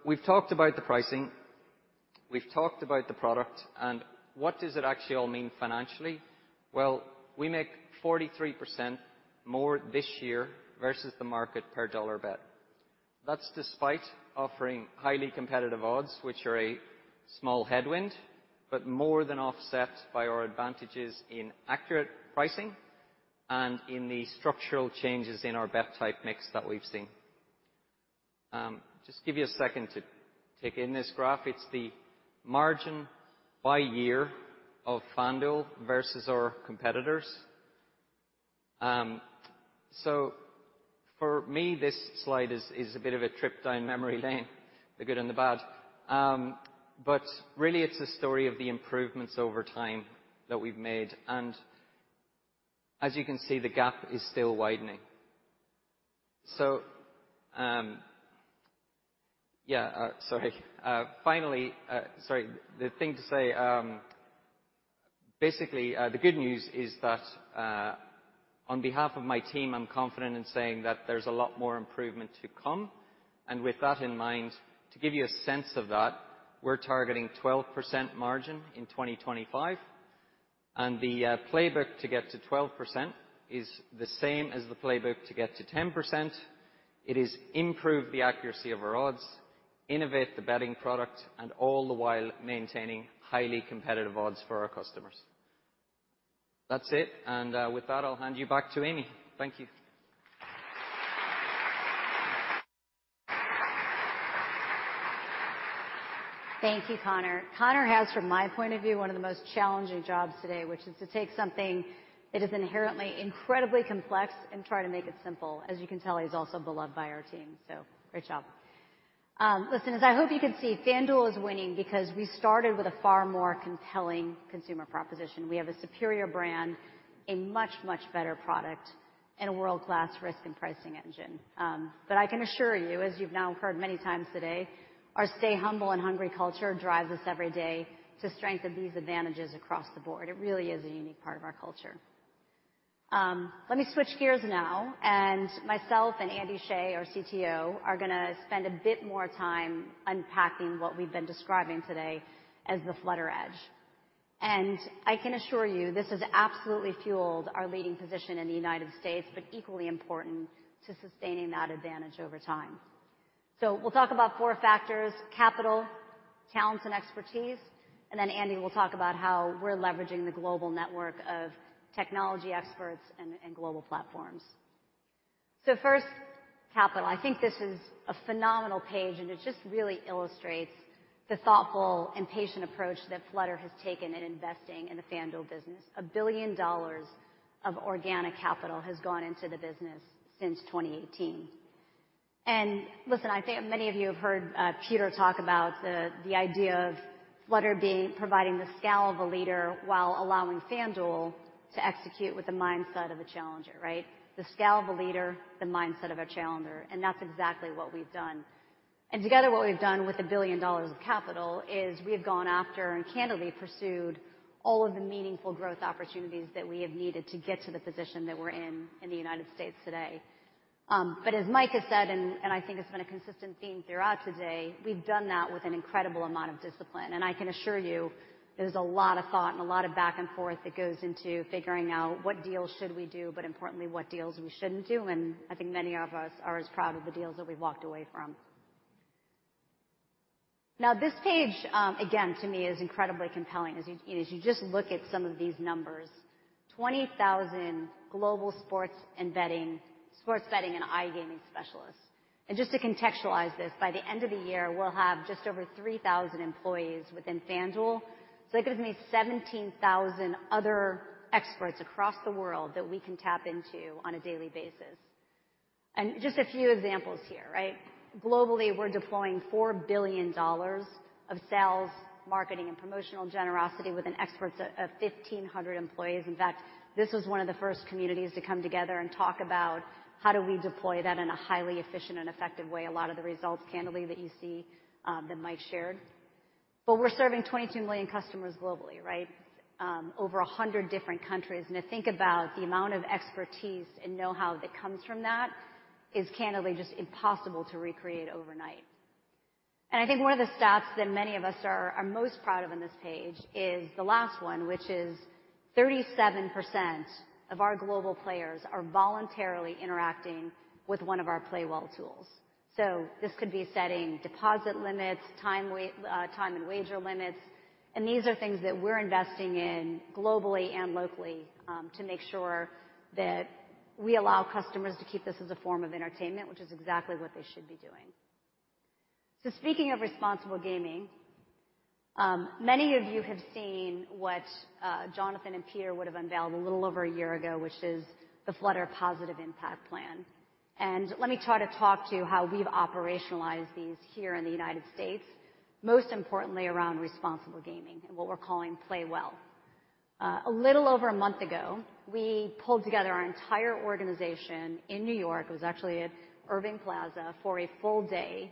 We've talked about the pricing, we've talked about the product, and what does it actually all mean financially? Well, we make 43% more this year versus the market per dollar bet. That's despite offering highly competitive odds, which are a small headwind, but more than offset by our advantages in accurate pricing and in the structural changes in our bet type mix that we've seen. Just give you a second to take in this graph. It's the margin by year of FanDuel versus our competitors. For me, this slide is a bit of a trip down memory lane, the good and the bad. But really it's a story of the improvements over time that we've made, and as you can see, the gap is still widening. Yeah, sorry. Finally, sorry. The thing to say, basically, the good news is that on behalf of my team, I'm confident in saying that there's a lot more improvement to come. With that in mind, to give you a sense of that, we're targeting 12% margin in 2025. The playbook to get to 12% is the same as the playbook to get to 10%. It is improve the accuracy of our odds, innovate the betting product, and all the while maintaining highly competitive odds for our customers. That's it. With that, I'll hand you back to Amy. Thank you. Thank you, Conor. Conor has, from my point of view, one of the most challenging jobs today, which is to take something that is inherently incredibly complex and try to make it simple. As you can tell, he's also beloved by our team, so great job. Listen, as I hope you can see, FanDuel is winning because we started with a far more compelling consumer proposition. We have a superior brand, a much, much better product, and a world-class risk and pricing engine. But I can assure you, as you've now heard many times today, our stay humble and hungry culture drives us every day to strengthen these advantages across the board. It really is a unique part of our culture. Let me switch gears now, and myself and Andy Sheh, our CTO, are gonna spend a bit more time unpacking what we've been describing today as the Flutter Edge. I can assure you, this has absolutely fueled our leading position in the United States, but equally important to sustaining that advantage over time. We'll talk about four factors: capital, talents and expertise, and then Andy will talk about how we're leveraging the global network of technology experts and global platforms. First, capital. I think this is a phenomenal page, and it just really illustrates the thoughtful and patient approach that Flutter has taken in investing in the FanDuel business. $1 billion of organic capital has gone into the business since 2018. Listen, I think many of you have heard Peter talk about the idea of Flutter providing the scale of a leader while allowing FanDuel to execute with the mindset of a challenger, right? The scale of a leader, the mindset of a challenger, and that's exactly what we've done. Together what we've done with $1 billion of capital is we have gone after and candidly pursued all of the meaningful growth opportunities that we have needed to get to the position that we're in the United States today. But as Mike has said, I think it's been a consistent theme throughout today, we've done that with an incredible amount of discipline. I can assure you, there's a lot of thought and a lot of back and forth that goes into figuring out what deals should we do, but importantly, what deals we shouldn't do. I think many of us are as proud of the deals that we've walked away from. Now, this page, again, to me is incredibly compelling. As you just look at some of these numbers, 20,000 global sports betting and iGaming specialists. Just to contextualize this, by the end of the year, we'll have just over 3,000 employees within FanDuel. So that gives me 17,000 other experts across the world that we can tap into on a daily basis. Just a few examples here, right? Globally, we're deploying $4 billion of sales, marketing, and promotional generosity with experts of 1,500 employees. In fact, this was one of the first communities to come together and talk about how do we deploy that in a highly efficient and effective way. A lot of the results, candidly, that you see, that Mike shared. But we're serving 22 million customers globally, right? Over 100 different countries. And to think about the amount of expertise and know-how that comes from that is candidly just impossible to recreate overnight. And I think one of the stats that many of us are most proud of on this page is the last one, which is 37% of our global players are voluntarily interacting with one of our Play Well tools. So this could be setting deposit limits, time and wager limits. These are things that we're investing in globally and locally to make sure that we allow customers to keep this as a form of entertainment, which is exactly what they should be doing. Speaking of responsible gaming, many of you have seen what Jonathan and Peter would have unveiled a little over a year ago, which is the Flutter Positive Impact Plan. Let me try to talk to you how we've operationalized these here in the United States, most importantly around responsible gaming and what we're calling Play Well. A little over a month ago, we pulled together our entire organization in New York. It was actually at Irving Plaza for a full day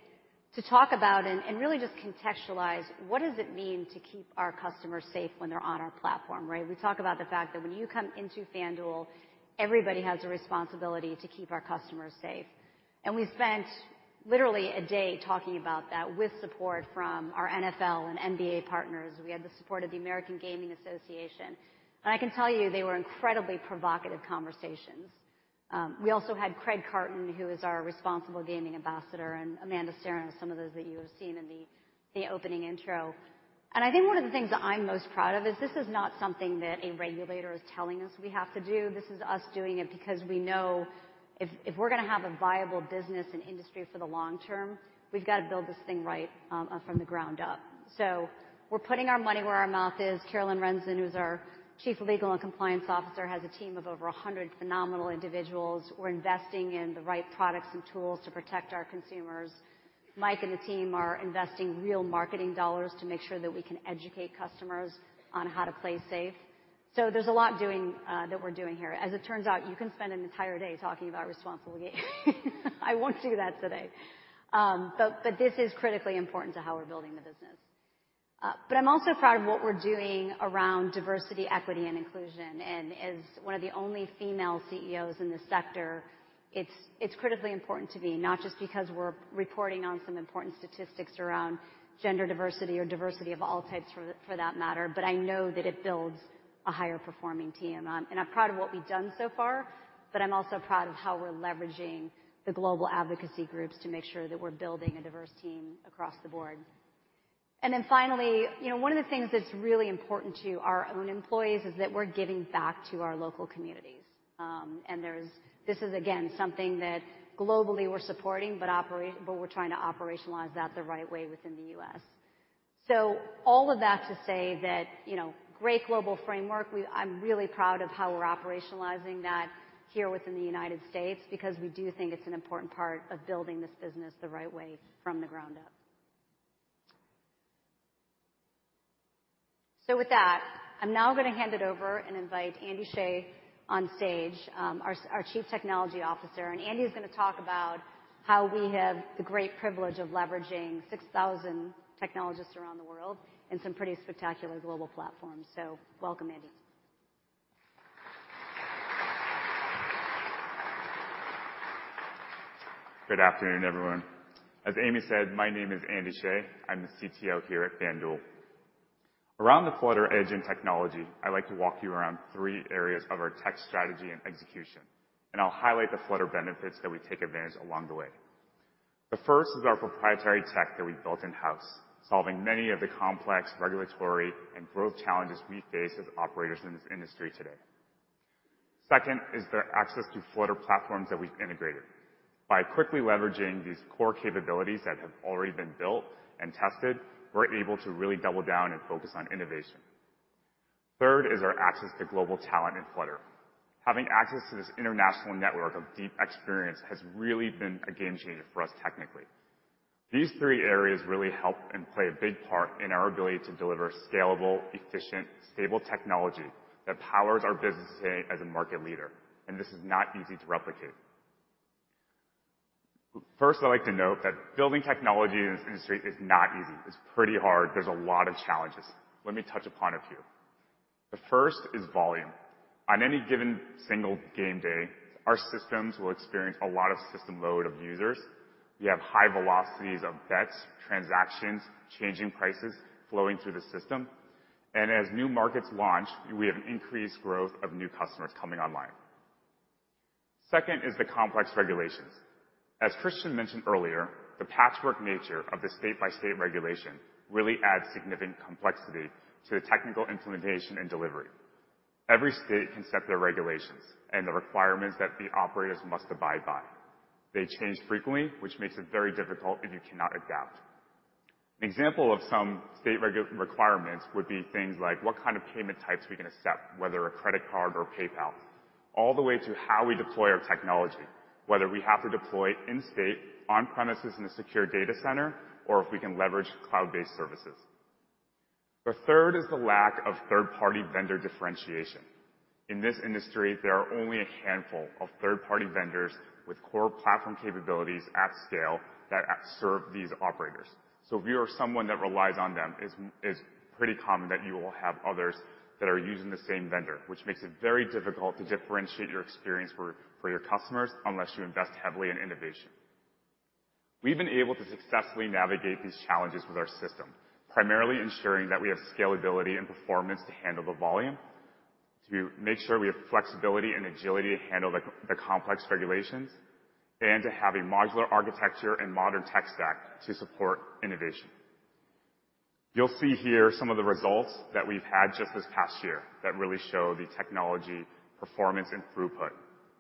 to talk about and really just contextualize what does it mean to keep our customers safe when they're on our platform, right? We talk about the fact that when you come into FanDuel, everybody has a responsibility to keep our customers safe. We spent literally a day talking about that with support from our NFL and NBA partners. We had the support of the American Gaming Association. I can tell you, they were incredibly provocative conversations. We also had Craig Carton, who is our responsible gaming ambassador, and Amanda Staron, some of those that you have seen in the opening intro. I think one of the things that I'm most proud of is this is not something that a regulator is telling us we have to do. This is us doing it because we know if we're gonna have a viable business and industry for the long term, we've got to build this thing right from the ground up. We're putting our money where our mouth is. Carolyn Renzin, who's our Chief Legal and Compliance Officer, has a team of over a hundred phenomenal individuals. We're investing in the right products and tools to protect our consumers. Mike and the team are investing real marketing dollars to make sure that we can educate customers on how to play safe. There's a lot we're doing here. As it turns out, you can spend an entire day talking about responsible gaming. I won't do that today. This is critically important to how we're building the business. I'm also proud of what we're doing around diversity, equity, and inclusion. As one of the only female CEOs in this sector, it's critically important to me, not just because we're reporting on some important statistics around gender diversity or diversity of all types for that matter, but I know that it builds a higher performing team. I'm proud of what we've done so far, but I'm also proud of how we're leveraging the global advocacy groups to make sure that we're building a diverse team across the board. Then finally, you know, one of the things that's really important to our own employees is that we're giving back to our local communities. This is again something that globally we're supporting, but we're trying to operationalize that the right way within the U.S. All of that to say that, you know, great global framework. I'm really proud of how we're operationalizing that here within the United States because we do think it's an important part of building this business the right way from the ground up. With that, I'm now gonna hand it over and invite on stage, our Chief Technology Officer. Andy is gonna talk about how we have the great privilege of leveraging 6,000 technologists around the world in some pretty spectacular global platforms. Welcome, Andy. Good afternoon, everyone. As Amy said, my name is Andrew Sheh. I'm the CTO here at FanDuel. Around the Flutter Edge in technology, I'd like to walk you through three areas of our tech strategy and execution, and I'll highlight the Flutter benefits that we take advantage along the way. The first is our proprietary tech that we built in-house, solving many of the complex regulatory and growth challenges we face as operators in this industry today. Second is the access to Flutter platforms that we've integrated. By quickly leveraging these core capabilities that have already been built and tested, we're able to really double down and focus on innovation. Third is our access to global talent in Flutter. Having access to this international network of deep experience has really been a game changer for us technically. These three areas really help and play a big part in our ability to deliver scalable, efficient, stable technology that powers our business today as a market leader, and this is not easy to replicate. First, I'd like to note that building technology in this industry is not easy. It's pretty hard. There's a lot of challenges. Let me touch upon a few. The first is volume. On any given single game day, our systems will experience a lot of system load of users. We have high velocities of bets, transactions, changing prices flowing through the system. And as new markets launch, we have an increased growth of new customers coming online. Second is the complex regulations. As Christian mentioned earlier, the patchwork nature of the state-by-state regulation really adds significant complexity to the technical implementation and delivery. Every state can set their regulations and the requirements that the operators must abide by. They change frequently, which makes it very difficult if you cannot adapt. An example of some state requirements would be things like what kind of payment types we can accept, whether a credit card or PayPal, all the way to how we deploy our technology, whether we have to deploy in-state, on premises in a secure data center, or if we can leverage cloud-based services. The third is the lack of third-party vendor differentiation. In this industry, there are only a handful of third-party vendors with core platform capabilities at scale that serve these operators. If you are someone that relies on them, it's pretty common that you will have others that are using the same vendor, which makes it very difficult to differentiate your experience for your customers unless you invest heavily in innovation. We've been able to successfully navigate these challenges with our system, primarily ensuring that we have scalability and performance to handle the volume, to make sure we have flexibility and agility to handle the complex regulations, and to have a modular architecture and modern tech stack to support innovation. You'll see here some of the results that we've had just this past year that really show the technology performance and throughput.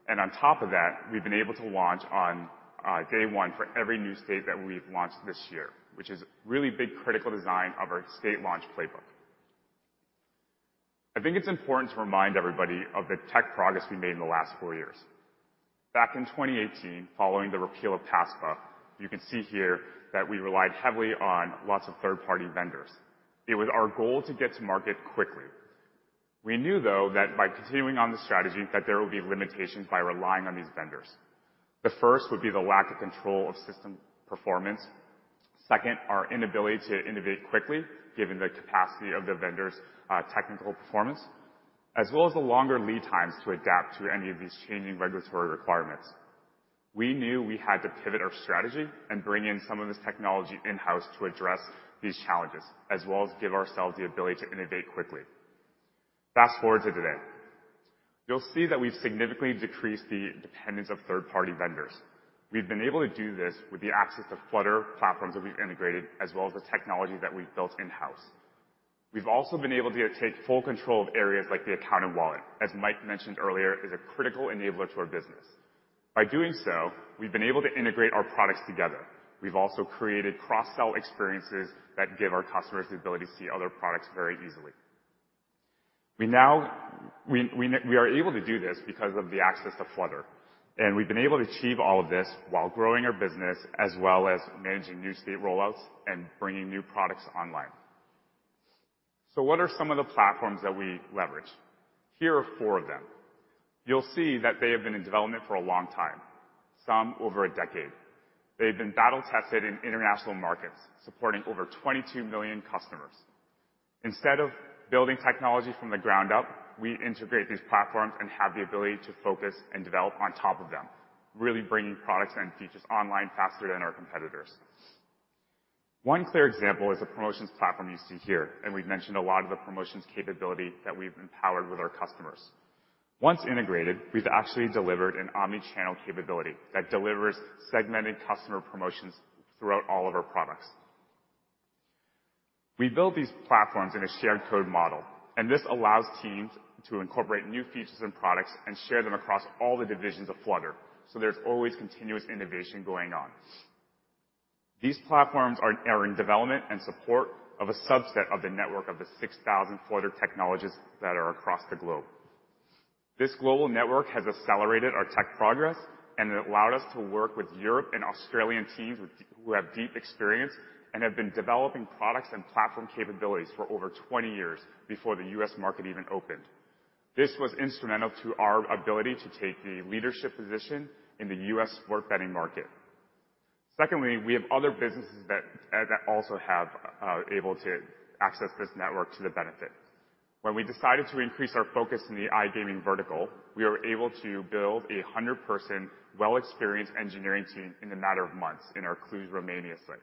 On top of that, we've been able to launch on day one for every new state that we've launched this year, which is really big critical design of our state launch playbook. I think it's important to remind everybody of the tech progress we made in the last four years. Back in 2018, following the repeal of PASPA, you can see here that we relied heavily on lots of third-party vendors. It was our goal to get to market quickly. We knew, though, that by continuing on this strategy that there would be limitations by relying on these vendors. The first would be the lack of control of system performance. Second, our inability to innovate quickly given the capacity of the vendor's technical performance, as well as the longer lead times to adapt to any of these changing regulatory requirements. We knew we had to pivot our strategy and bring in some of this technology in-house to address these challenges, as well as give ourselves the ability to innovate quickly. Fast-forward to today. You'll see that we've significantly decreased the dependence of third-party vendors. We've been able to do this with the access to Flutter platforms that we've integrated as well as the technology that we've built in-house. We've also been able to take full control of areas like the account and wallet, as Mike mentioned earlier, is a critical enabler to our business. By doing so, we've been able to integrate our products together. We've also created cross-sell experiences that give our customers the ability to see other products very easily. We now are able to do this because of the access to Flutter, and we've been able to achieve all of this while growing our business as well as managing new state rollouts and bringing new products online. What are some of the platforms that we leverage? Here are four of them. You'll see that they have been in development for a long time, some over a decade. They've been battle tested in international markets, supporting over 22 million customers. Instead of building technology from the ground up, we integrate these platforms and have the ability to focus and develop on top of them, really bringing products and features online faster than our competitors. One clear example is the promotions platform you see here, and we've mentioned a lot of the promotions capability that we've empowered with our customers. Once integrated, we've actually delivered an omni-channel capability that delivers segmented customer promotions throughout all of our products. We build these platforms in a shared code model, and this allows teams to incorporate new features and products and share them across all the divisions of Flutter, so there's always continuous innovation going on. These platforms are in development and support of a subset of the network of the 6,000 Flutter technologists that are across the globe. This global network has accelerated our tech progress, and it allowed us to work with European and Australian teams who have deep experience and have been developing products and platform capabilities for over 20 years before the U.S. market even opened. This was instrumental to our ability to take a leadership position in the U.S. sports betting market. Secondly, we have other businesses that are also able to access this network to their benefit. When we decided to increase our focus in the iGaming vertical, we were able to build a 100-person well-experienced engineering team in a matter of months in our Cluj, Romania site.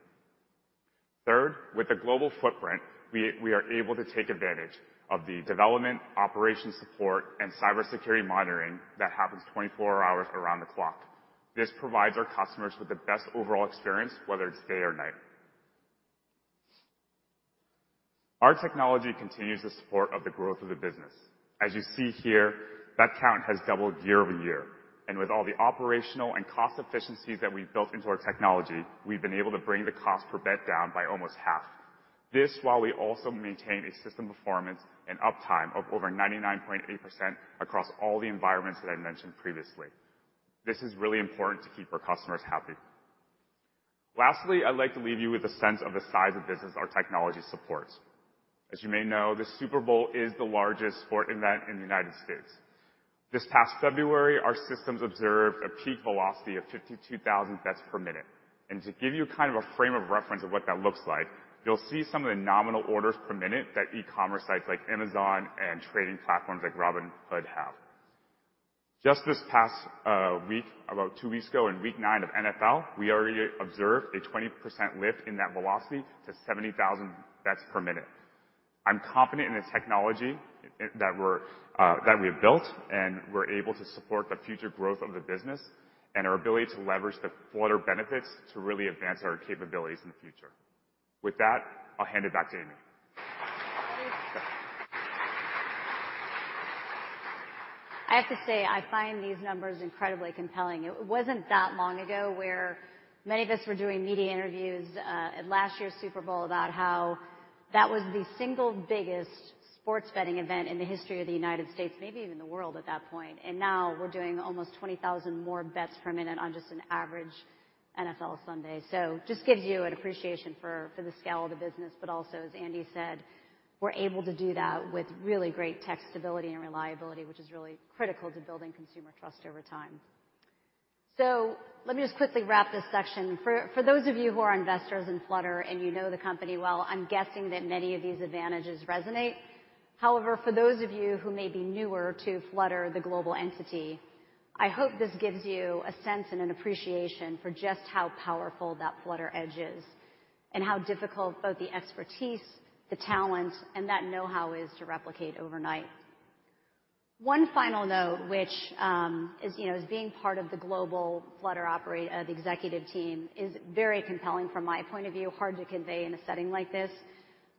Third, with a global footprint, we are able to take advantage of the development, operations support, and cybersecurity monitoring that happens 24 hours around the clock. This provides our customers with the best overall experience, whether it's day or night. Our technology continues the support of the growth of the business. As you see here, bet count has doubled year-over-year, and with all the operational and cost efficiencies that we've built into our technology, we've been able to bring the cost per bet down by almost half. This while we also maintain a system performance and uptime of over 99.8% across all the environments that I mentioned previously. This is really important to keep our customers happy. Lastly, I'd like to leave you with a sense of the size of business our technology supports. As you may know, the Super Bowl is the largest sports event in the United States. This past February, our systems observed a peak velocity of 52,000 bets per minute. To give you kind of a frame of reference of what that looks like, you'll see some of the nominal orders per minute that e-commerce sites like Amazon and trading platforms like Robinhood have. Just this past week, about two weeks ago, in week nine of NFL, we already observed a 20% lift in that velocity to 70,000 bets per minute. I'm confident in the technology that we have built, and we're able to support the future growth of the business and our ability to leverage the Flutter benefits to really advance our capabilities in the future. With that, I'll hand it back to Amy. I have to say, I find these numbers incredibly compelling. It wasn't that long ago where many of us were doing media interviews at last year's Super Bowl about how that was the single biggest sports betting event in the history of the United States, maybe even the world at that point. Now we're doing almost 20,000 more bets per minute on just an average NFL Sunday. Just gives you an appreciation for the scale of the business, but also, as Andy said, we're able to do that with really great tech stability and reliability, which is really critical to building consumer trust over time. Let me just quickly wrap this section. For those of you who are investors in Flutter and you know the company well, I'm guessing that many of these advantages resonate. However, for those of you who may be newer to Flutter, the global entity, I hope this gives you a sense and an appreciation for just how powerful that Flutter Edge is and how difficult both the expertise, the talent, and that know-how is to replicate overnight. One final note, which, as you know, as being part of the global Flutter, the executive team is very compelling from my point of view, hard to convey in a setting like this,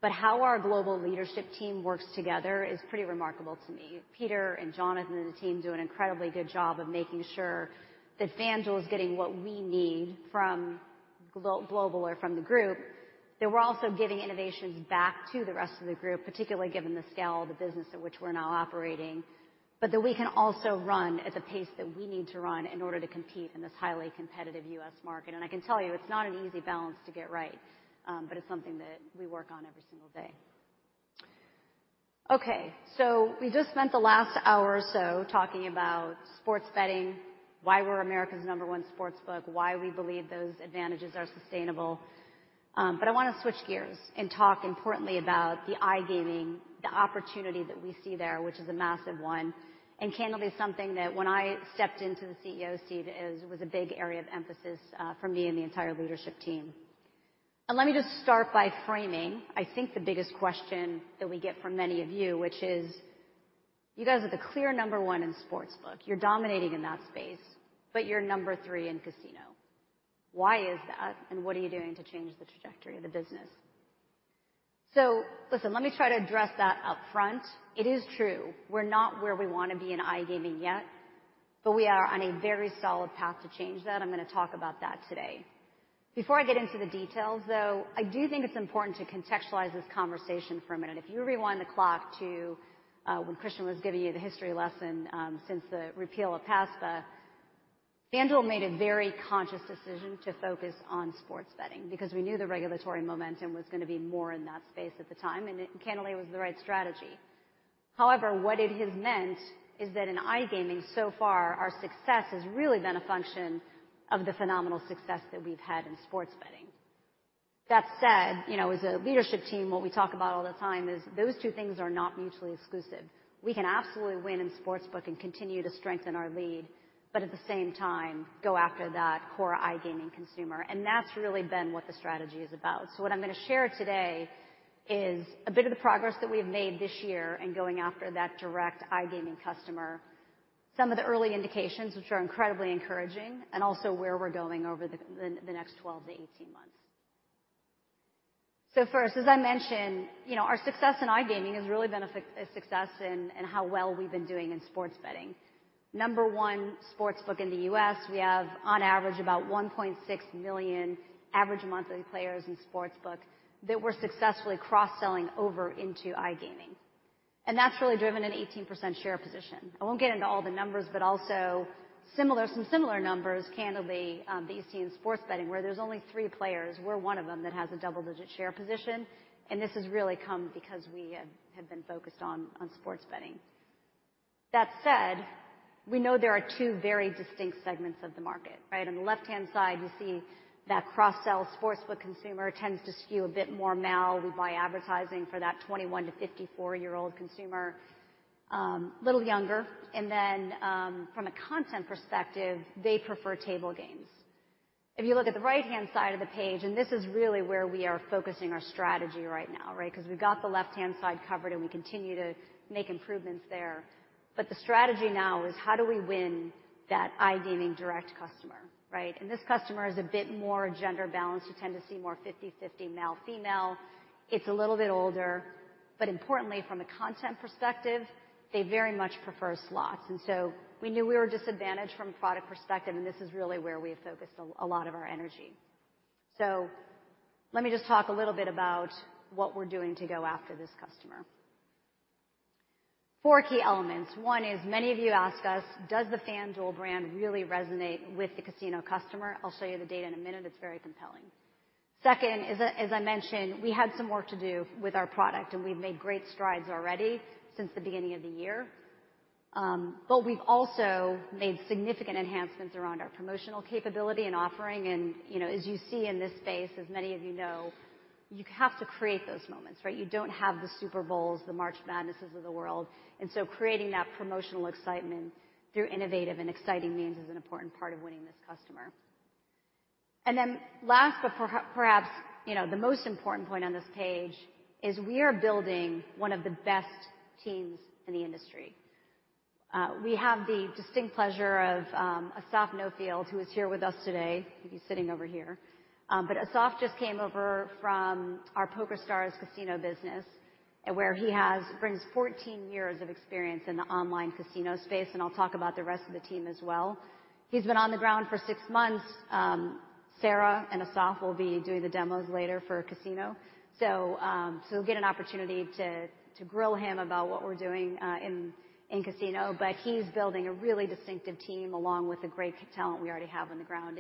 but how our global leadership team works together is pretty remarkable to me. Peter and Jonathan and the team do an incredibly good job of making sure that FanDuel is getting what we need from global or from the group, that we're also giving innovations back to the rest of the group, particularly given the scale of the business at which we're now operating, but that we can also run at the pace that we need to run in order to compete in this highly competitive U.S. market. I can tell you, it's not an easy balance to get right, but it's something that we work on every single day. Okay, we just spent the last hour or so talking about sports betting, why we're America's number one sportsbook, why we believe those advantages are sustainable. I wanna switch gears and talk importantly about the iGaming, the opportunity that we see there, which is a massive one, and candidly something that when I stepped into the CEO seat was a big area of emphasis for me and the entire leadership team. Let me just start by framing, I think the biggest question that we get from many of you, which is, you guys are the clear number one in sportsbook. You're dominating in that space, but you're number three in casino. Why is that? And what are you doing to change the trajectory of the business? Listen, let me try to address that up front. It is true, we're not where we wanna be in iGaming yet, but we are on a very solid path to change that. I'm gonna talk about that today. Before I get into the details, though, I do think it's important to contextualize this conversation for a minute. If you rewind the clock to when Christian was giving you the history lesson, since the repeal of PASPA, FanDuel made a very conscious decision to focus on sports betting because we knew the regulatory momentum was gonna be more in that space at the time. It, candidly, was the right strategy. However, what it has meant is that in iGaming so far, our success has really been a function of the phenomenal success that we've had in sports betting. That said, you know, as a leadership team, what we talk about all the time is those two things are not mutually exclusive. We can absolutely win in sportsbook and continue to strengthen our lead, but at the same time, go after that core iGaming consumer. That's really been what the strategy is about. What I'm gonna share today is a bit of the progress that we have made this year in going after that direct iGaming customer. Some of the early indications, which are incredibly encouraging, and also where we're going over the next 12 to 18 months. First, as I mentioned, you know, our success in iGaming has really been a success in how well we've been doing in sports betting. Number one sportsbook in the U.S., we have on average about 1.6 million average monthly players in sportsbook that we're successfully cross-selling over into iGaming. That's really driven an 18% share position. I won't get into all the numbers, but also similar, some similar numbers, candidly, that you see in sports betting where there's only three players. We're one of them that has a double-digit share position. This has really come because we have been focused on sports betting. That said, we know there are two very distinct segments of the market. Right on the left-hand side, you see that cross-sell sportsbook consumer tends to skew a bit more male. We buy advertising for that 21- to 54-year-old consumer, little younger. Then, from a content perspective, they prefer table games. If you look at the right-hand side of the page, and this is really where we are focusing our strategy right now, right? 'Cause we've got the left-hand side covered, and we continue to make improvements there. The strategy now is how do we win that iGaming direct customer, right? This customer is a bit more gender-balanced. You tend to see more 50/50 male, female. It's a little bit older, but importantly, from a content perspective, they very much prefer slots. We knew we were disadvantaged from a product perspective, and this is really where we have focused a lot of our energy. Let me just talk a little bit about what we're doing to go after this customer. Four key elements. One is many of you ask us, does the FanDuel brand really resonate with the casino customer? I'll show you the data in a minute. It's very compelling. Second is, as I mentioned, we had some work to do with our product, and we've made great strides already since the beginning of the year. We've also made significant enhancements around our promotional capability and offering. You know, as you see in this space, as many of you know, you have to create those moments, right? You don't have the Super Bowls, the March Madnesses of the world. Creating that promotional excitement through innovative and exciting means is an important part of winning this customer. Last, but perhaps, you know, the most important point on this page is we are building one of the best teams in the industry. We have the distinct pleasure of Asaf Noifeld, who is here with us today. He's sitting over here. But Asaf just came over from our PokerStars Casino business, where he brings 14 years of experience in the online casino space. I'll talk about the rest of the team as well. He's been on the ground for six months. Sarah and Asaf will be doing the demos later for casino. You'll get an opportunity to grill him about what we're doing in casino. He's building a really distinctive team along with the great talent we already have on the ground.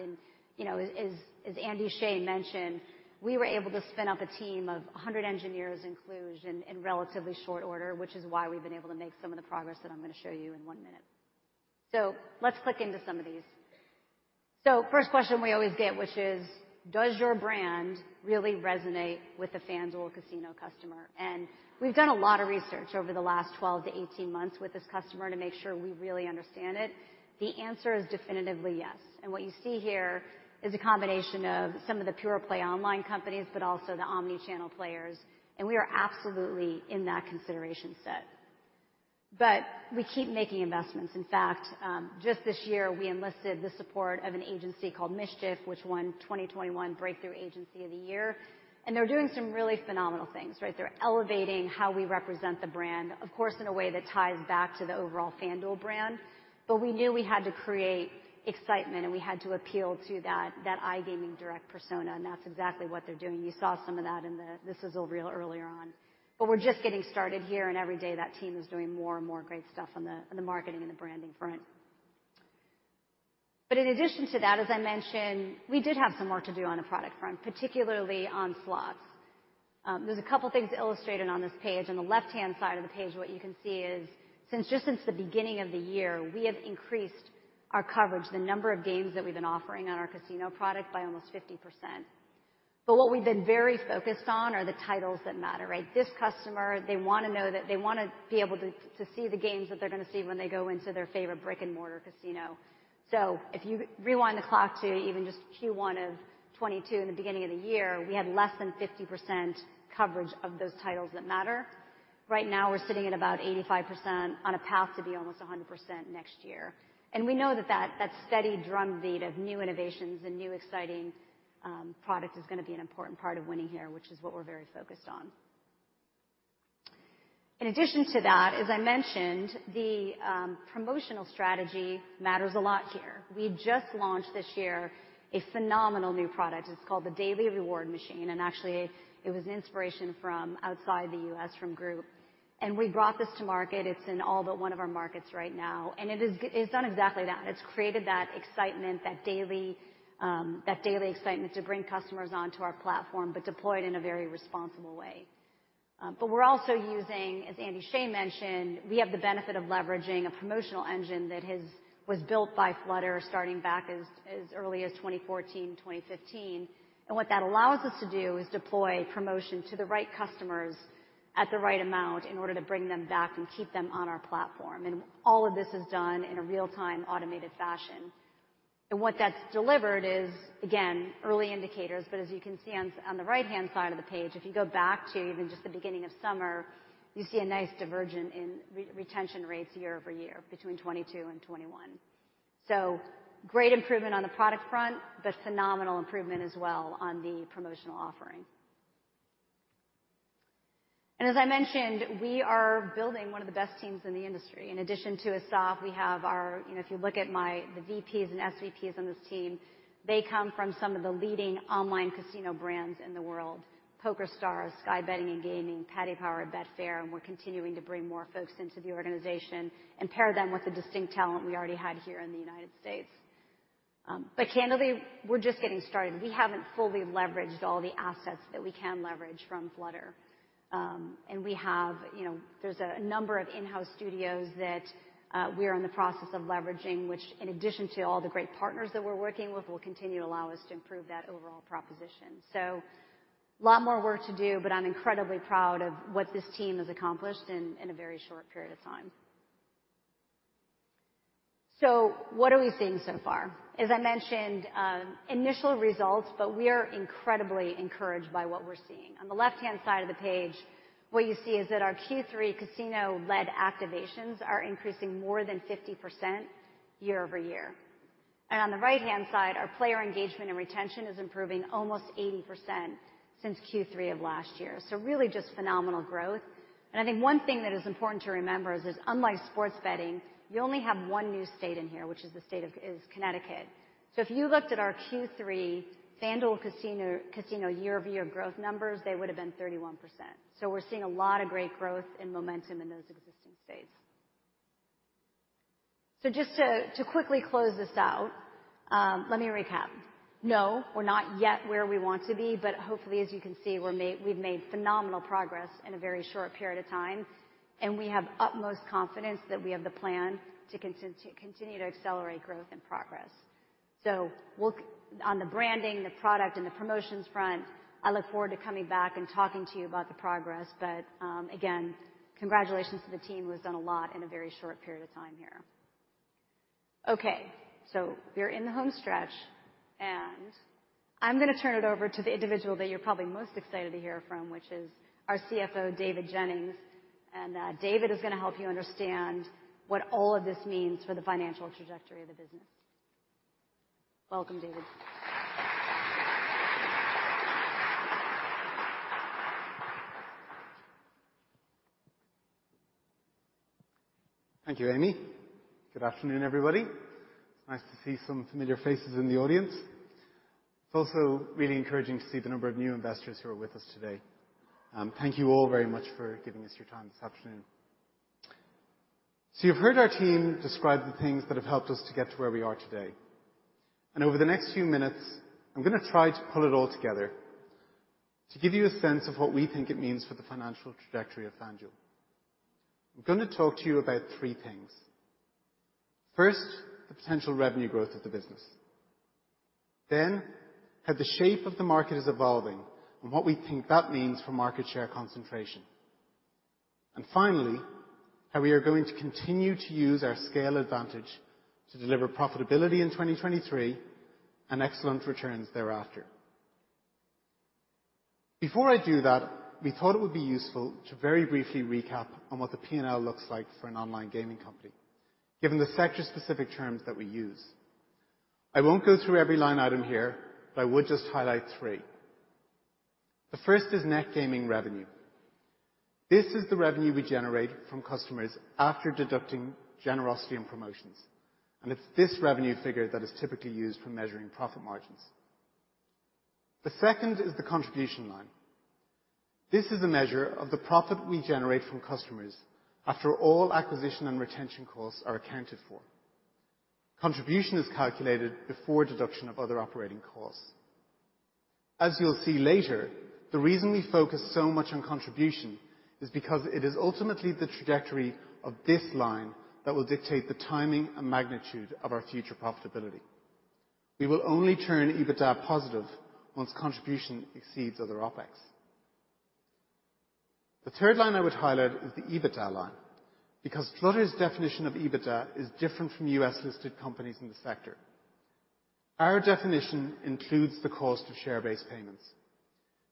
You know, as Andrew Sheh mentioned, we were able to spin up a team of 100 engineers in Cluj in relatively short order, which is why we've been able to make some of the progress that I'm gonna show you in one minute. Let's click into some of these. First question we always get, which is, does your brand really resonate with the FanDuel Casino customer? We've done a lot of research over the last 12-18 months with this customer to make sure we really understand it. The answer is definitively yes. What you see here is a combination of some of the pure play online companies, but also the omni-channel players. We are absolutely in that consideration set. We keep making investments. In fact, just this year, we enlisted the support of an agency called Mischief, which won 2021 Breakthrough Agency of the Year. They're doing some really phenomenal things, right? They're elevating how we represent the brand, of course, in a way that ties back to the overall FanDuel brand. We knew we had to create excitement, and we had to appeal to that iGaming direct persona, and that's exactly what they're doing. You saw some of that. This is all real earlier on. We're just getting started here, and every day that team is doing more and more great stuff on the marketing and the branding front. In addition to that, as I mentioned, we did have some work to do on a product front, particularly on slots. There's a couple things illustrated on this page. On the left-hand side of the page, what you can see is just since the beginning of the year, we have increased our coverage, the number of games that we've been offering on our casino product by almost 50%. What we've been very focused on are the titles that matter, right? This customer, they wanna know that they wanna be able to see the games that they're gonna see when they go into their favorite brick-and-mortar casino. If you rewind the clock to even just Q1 of 2022, in the beginning of the year, we had less than 50% coverage of those titles that matter. Right now we're sitting at about 85% on a path to be almost 100% next year. We know that steady drumbeat of new innovations and new exciting product is gonna be an important part of winning here, which is what we're very focused on. In addition to that, as I mentioned, promotional strategy matters a lot here. We just launched this year a phenomenal new product. It's called the Daily Reward Machine, and actually, it was an inspiration from outside the U.S. from Group. We brought this to market. It's in all but one of our markets right now. It's done exactly that. It's created that excitement, that daily excitement to bring customers onto our platform, but deploy it in a very responsible way. We're also using, as Andrew Sheh mentioned, we have the benefit of leveraging a promotional engine that was built by Flutter starting back as early as 2014, 2015. What that allows us to do is deploy promotion to the right customers at the right amount in order to bring them back and keep them on our platform. All of this is done in a real-time automated fashion. What that's delivered is, again, early indicators, but as you can see on the right-hand side of the page, if you go back to even just the beginning of summer, you see a nice divergence in retention rates year-over-year between 2022 and 2021. Great improvement on the product front, but phenomenal improvement as well on the promotional offering. As I mentioned, we are building one of the best teams in the industry. In addition to Asaf, we have our, you know, if you look at my, the VPs and SVPs on this team, they come from some of the leading online casino brands in the world, PokerStars, Sky Betting & Gaming, Paddy Power Betfair, and we're continuing to bring more folks into the organization and pair them with the distinct talent we already had here in the United States. Candidly, we're just getting started. We haven't fully leveraged all the assets that we can leverage from Flutter. We have, you know, there's a number of in-house studios that we are in the process of leveraging, which in addition to all the great partners that we're working with, will continue to allow us to improve that overall proposition. A lot more work to do, but I'm incredibly proud of what this team has accomplished in a very short period of time. What are we seeing so far? As I mentioned, initial results, but we are incredibly encouraged by what we're seeing. On the left-hand side of the page, what you see is that our Q3 casino-led activations are increasing more than 50% year-over-year. On the right-hand side, our player engagement and retention is improving almost 80% since Q3 of last year. Really just phenomenal growth. I think one thing that is important to remember is, unlike sports betting, you only have one new state in here, which is the state of Connecticut. If you looked at our Q3 FanDuel Casino year-over-year growth numbers, they would have been 31%. We're seeing a lot of great growth and momentum in those existing states. Just to quickly close this out, let me recap. No, we're not yet where we want to be, but hopefully, as you can see, we've made phenomenal progress in a very short period of time, and we have utmost confidence that we have the plan to continue to accelerate growth and progress. We'll... On the branding, the product, and the promotions front, I look forward to coming back and talking to you about the progress, but, again, congratulations to the team, who has done a lot in a very short period of time here. Okay, so we're in the homestretch, and I'm gonna turn it over to the individual that you're probably most excited to hear from, which is our CFO. David is gonna help you understand what all of this means for the financial trajectory of the business. Welcome, David. Thank you, Amy. Good afternoon, everybody. It's nice to see some familiar faces in the audience. It's also really encouraging to see the number of new investors who are with us today. Thank you all very much for giving us your time this afternoon. You've heard our team describe the things that have helped us to get to where we are today. Over the next few minutes, I'm gonna try to pull it all together to give you a sense of what we think it means for the financial trajectory of FanDuel. I'm gonna talk to you about three things. First, the potential revenue growth of the business. Then how the shape of the market is evolving and what we think that means for market share concentration. Finally, how we are going to continue to use our scale advantage to deliver profitability in 2023 and excellent returns thereafter. Before I do that, we thought it would be useful to very briefly recap on what the P&L looks like for an online gaming company, given the sector-specific terms that we use. I won't go through every line item here, but I would just highlight three. The first is net gaming revenue. This is the revenue we generate from customers after deducting generosity and promotions, and it's this revenue figure that is typically used for measuring profit margins. The second is the contribution line. This is a measure of the profit we generate from customers after all acquisition and retention costs are accounted for. Contribution is calculated before deduction of other operating costs. As you'll see later, the reason we focus so much on contribution is because it is ultimately the trajectory of this line that will dictate the timing and magnitude of our future profitability. We will only turn EBITDA positive once contribution exceeds other OpEx. The third line I would highlight is the EBITDA line, because Flutter's definition of EBITDA is different from U.S.-listed companies in the sector. Our definition includes the cost of share-based payments.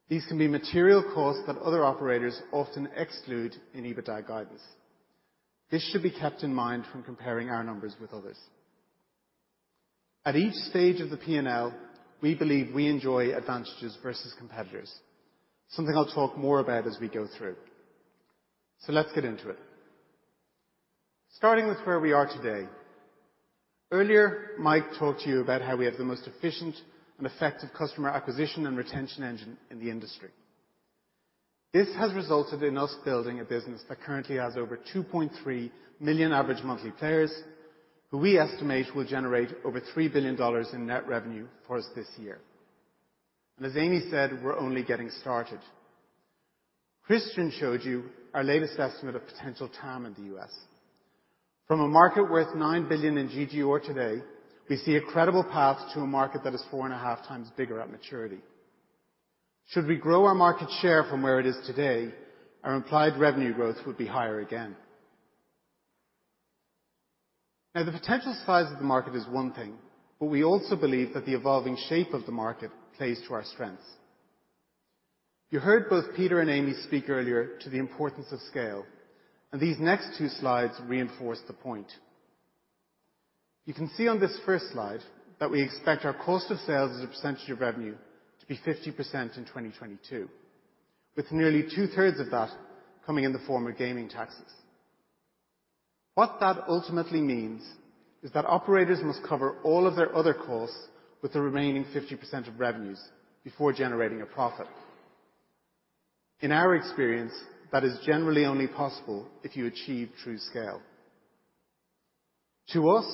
These can be material costs that other operators often exclude in EBITDA guidance. This should be kept in mind when comparing our numbers with others. At each stage of the P&L, we believe we enjoy advantages versus competitors, something I'll talk more about as we go through. Let's get into it. Starting with where we are today. Earlier, Mike talked to you about how we have the most efficient and effective customer acquisition and retention engine in the industry. This has resulted in us building a business that currently has over 2.3 million average monthly players who we estimate will generate over $3 billion in net revenue for us this year. As Amy said, we're only getting started. Christian showed you our latest estimate of potential TAM in the U.S. From a market worth $9 billion in GGR today, we see a credible path to a market that is four and a half times bigger at maturity. Should we grow our market share from where it is today, our implied revenue growth would be higher again. Now, the potential size of the market is one thing, but we also believe that the evolving shape of the market plays to our strengths. You heard both Peter and Amy speak earlier to the importance of scale, and these next two slides reinforce the point. You can see on this first slide that we expect our cost of sales as a percentage of revenue to be 50% in 2022, with nearly 2/3 of that coming in the form of gaming taxes. What that ultimately means is that operators must cover all of their other costs with the remaining 50% of revenues before generating a profit. In our experience, that is generally only possible if you achieve true scale. To us,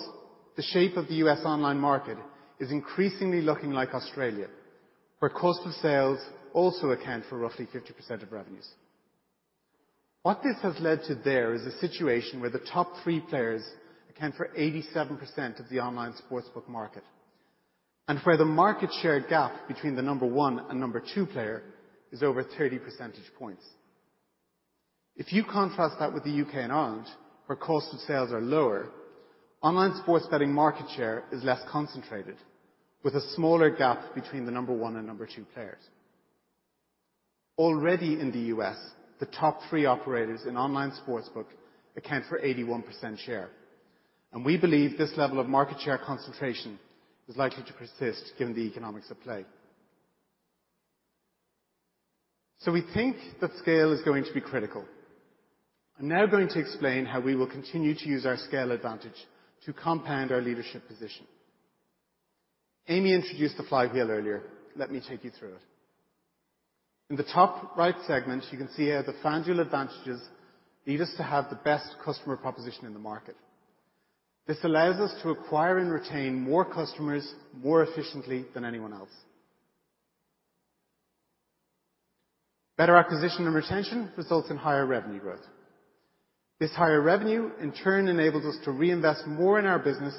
the shape of the U.S. online market is increasingly looking like Australia, where cost of sales also account for roughly 50% of revenues. What this has led to there is a situation where the top three players account for 87% of the online sportsbook market and where the market share gap between the number one and number two player is over 30 percentage points. If you contrast that with the U.K. and Ireland, where costs of sales are lower, online sports betting market share is less concentrated, with a smaller gap between the number one and number two players. Already in the U.S., the top three operators in online sportsbook account for 81% share, and we believe this level of market share concentration is likely to persist given the economics at play. We think that scale is going to be critical. I'm now going to explain how we will continue to use our scale advantage to compound our leadership position. Amy introduced the flywheel earlier. Let me take you through it. In the top right segment, you can see how the FanDuel advantages lead us to have the best customer proposition in the market. This allows us to acquire and retain more customers more efficiently than anyone else. Better acquisition and retention results in higher revenue growth. This higher revenue in turn enables us to reinvest more in our business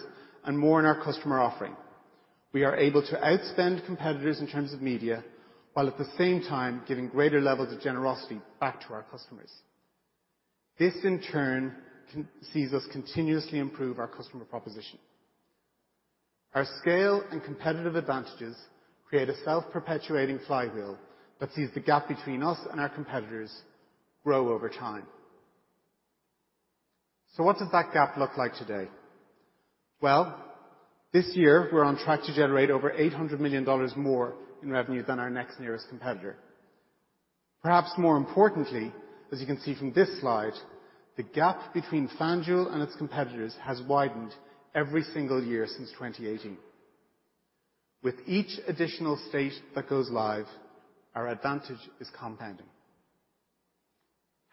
and more in our customer offering. We are able to outspend competitors in terms of media, while at the same time giving greater levels of generosity back to our customers. This in turn sees us continuously improve our customer proposition. Our scale and competitive advantages create a self-perpetuating flywheel that sees the gap between us and our competitors grow over time. What does that gap look like today? Well, this year we're on track to generate over $800 million more in revenue than our next nearest competitor. Perhaps more importantly, as you can see from this slide, the gap between FanDuel and its competitors has widened every single year since 2018. With each additional state that goes live, our advantage is compounding.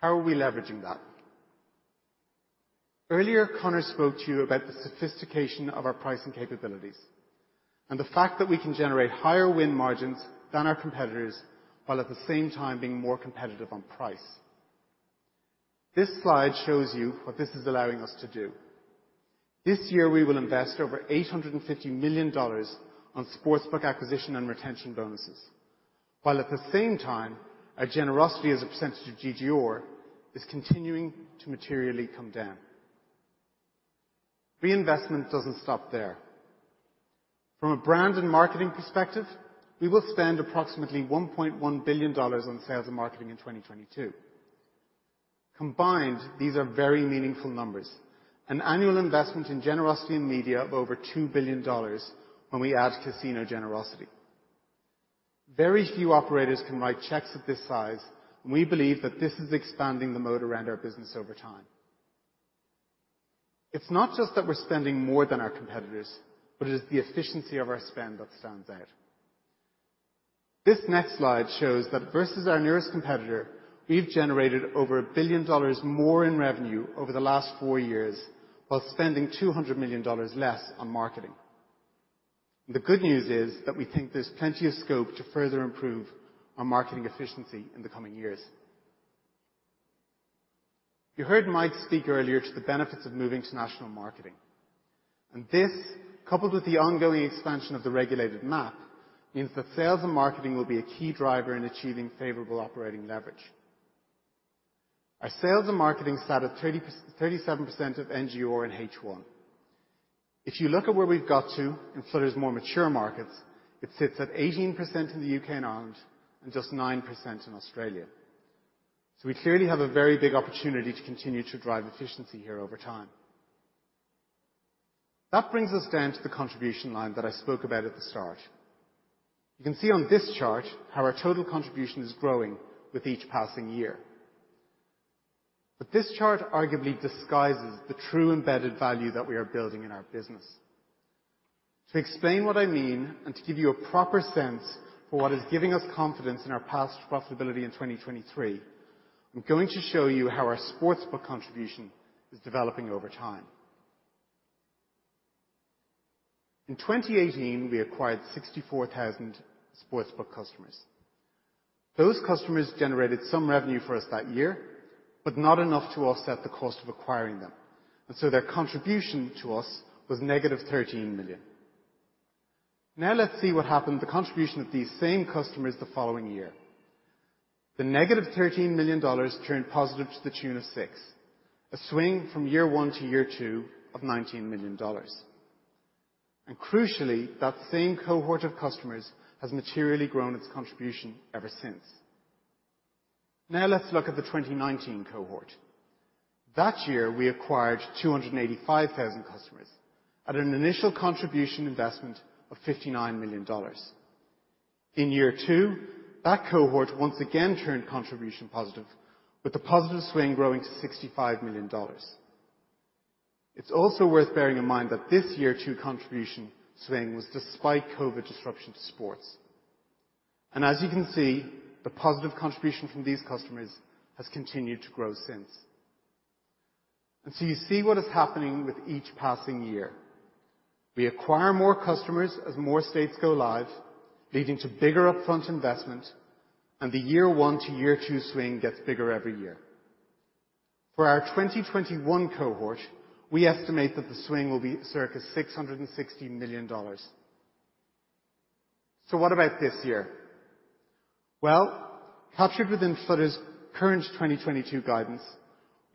How are we leveraging that? Earlier, Conor spoke to you about the sophistication of our pricing capabilities and the fact that we can generate higher win margins than our competitors while at the same time being more competitive on price. This slide shows you what this is allowing us to do. This year, we will invest over $850 million on sports book acquisition and retention bonuses, while at the same time our generosity as a percentage of GGR is continuing to materially come down. Reinvestment doesn't stop there. From a brand and marketing perspective, we will spend approximately $1.1 billion on sales and marketing in 2022. Combined, these are very meaningful numbers, an annual investment in generosity and media of over $2 billion when we add casino generosity. Very few operators can write checks of this size, and we believe that this is expanding the moat around our business over time. It's not just that we're spending more than our competitors, but it is the efficiency of our spend that stands out. This next slide shows that versus our nearest competitor, we've generated over $1 billion more in revenue over the last four years while spending $200 million less on marketing. The good news is that we think there's plenty of scope to further improve our marketing efficiency in the coming years. You heard Mike speak earlier to the benefits of moving to national marketing. This, coupled with the ongoing expansion of the regulated map, means that sales and marketing will be a key driver in achieving favorable operating leverage. Our sales and marketing sat at 37% of NGR in H1. If you look at where we've got to in Flutter's more mature markets, it sits at 18% in the U.K. and Ireland and just 9% in Australia. We clearly have a very big opportunity to continue to drive efficiency here over time. That brings us down to the contribution line that I spoke about at the start. You can see on this chart how our total contribution is growing with each passing year. This chart arguably disguises the true embedded value that we are building in our business. To explain what I mean, and to give you a proper sense for what is giving us confidence in our path to profitability in 2023, I'm going to show you how our sportsbook contribution is developing over time. In 2018, we acquired 64,000 sportsbook customers. Those customers generated some revenue for us that year, but not enough to offset the cost of acquiring them, and so their contribution to us was negative $13 million. Now let's see what happened to the contribution of these same customers the following year. The negative $13 million dollars turned positive to the tune of $6 million, a swing from year one to year two of $19 million dollars. Crucially, that same cohort of customers has materially grown its contribution ever since. Now let's look at the 2019 cohort. That year, we acquired 285,000 customers at an initial contribution investment of $59 million. In year two, that cohort once again turned contribution positive, with the positive swing growing to $65 million. It's also worth bearing in mind that this year two contribution swing was despite COVID disruption to sports. As you can see, the positive contribution from these customers has continued to grow since. You see what is happening with each passing year. We acquire more customers as more states go live, leading to bigger upfront investment, and the year one to year two swing gets bigger every year. For our 2021 cohort, we estimate that the swing will be circa $660 million. What about this year? Well, captured within Flutter's current 2022 guidance,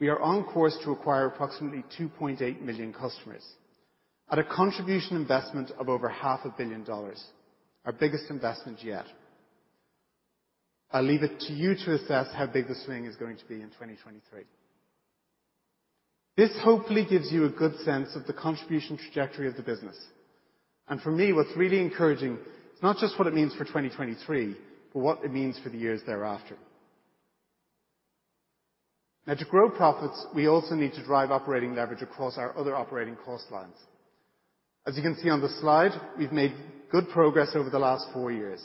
we are on course to acquire approximately 2.8 million customers at a contribution investment of over $500,000,000, our biggest investment yet. I'll leave it to you to assess how big the swing is going to be in 2023. This hopefully gives you a good sense of the contribution trajectory of the business. For me, what's really encouraging is not just what it means for 2023, but what it means for the years thereafter. Now to grow profits, we also need to drive operating leverage across our other operating cost lines. As you can see on the slide, we've made good progress over the last four years.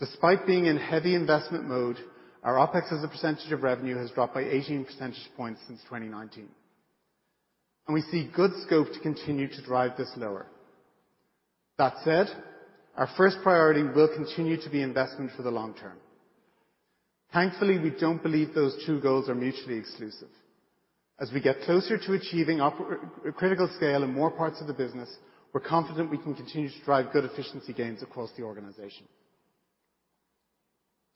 Despite being in heavy investment mode, our OpEx as a percentage of revenue has dropped by 18 percentage points since 2019, and we see good scope to continue to drive this lower. That said, our first priority will continue to be investment for the long term. Thankfully, we don't believe those two goals are mutually exclusive. As we get closer to achieving critical scale in more parts of the business, we're confident we can continue to drive good efficiency gains across the organization.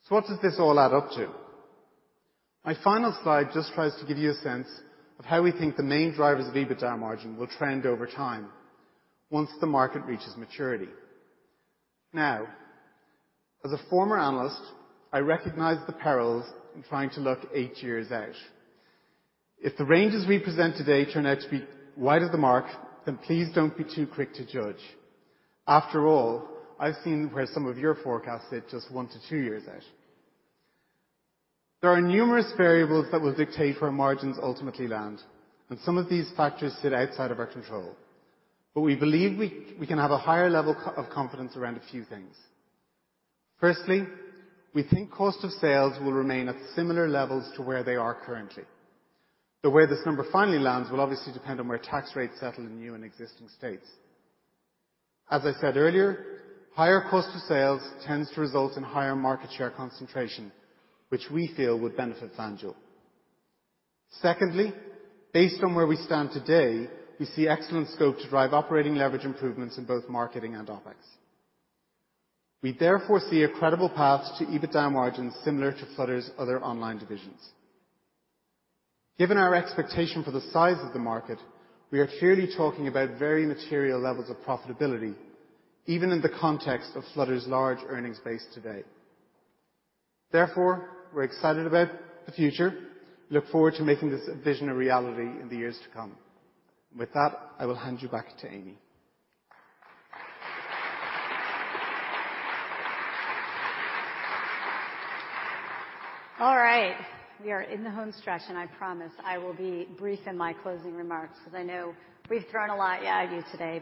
What does this all add up to? My final slide just tries to give you a sense of how we think the main drivers of EBITDA margin will trend over time once the market reaches maturity. As a former analyst, I recognize the perils in trying to look eight years out. If the ranges we present today turn out to be wide of the mark, then please don't be too quick to judge. After all, I've seen where some of your forecasts sit just one to two years out. There are numerous variables that will dictate where margins ultimately land, and some of these factors sit outside of our control. We believe we can have a higher level of confidence around a few things. Firstly, we think cost of sales will remain at similar levels to where they are currently. The way this number finally lands will obviously depend on where tax rates settle in new and existing states. As I said earlier, higher cost of sales tends to result in higher market share concentration, which we feel would benefit FanDuel. Secondly, based on where we stand today, we see excellent scope to drive operating leverage improvements in both marketing and OpEx. We therefore see a credible path to EBITDA margins similar to Flutter's other online divisions. Given our expectation for the size of the market, we are clearly talking about very material levels of profitability, even in the context of Flutter's large earnings base today. Therefore, we're excited about the future. Look forward to making this vision a reality in the years to come. With that, I will hand you back to Amy. All right. We are in the home stretch, and I promise I will be brief in my closing remarks because I know we've thrown a lot at you today.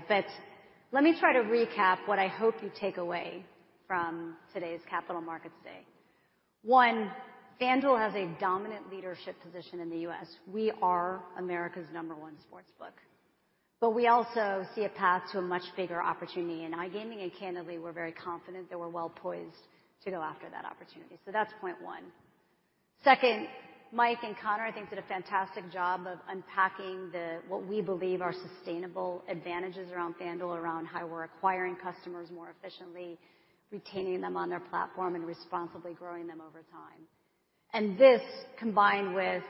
Let me try to recap what I hope you take away from today's Capital Markets Day. One, FanDuel has a dominant leadership position in the U.S. We are America's number one sportsbook. We also see a path to a much bigger opportunity in iGaming, and candidly, we're very confident that we're well poised to go after that opportunity. That's point one. Second, Mike and Conor, I think, did a fantastic job of unpacking the, what we believe are sustainable advantages around FanDuel, around how we're acquiring customers more efficiently, retaining them on our platform, and responsibly growing them over time. This, combined with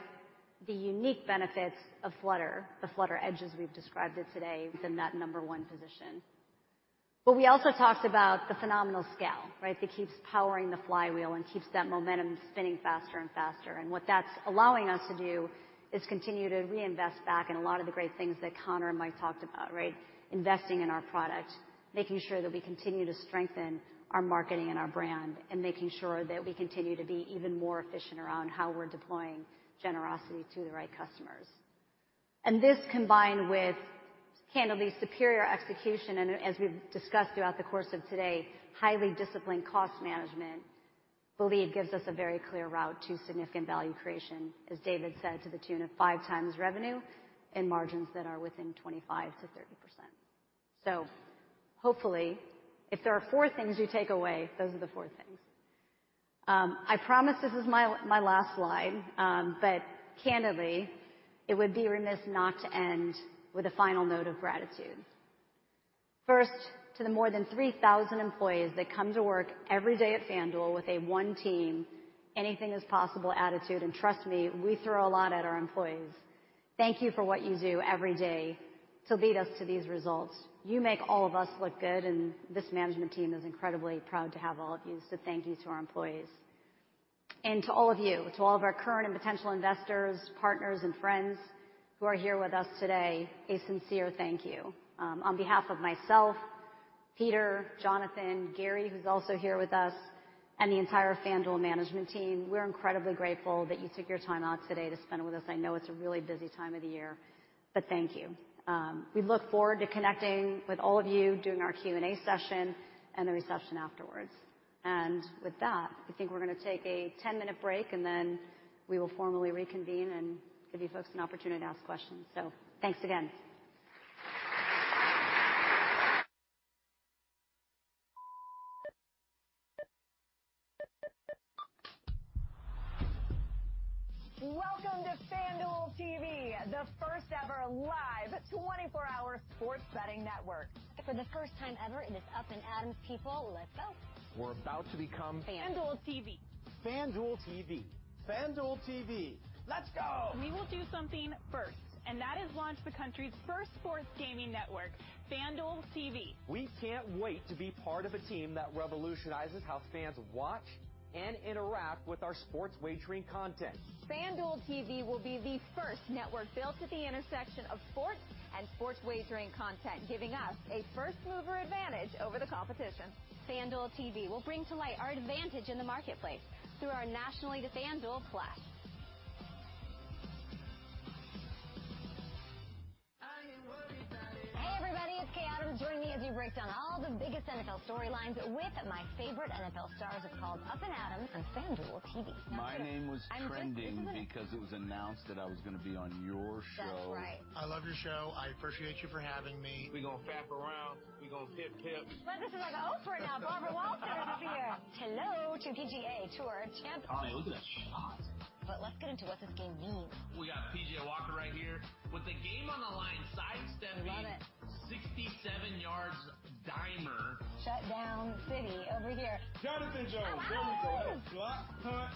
the unique benefits of Flutter, the Flutter Edge we've described it today within that number one position. We also talked about the phenomenal scale, right? That keeps powering the flywheel and keeps that momentum spinning faster and faster, and what that's allowing us to do is continue to reinvest back in a lot of the great things that Connor and Mike talked about, right? Investing in our product, making sure that we continue to strengthen our marketing and our brand, and making sure that we continue to be even more efficient around how we're deploying generosity to the right customers. This, combined with candidly superior execution and, as we've discussed throughout the course of today, highly disciplined cost management, we believe, gives us a very clear route to significant value creation, as David said, to the tune of 5x revenue and margins that are within 25%-30%. Hopefully, if there are four things you take away, those are the four things. I promise this is my last slide, but candidly, it would be remiss not to end with a final note of gratitude. First, to the more than 3,000 employees that come to work every day at FanDuel with a one team, anything is possible attitude, and trust me, we throw a lot at our employees. Thank you for what you do every day to lead us to these results. You make all of us look good, and this management team is incredibly proud to have all of you, so thank you to our employees. To all of you, to all of our current and potential investors, partners, and friends who are here with us today, a sincere thank you. On behalf of myself, Peter, Jonathan, Gary, who's also here with us, and the entire FanDuel management team, we're incredibly grateful that you took your time out today to spend with us. I know it's a really busy time of the year, but thank you. We look forward to connecting with all of you during our Q&A session and the reception afterwards. With that, I think we're gonna take a 10-minute break, and then we will formally reconvene and give you folks an opportunity to ask questions. Thanks again. Welcome to FanDuel TV, the first ever live 24-hour sports betting network. For the first time ever, it is Up & Adams, people. Let's go. We're about to become. FanDuel TV. FanDuel TV. FanDuel TV. Let's go. We will do something first, and that is launch the country's first sports gaming network, FanDuel TV. We can't wait to be part of a team that revolutionizes how fans watch and interact with our sports wagering content. FanDuel TV will be the first network built at the intersection of sports and sports wagering content, giving us a first mover advantage over the competition. FanDuel TV will bring to light our advantage in the marketplace through our national TV FanDuel clash. Hey, everybody. It's Kay Adams. Join me as we break down all the biggest NFL storylines with my favorite NFL stars. It's called Up & Adams on FanDuel TV. My name was trending. I'm just... This is because it was announced that I was gonna be on your show. That's right. I love your show. I appreciate you for having me. We gonna fap around. We gonna tip-tip. Man, this is like an Oprah now. Barbara Walters is here. Hello to PGA Tour champ. Man, look at that shot. Let's get into what this game means. We got P.J. Walker right here. With the game on the line, sidestep move. Love it. 67 yds dimer. Shut down city over here. Jonathan Jones. Wow. There we go. Block punt.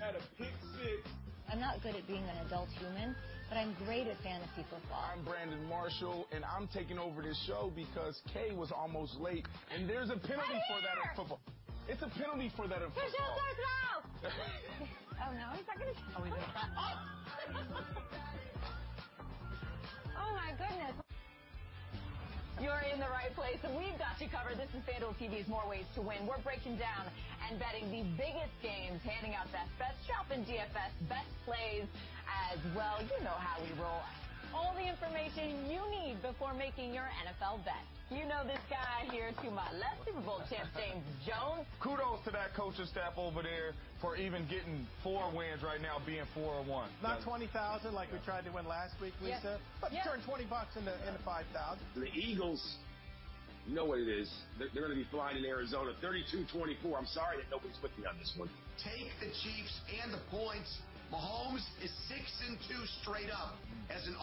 Had to pick six. I'm not good at being an adult human, but I'm great at Fantasy Football. I'm Brandon Marshall, and I'm taking over this show because Kay was almost late, and there's a penalty for that in football. I'm here. It's a penalty for that in football. Two shields, hard throw. Oh, no, he's not gonna. Oh, he did. Oh, my goodness. You're in the right place, and we've got you covered. This is FanDuel TV's More Ways to Win. We're breaking down and betting the biggest games, handing out best bets, shopping DFS, best plays as well. You know how we roll. All the information you need before making your NFL bet. You know this guy here to my left, Super Bowl champ, James Jones. Kudos to that coaching staff over there for even getting four wins right now, being 4-1. Not 20,000 like we tried to win last week, Lisa. Yeah. Yeah. Turn $20 into $5,000. The Eagles know what it is. They're gonna be flying in Arizona. 32-24. I'm sorry that nobody's with me on this one. Take the Chiefs and the points. Mahomes is 6-2 straight up as an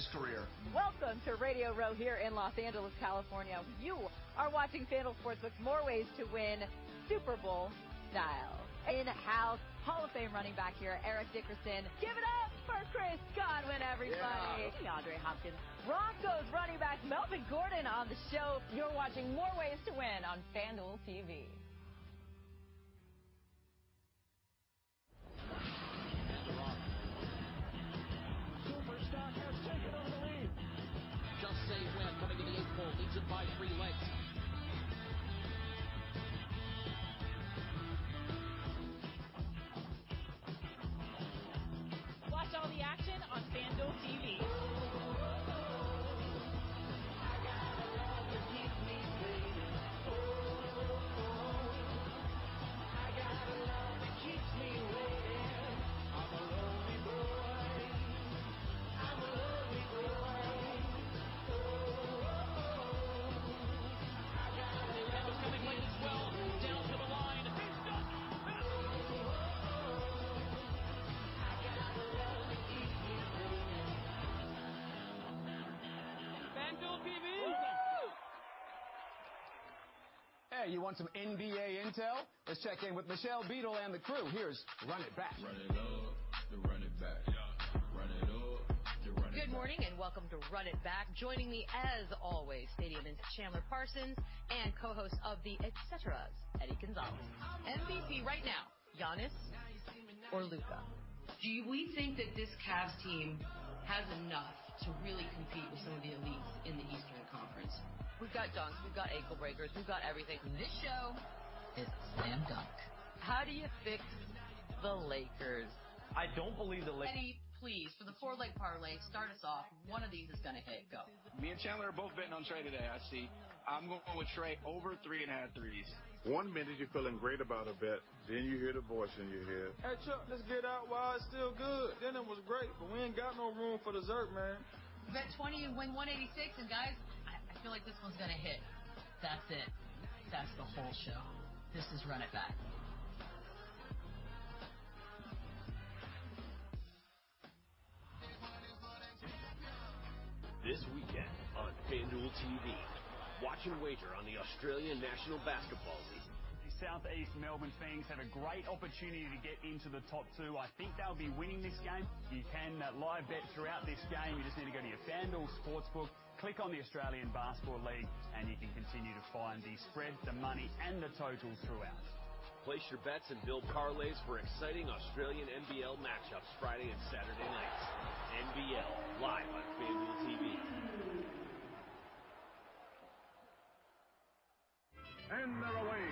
underdog in his career. Welcome to Radio Row here in Los Angeles, California. You are watching FanDuel Sportsbook's More Ways to Win: Super Bowl Style. In the house, Hall of Fame running back here, Eric Dickerson. Give it up for Chris Godwin, everybody. Yeah. DeAndre Hopkins. Broncos running back Melvin Gordon on the show. You're watching More Ways to Win on FanDuel TV. SuperStock has taken over the lead. Just Say When coming into the eighth pole, leads it by three lengths. I got a love that keeps me waiting. I'm a lonely boy. Oh, whoa. I got a love that keeps me waiting. That was coming late as well. Down to the line. Oh, whoa. I got a love that keeps me waiting. FanDuel TV. Hey, you want some NBA intel? Let's check in with Michelle Beadle and the crew. Here's Run It Back. Run it up, then run it back. Run it up, then run it back. Good morning, and welcome to Run It Back. Joining me as always, Stadium's Chandler Parsons and co-host of The ETCs Eddie Gonzalez. MVP right now, Giannis or Luka? Do we think that this Cavs team has enough to really compete with some of the elites in the Eastern Conference? We've got dunks, we've got ankle breakers, we've got everything. This show is slam dunk. How do you fix the Lakers? I don't believe the- Eddie, please, for the four-leg parlay, start us off. One of these is gonna hit. Go. Me and Chandler are both betting on Trey today, I see. I'm going with Trey over three and a half threes. One minute you're feeling great about a bet, then you hear the voice in your head. Hey Chuck, let's get out while it's still good. Dinner was great, but we ain't got no room for dessert, man. You bet $20, you win $186, and guys, I feel like this one's gonna hit. That's it. That's the whole show. This is Run It Back. This one is for the champions. This weekend on FanDuel TV, watch and wager on the Australian National Basketball League. The South East Melbourne Phoenix have a great opportunity to get into the top two. I think they'll be winning this game. You can live bet throughout this game. You just need to go to your FanDuel Sportsbook, click on the Australian Basketball League, and you can continue to find the spread, the money, and the total throughout. Place your bets and build parlays for exciting Australian NBL match-ups Friday and Saturday nights. NBL live on FanDuel TV. They're away.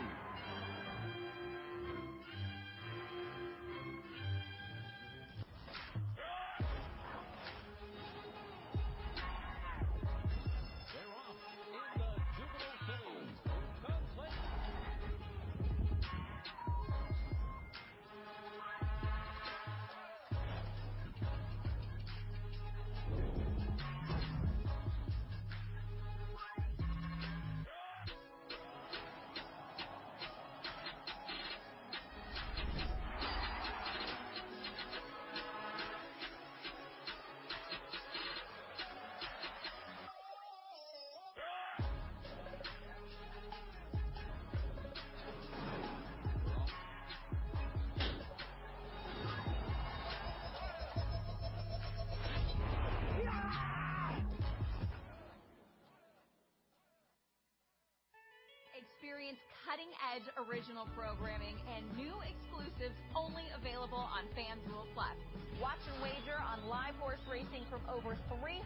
They're off in the juvenile finals. Let's race. Experience cutting-edge original programming and new exclusives only available on FanDuel TV+. Watch and wager on live horse racing from over 300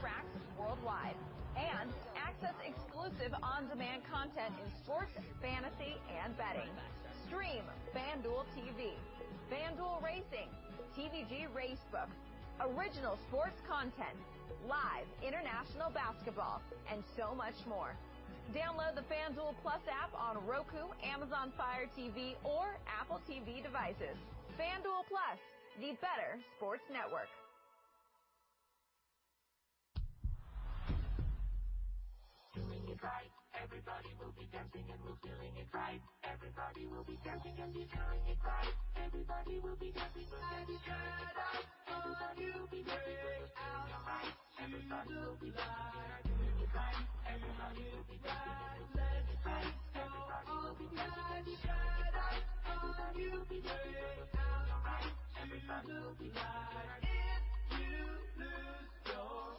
tracks worldwide, and access exclusive on-demand content in sports, fantasy, and betting. Stream FanDuel TV, FanDuel Racing, TVG Race Book, original sports content, live international basketball, and so much more. Download the FanDuel TV+ app on Roku, Amazon Fire TV, or Apple TV devices. FanDuel TV+, the better sports network. Doing it right. Everybody will be dancing and we're doing it right. Everybody will be dancing and be doing it right. Shine a light on you. Way out with you tonight. Doing it right. Everybody will be dancing and be doing it right. Let's face all our fears. Shine a light on you. Way out with you tonight. If you lose your way tonight. That's how you know the magic's right. If you lose your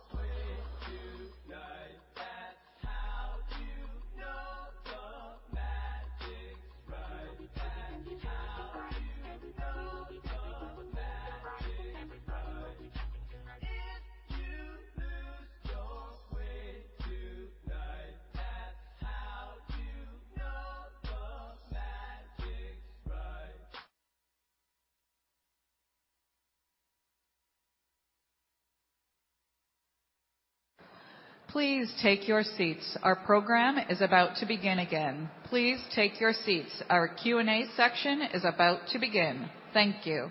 way tonight. That's how you know the magic's right. Please take your seats. Our program is about to begin again. Please take your seats. Our Q&A section is about to begin. Thank you.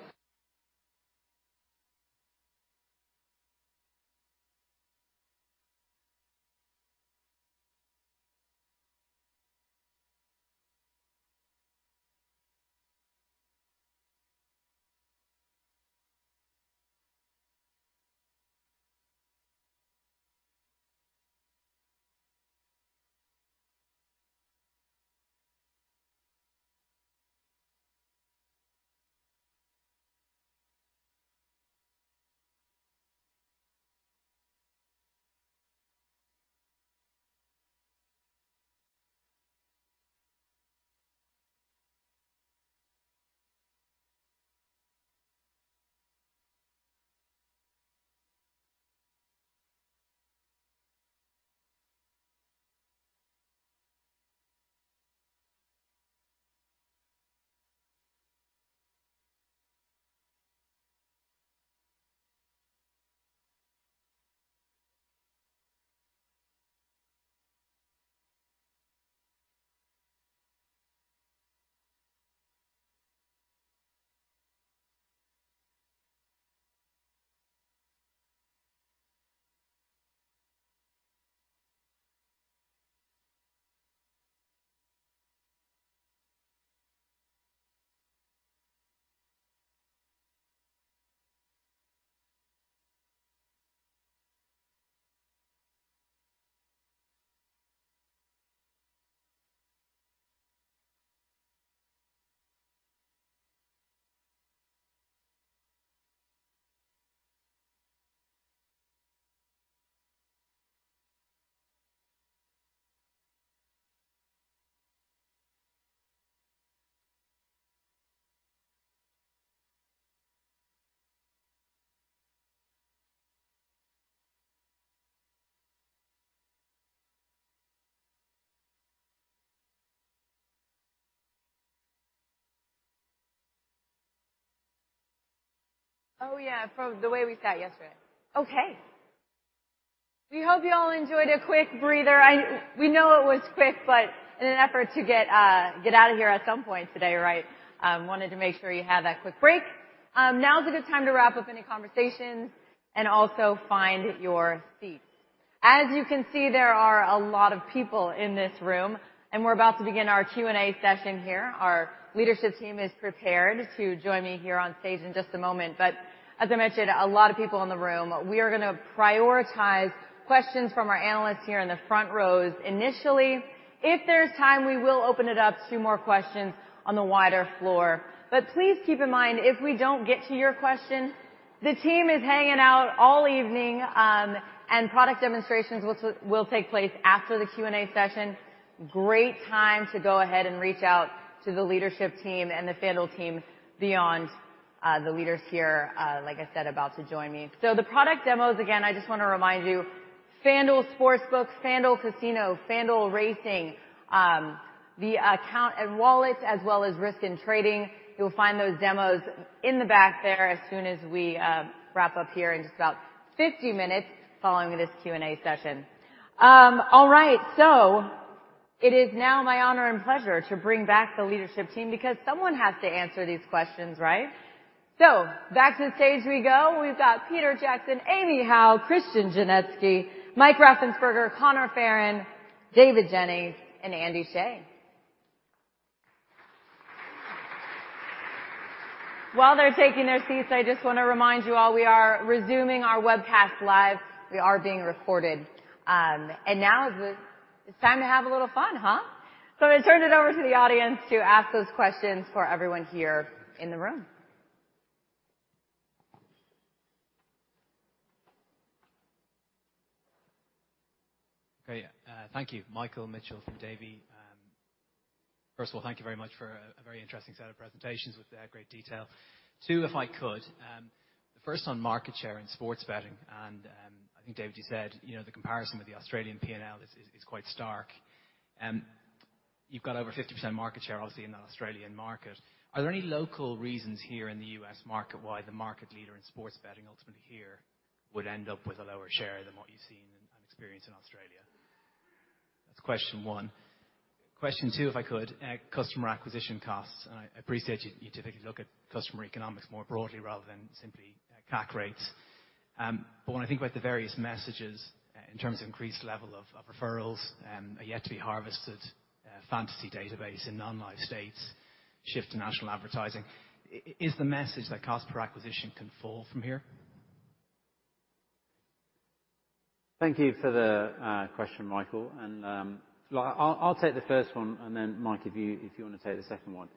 Oh, yeah, from the way we sat yesterday. Okay. We hope you all enjoyed a quick breather. We know it was quick, but in an effort to get out of here at some point today, right, wanted to make sure you had that quick break. Now is a good time to wrap up any conversations and also find your seats. As you can see, there are a lot of people in this room, and we're about to begin our Q&A session here. Our leadership team is prepared to join me here on stage in just a moment. As I mentioned, a lot of people in the room. We are gonna prioritize questions from our analysts here in the front rows initially. If there's time, we will open it up to more questions on the wider floor. Please keep in mind, if we don't get to your question, the team is hanging out all evening, and product demonstrations will take place after the Q&A session. Great time to go ahead and reach out to the leadership team and the FanDuel team beyond the leaders here, like I said, about to join me. The product demos, again, I just wanna remind you, FanDuel Sportsbook, FanDuel Casino, FanDuel Racing, the account and wallets, as well as risk and trading. You'll find those demos in the back there as soon as we wrap up here in just about 50 minutes following this Q&A session. All right, it is now my honor and pleasure to bring back the leadership team because someone has to answer these questions, right? Back to the stage we go. We've got Peter Jackson, Amy Howe, Christian Genetski, Mike Raffensperger, Conor Farren, David Jennings, and Andrew Sheh. While they're taking their seats, I just wanna remind you all we are resuming our webcast live. We are being recorded. Now it's time to have a little fun, huh? I'm gonna turn it over to the audience to ask those questions for everyone here in the room. Great. Thank you. Michael Mitchell from Davy. First of all, thank you very much for a very interesting set of presentations with great detail. Two, if I could, the first on market share in sports betting, and I think, David, you said, you know, the comparison with the Australian P&L is quite stark. You've got over 50% market share, obviously, in the Australian market. Are there any local reasons here in the U.S. market why the market leader in sports betting ultimately here would end up with a lower share than what you've seen and experienced in Australia? That's question one. Question two, if I could, customer acquisition costs. And I appreciate you typically look at customer economics more broadly rather than simply CAC rates. When I think about the various messages in terms of increased level of referrals, a yet to be harvested fantasy database in non-live states, shift to national advertising, is the message that cost per acquisition can fall from here? Thank you for the question, Michael. I'll take the first one, and then, Mike, if you wanna take the second one.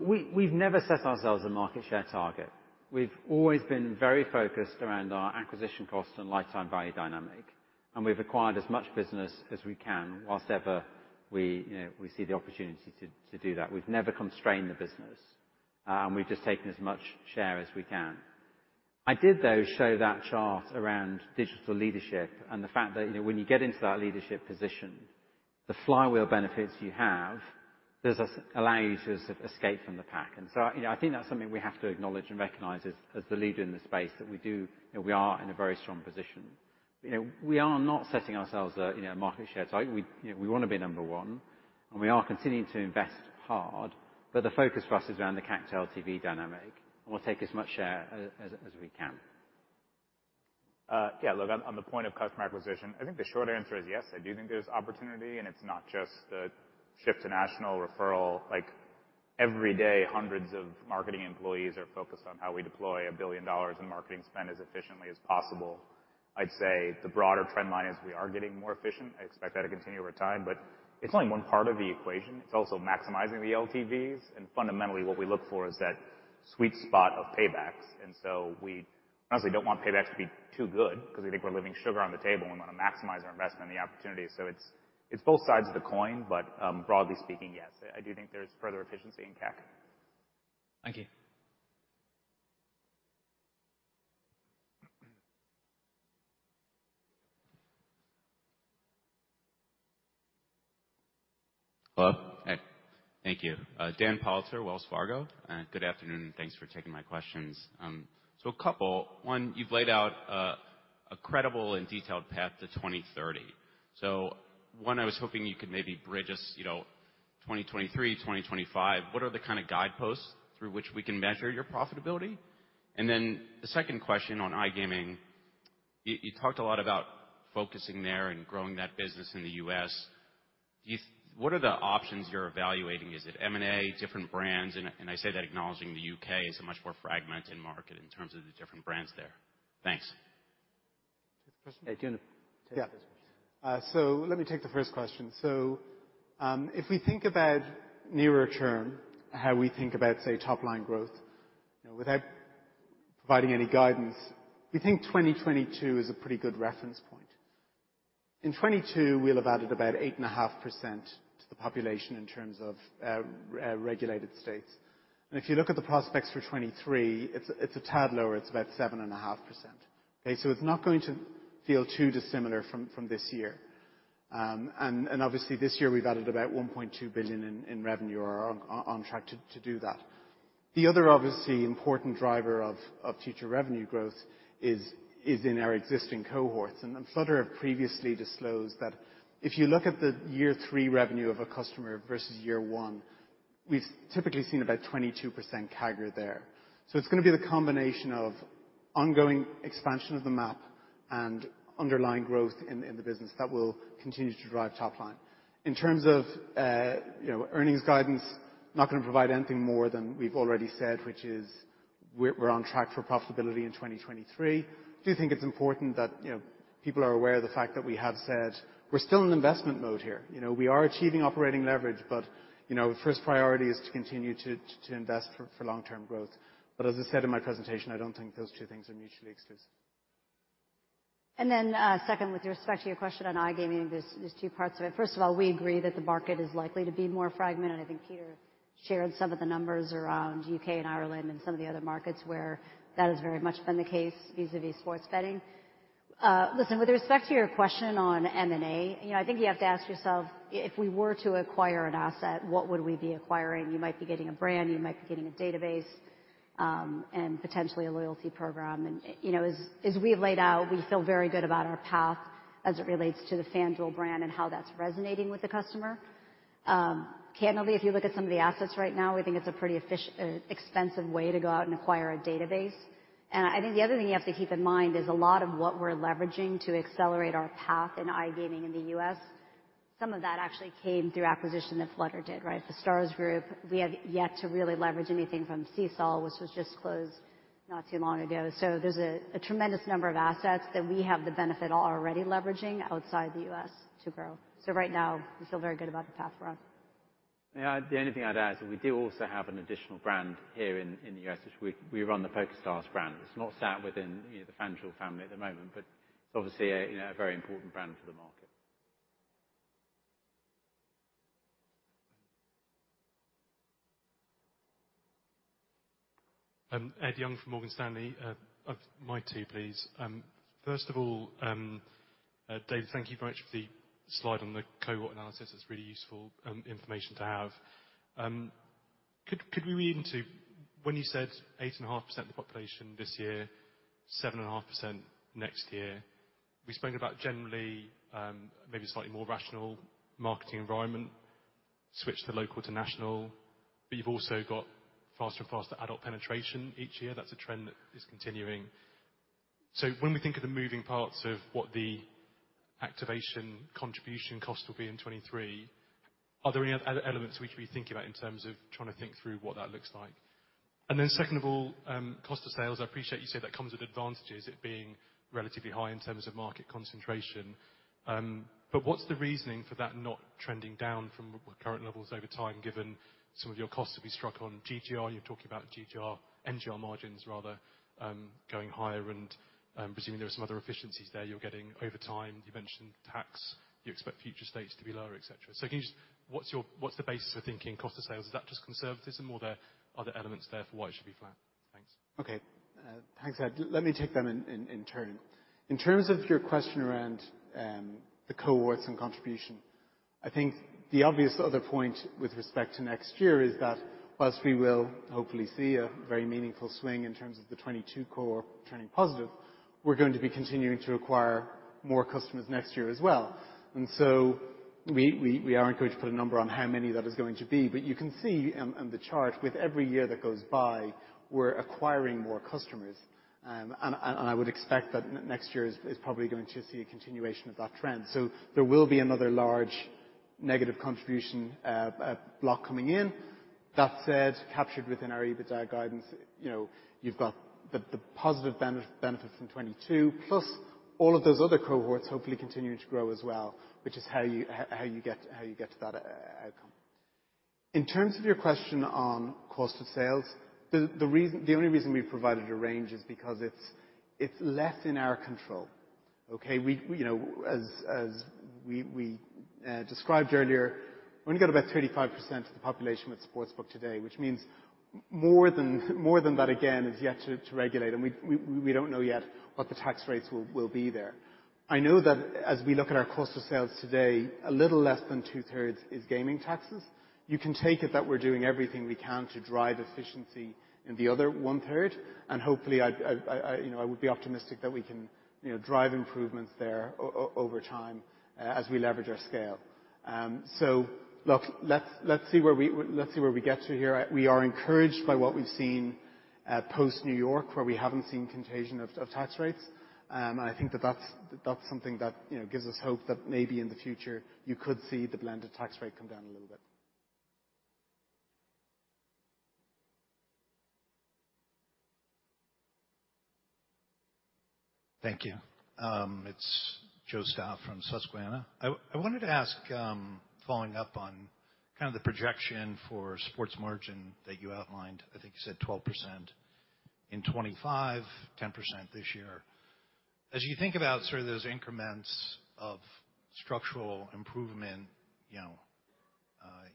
We've never set ourselves a market share target. We've always been very focused around our acquisition costs and lifetime value dynamic, and we've acquired as much business as we can while ever, you know, we see the opportunity to do that. We've never constrained the business, and we've just taken as much share as we can. I did, though, show that chart around digital leadership and the fact that, you know, when you get into that leadership position, the flywheel benefits you have allow you to escape from the pack. You know, I think that's something we have to acknowledge and recognize as the leader in the space that we do. You know, we are in a very strong position. You know, we are not setting ourselves a, you know, market share target. We, you know, we wanna be number one, and we are continuing to invest hard, but the focus for us is around the CAC LTV dynamic, and we'll take as much share as we can. Yeah, look, on the point of customer acquisition, I think the short answer is yes, I do think there's opportunity, and it's not just the shift to national referral. Like, every day, hundreds of marketing employees are focused on how we deploy $1 billion in marketing spend as efficiently as possible. I'd say the broader trend line is we are getting more efficient. I expect that to continue over time, but it's only one part of the equation. It's also maximizing the LTVs, and fundamentally, what we look for is that sweet spot of paybacks. We honestly don't want paybacks to be too good because we think we're leaving sugar on the table and wanna maximize our investment and the opportunity. It's both sides of the coin, but broadly speaking, yes, I do think there's further efficiency in CAC. Thank you. Hello? Hey, thank you. Dan Politzer, Wells Fargo. Good afternoon, and thanks for taking my questions. So a couple. One, you've laid out a credible and detailed path to 2030. One, I was hoping you could maybe bridge us, you know, 2023, 2025, what are the kinda guideposts through which we can measure your profitability? And then the second question on iGaming. You talked a lot about focusing there and growing that business in the U.S. What are the options you're evaluating? Is it M&A, different brands? And I say that acknowledging the U.K. is a much more fragmented market in terms of the different brands there. Thanks. Take the first one? Yeah. Let me take the first question. If we think about nearer term, how we think about, say, top-line growth. You know, without providing any guidance, we think 2022 is a pretty good reference point. In 2022, we'll have added about 8.5% to the population in terms of regulated states. If you look at the prospects for 2023, it's a tad lower, it's about 7.5%. Okay? It's not going to feel too dissimilar from this year. Obviously this year we've added about $1.2 billion in revenue or on track to do that. The other obviously important driver of future revenue growth is in our existing cohorts. Flutter have previously disclosed that if you look at the year three revenue of a customer versus year one, we've typically seen about 22% CAGR there. It's gonna be the combination of ongoing expansion of the map and underlying growth in the business that will continue to drive top line. In terms of, you know, earnings guidance, not gonna provide anything more than we've already said, which is we're on track for profitability in 2023. I do think it's important that, you know, people are aware of the fact that we have said we're still in investment mode here. You know, we are achieving operating leverage, but, you know, first priority is to continue to invest for long-term growth. But as I said in my presentation, I don't think those two things are mutually exclusive. Second, with respect to your question on iGaming, there's two parts of it. First of all, we agree that the market is likely to be more fragmented. I think Peter shared some of the numbers around U.K. and Ireland and some of the other markets where that has very much been the case vis-à-vis sports betting. Listen, with respect to your question on M&A, you know, I think you have to ask yourself, if we were to acquire an asset, what would we be acquiring? You might be getting a brand, you might be getting a database, and potentially a loyalty program. You know, as we have laid out, we feel very good about our path as it relates to the FanDuel brand and how that's resonating with the customer. Candidly, if you look at some of the assets right now, we think it's a pretty expensive way to go out and acquire a database. I think the other thing you have to keep in mind is a lot of what we're leveraging to accelerate our path in iGaming in the U.S., some of that actually came through acquisition that Flutter did, right? The Stars Group, we have yet to really leverage anything from Caesars, which was just closed not too long ago. There's a tremendous number of assets that we have the benefit of already leveraging outside the U.S. to grow. Right now we feel very good about the path for us. Yeah. The only thing I'd add is that we do also have an additional brand here in the U.S., which we run the PokerStars brand. It's not set within, you know, the FanDuel family at the moment, but it's obviously, you know, a very important brand for the market. Ed Young from Morgan Stanley. Mic too, please. First of all, Dave, thank you very much for the slide on the cohort analysis. It's really useful information to have. Could we read into when you said 8.5% the population this year, 7.5% next year? We spoke about generally, maybe slightly more rational marketing environment, switch to local to national, but you've also got faster and faster adult penetration each year. That's a trend that is continuing. When we think of the moving parts of what the activation contribution cost will be in 2023, are there any other elements we should be thinking about in terms of trying to think through what that looks like? Second of all, cost of sales, I appreciate you say that comes with advantages, it being relatively high in terms of market concentration. But what's the reasoning for that not trending down from current levels over time, given some of your costs will be struck on GGR, you're talking about GGR, NGR margins rather, going higher and presuming there are some other efficiencies there you're getting over time. You mentioned tax, you expect future rates to be lower, et cetera. What's the basis for thinking cost of sales? Is that just conservatism or are there other elements there for why it should be flat? Thanks. Okay. Thanks, Ed. Let me take them in turn. In terms of your question around the cohorts and contribution, I think the obvious other point with respect to next year is that while we will hopefully see a very meaningful swing in terms of the 2022 cohort turning positive, we're going to be continuing to acquire more customers next year as well. We aren't going to put a number on how many that is going to be, but you can see on the chart with every year that goes by, we're acquiring more customers. I would expect that next year is probably going to see a continuation of that trend. There will be another large negative contribution block coming in. That said, captured within our EBITDA guidance, you've got the positive benefit from 2022, plus all of those other cohorts hopefully continuing to grow as well, which is how you get to that outcome. In terms of your question on cost of sales, the reason the only reason we've provided a range is because it's less in our control. Okay. We, as we described earlier, we only got about 35% of the population with sportsbook today, which means more than that again is yet to regulate. We don't know yet what the tax rates will be there. I know that as we look at our cost of sales today, a little less than two-thirds is gaming taxes. You can take it that we're doing everything we can to drive efficiency in the other 1/3. Hopefully I you know would be optimistic that we can you know drive improvements there over time as we leverage our scale. Look, let's see where we get to here. We are encouraged by what we've seen post New York, where we haven't seen contagion of tax rates. I think that that's something that you know gives us hope that maybe in the future you could see the blended tax rate come down a little bit. Thank you. It's Joe Stauff from Susquehanna. I wanted to ask, following up on kind of the projection for sports margin that you outlined. I think you said 12% in 2025, 10% this year. As you think about sort of those increments of structural improvement, you know,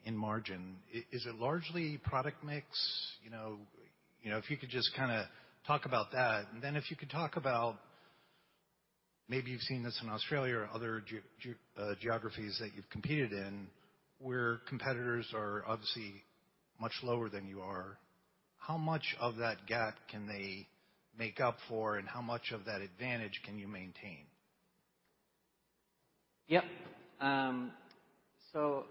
in margin, is it largely product mix? You know, if you could just kinda talk about that. If you could talk about maybe you've seen this in Australia or other geo, geographies that you've competed in, where competitors are obviously much lower than you are. How much of that gap can they make up for, and how much of that advantage can you maintain? Yeah. So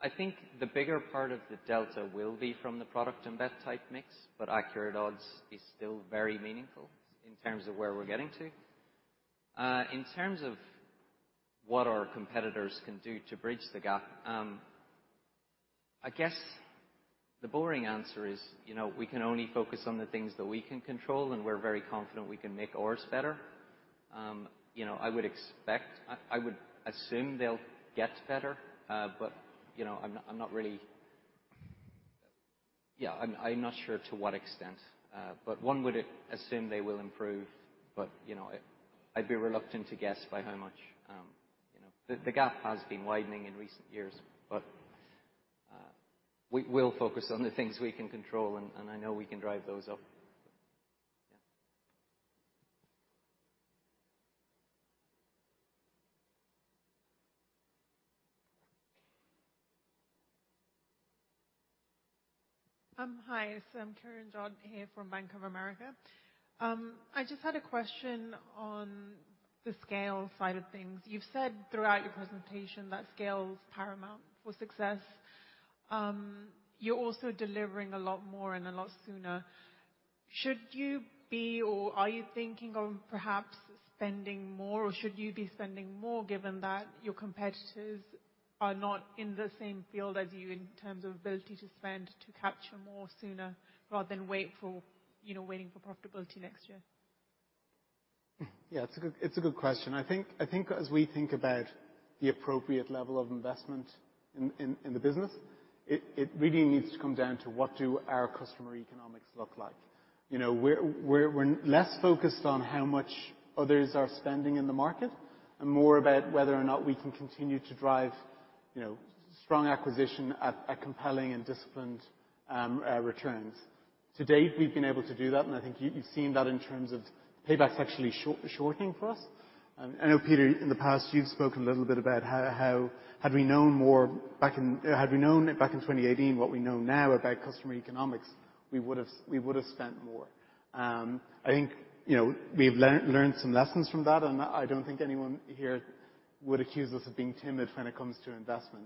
I think the bigger part of the delta will be from the product and bet type mix, but accurate odds is still very meaningful in terms of where we're getting to. In terms of what our competitors can do to bridge the gap, I guess the boring answer is, you know, we can only focus on the things that we can control, and we're very confident we can make ours better. You know, I would assume they'll get better, but you know, I'm not sure to what extent, but one would assume they will improve. You know, I'd be reluctant to guess by how much. You know, the gap has been widening in recent years, but we'll focus on the things we can control, and I know we can drive those up. Yeah. Hi. I'm Karen Jim here from Bank of America. I just had a question on the scale side of things. You've said throughout your presentation that scale is paramount for success. You're also delivering a lot more and a lot sooner. Should you be or are you thinking of perhaps spending more or should you be spending more given that your competitors are not in the same field as you in terms of ability to spend to capture more sooner rather than wait for, you know, waiting for profitability next year? Yeah, it's a good question. I think as we think about the appropriate level of investment in the business, it really needs to come down to what our customer economics look like. You know, we're less focused on how much others are spending in the market and more about whether or not we can continue to drive strong acquisition at compelling and disciplined returns. To date, we've been able to do that, and I think you've seen that in terms of paybacks actually shortening for us. I know, Peter, in the past, you've spoken a little bit about how had we known back in 2018 what we know now about customer economics, we would've spent more. I think, you know, we've learned some lessons from that, and I don't think anyone here would accuse us of being timid when it comes to investment.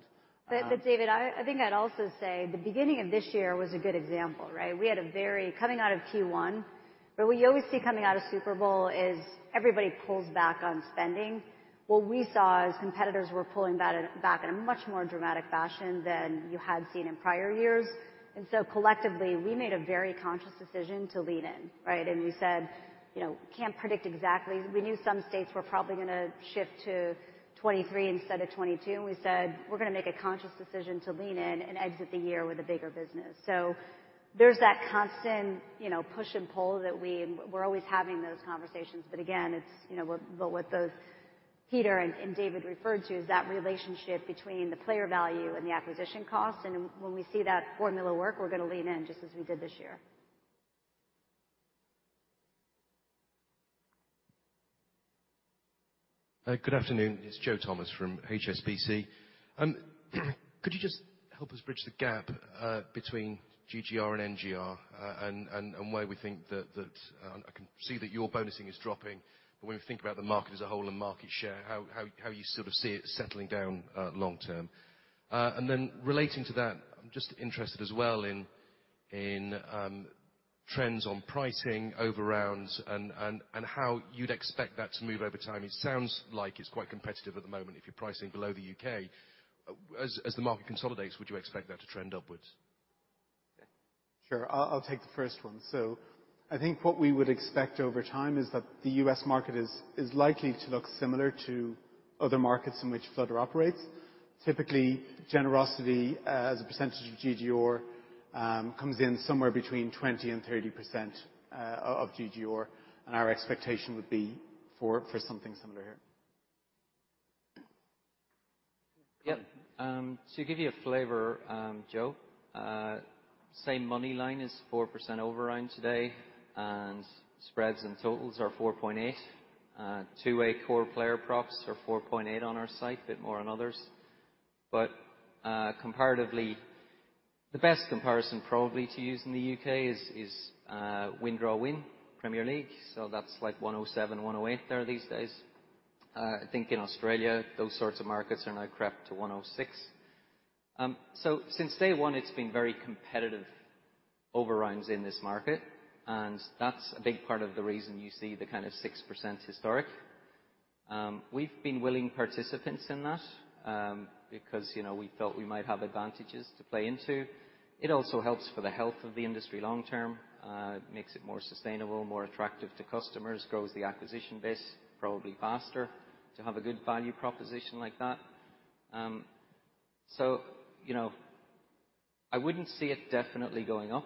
David, I think I'd also say the beginning of this year was a good example, right? Coming out of Q1, what we always see coming out of Super Bowl is everybody pulls back on spending. What we saw is competitors were pulling back in a much more dramatic fashion than you had seen in prior years. Collectively, we made a very conscious decision to lean in, right? We said, you know, can't predict exactly. We knew some states were probably gonna shift to 2023 instead of 2022, and we said, "We're gonna make a conscious decision to lean in and exit the year with a bigger business." There's that constant, you know, push and pull that we're always having those conversations. Again, it's, you know, what both Peter and David referred to is that relationship between the player value and the acquisition cost. When we see that formula work, we're gonna lean in just as we did this year. Good afternoon. It's Joe Thomas from HSBC. Could you just help us bridge the gap between GGR and NGR, and where we think that I can see that your bonusing is dropping, but when we think about the market as a whole and market share, how you sort of see it settling down long term? Then relating to that, I'm just interested as well in trends on pricing over rounds and how you'd expect that to move over time. It sounds like it's quite competitive at the moment if you're pricing below the U.K. As the market consolidates, would you expect that to trend upwards? Sure. I'll take the first one. I think what we would expect over time is that the U.S. market is likely to look similar to other markets in which Flutter operates. Typically, generosity as a percentage of GGR comes in somewhere between 20%-30% of GGR, and our expectation would be for something similar here. Yeah. To give you a flavor, Joe, same moneylines is 4% overround today, and spreads and totals are 4.8%. Two-way core player props are 4.8% on our site, a bit more on others. Comparatively, the best comparison probably to use in the U.K. is win, draw, win Premier League, so that's like 107, 108 there these days. I think in Australia, those sorts of markets are now crept to 106. So since day one, it's been very competitive overrounds in this market, and that's a big part of the reason you see the kind of 6% historic. We've been willing participants in that, because, you know, we felt we might have advantages to play into. It also helps for the health of the industry long term, makes it more sustainable, more attractive to customers, grows the acquisition base probably faster to have a good value proposition like that. You know, I wouldn't see it definitely going up.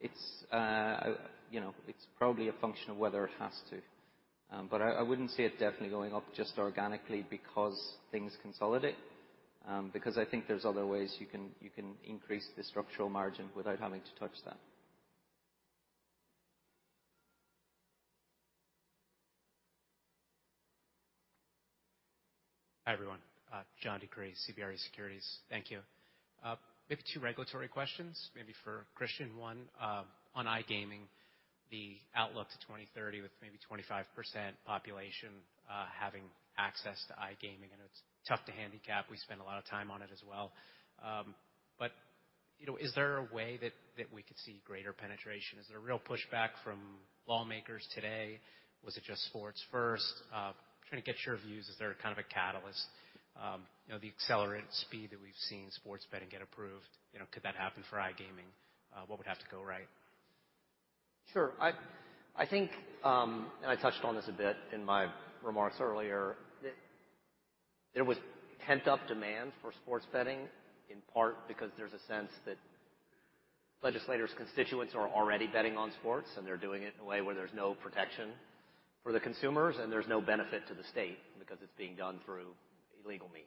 It's, you know, it's probably a function of whether it has to. I wouldn't see it definitely going up just organically because things consolidate, because I think there's other ways you can increase the structural margin without having to touch that. Hey, everyone, John DeCree, CBRE Securities. Thank you. Maybe two regulatory questions, maybe for Christian. One, on iGaming, the outlook to 2030 with maybe 25% population having access to iGaming, and it's tough to handicap. We spend a lot of time on it as well. You know, is there a way that we could see greater penetration? Is there a real pushback from lawmakers today? Was it just sports first? Trying to get your views. Is there kind of a catalyst, you know, the accelerated speed that we've seen sports betting get approved, you know, could that happen for iGaming? What would have to go right? Sure. I think, and I touched on this a bit in my remarks earlier, that there was pent-up demand for sports betting, in part because there's a sense that legislators' constituents are already betting on sports, and they're doing it in a way where there's no protection for the consumers, and there's no benefit to the state because it's being done through illegal means.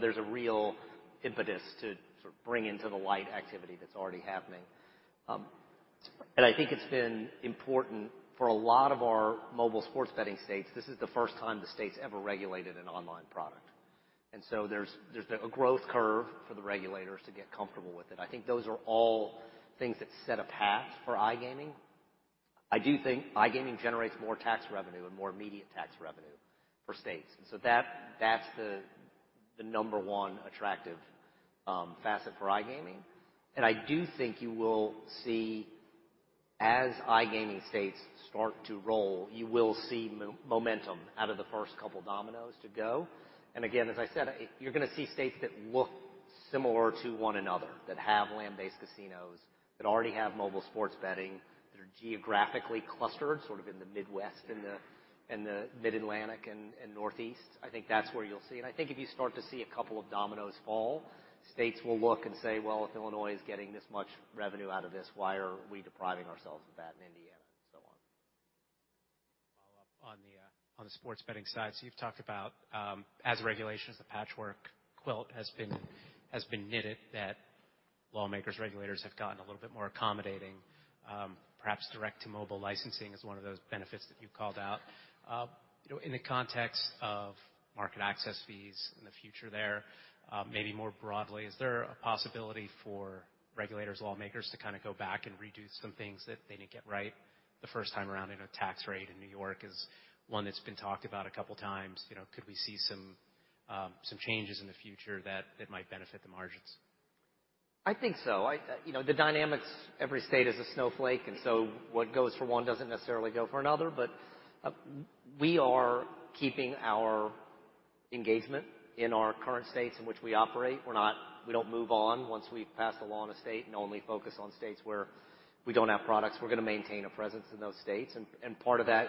There's a real impetus to sort of bring into the light activity that's already happening. I think it's been important for a lot of our mobile sports betting states. This is the first time the state's ever regulated an online product. There's been a growth curve for the regulators to get comfortable with it. I think those are all things that set a path for iGaming. I do think iGaming generates more tax revenue and more immediate tax revenue for states. That, that's the number one attractive facet for iGaming. I do think you will see as iGaming states start to roll, you will see momentum out of the first couple dominoes to go. Again, as I said, you're gonna see states that look similar to one another, that have land-based casinos, that already have mobile sports betting, that are geographically clustered, sort of in the Midwest and the Mid-Atlantic and Northeast. I think that's where you'll see. I think if you start to see a couple of dominoes fall, states will look and say, "Well, if Illinois is getting this much revenue out of this, why are we depriving ourselves of that in Indiana?" and so on. Follow up on the sports betting side. You've talked about as regulations, the patchwork quilt has been knitted, that lawmakers, regulators have gotten a little bit more accommodating, perhaps direct to mobile licensing is one of those benefits that you called out. You know, in the context of market access fees in the future there, maybe more broadly, is there a possibility for regulators, lawmakers to kinda go back and redo some things that they didn't get right the first time around in a tax rate in New York is one that's been talked about a couple times? You know, could we see some changes in the future that might benefit the margins? I think so. You know, the dynamics, every state is a snowflake, and so what goes for one doesn't necessarily go for another. We are keeping our engagement in our current states in which we operate. We don't move on once we've passed a law in a state and only focus on states where we don't have products. We're gonna maintain a presence in those states. Part of that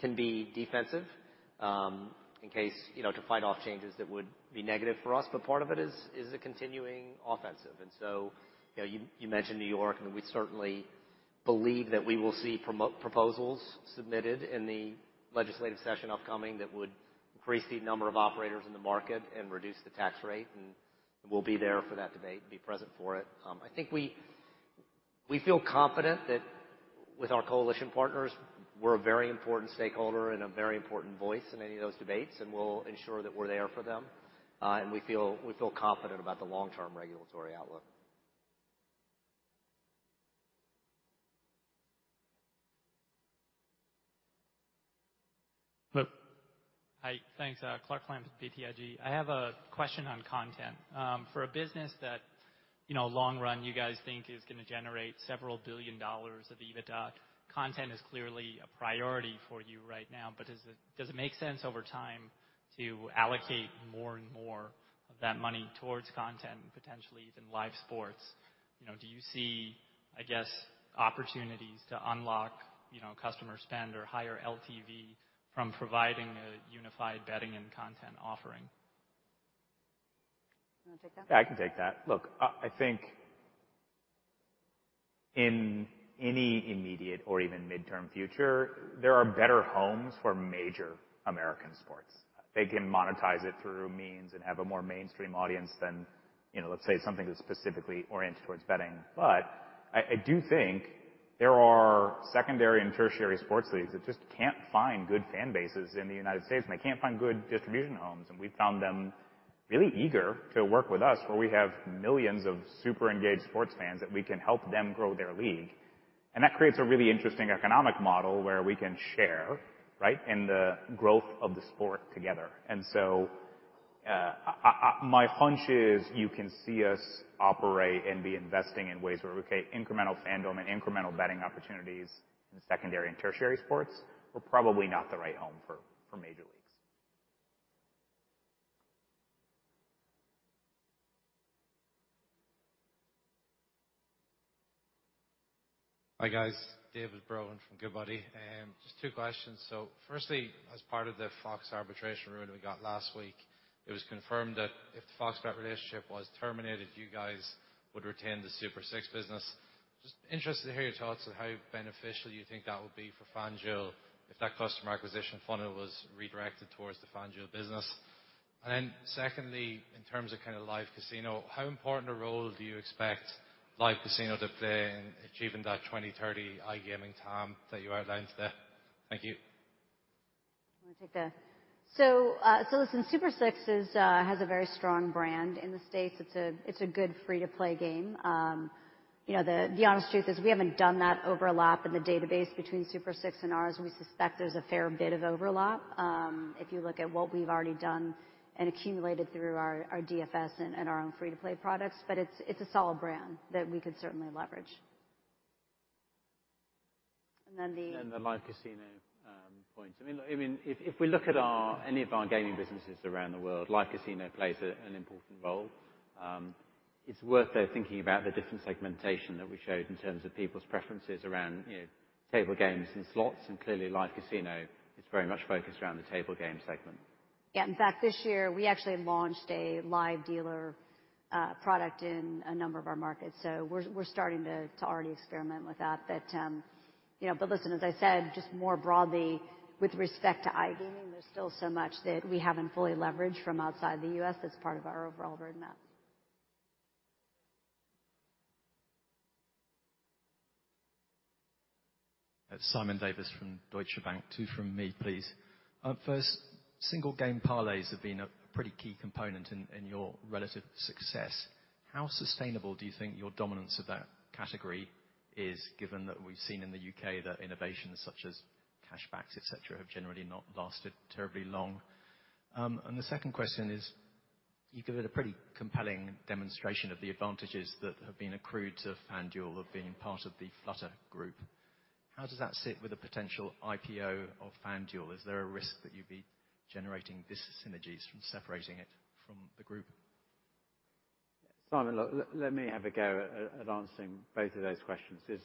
can be defensive, in case, you know, to fight off changes that would be negative for us, but part of it is a continuing offensive. You know, you mentioned New York, and we certainly believe that we will see proposals submitted in the legislative session upcoming that would increase the number of operators in the market and reduce the tax rate, and we'll be there for that debate and be present for it. I think we feel confident that with our coalition partners, we're a very important stakeholder and a very important voice in any of those debates, and we'll ensure that we're there for them. We feel confident about the long-term regulatory outlook. Hey. Thanks. Clark Lampen with BTIG. I have a question on content. For a business that, you know, long run, you guys think is gonna generate several billion dollars of EBITDA, content is clearly a priority for you right now. Does it make sense over time? To allocate more and more of that money towards content and potentially even live sports. You know, do you see, I guess, opportunities to unlock, you know, customer spend or higher LTV from providing a unified betting and content offering? You wanna take that? Yeah, I can take that. Look, I think in any immediate or even midterm future, there are better homes for major American sports. They can monetize it through means and have a more mainstream audience than, you know, let's say something that's specifically oriented towards betting. I do think there are secondary and tertiary sports leagues that just can't find good fan bases in the United States, and they can't find good distribution homes, and we found them really eager to work with us, where we have millions of super engaged sports fans that we can help them grow their league. That creates a really interesting economic model where we can share, right, in the growth of the sport together. My hunch is you can see us operate and be investing in ways where we take incremental fandom and incremental betting opportunities in secondary and tertiary sports. We're probably not the right home for major leagues. Hi, guys. David Brohan from Goodbody. Just two questions. Firstly, as part of the FOX Bet arbitration ruling we got last week, it was confirmed that if the FOX Bet relationship was terminated, you guys would retain the Super 6 business. Just interested to hear your thoughts on how beneficial you think that would be for FanDuel if that customer acquisition funnel was redirected towards the FanDuel business. Secondly, in terms of kinda live casino, how important a role do you expect live casino to play in achieving that 2030 iGaming TAM that you outlined today? Thank you. Wanna take that? Listen, Super 6 has a very strong brand in the States. It's a good free-to-play game. You know, the honest truth is we haven't done that overlap in the database between Super 6 and ours. We suspect there's a fair bit of overlap, if you look at what we've already done and accumulated through our DFS and our own free-to-play products. But it's a solid brand that we could certainly leverage. And then the- The live casino point. I mean, look, I mean, if we look at any of our gaming businesses around the world, live casino plays an important role. It's worth, though, thinking about the different segmentation that we showed in terms of people's preferences around, you know, table games and slots, and clearly live casino is very much focused around the table game segment. Yeah. In fact, this year, we actually launched a live dealer product in a number of our markets, so we're starting to already experiment with that. You know, but listen, as I said, just more broadly, with respect to iGaming, there's still so much that we haven't fully leveraged from outside the U.S. that's part of our overall roadmap. Simon Davies from Deutsche Bank. Two from me, please. First, same game parlays have been a pretty key component in your relative success. How sustainable do you think your dominance of that category is given that we've seen in the U.K. that innovations such as cashbacks, et cetera, have generally not lasted terribly long? The second question is, you give a pretty compelling demonstration of the advantages that have been accrued to FanDuel of being part of the Flutter Group. How does that sit with a potential IPO of FanDuel? Is there a risk that you'd be generating dyssynergies from separating it from the group? Simon, look, let me have a go at answering both of those questions, 'cause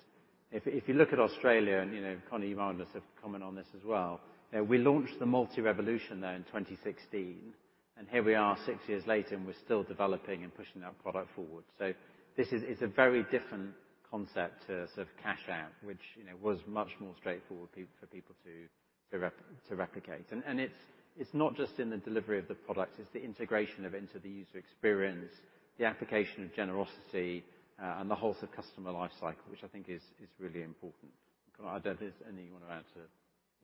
if you look at Australia and, you know, Conor Farren, you might want to sort of comment on this as well. We launched the Same Game Multi there in 2016, and here we are six years later, and we're still developing and pushing that product forward. This is a very different concept to sort of cash app, which, you know, was much more straightforward for people to replicate. It's not just in the delivery of the product, it's the integration into the user experience, the application of generosity, and the whole sort of customer life cycle, which I think is really important. Go ahead. Is there anything you wanna add to.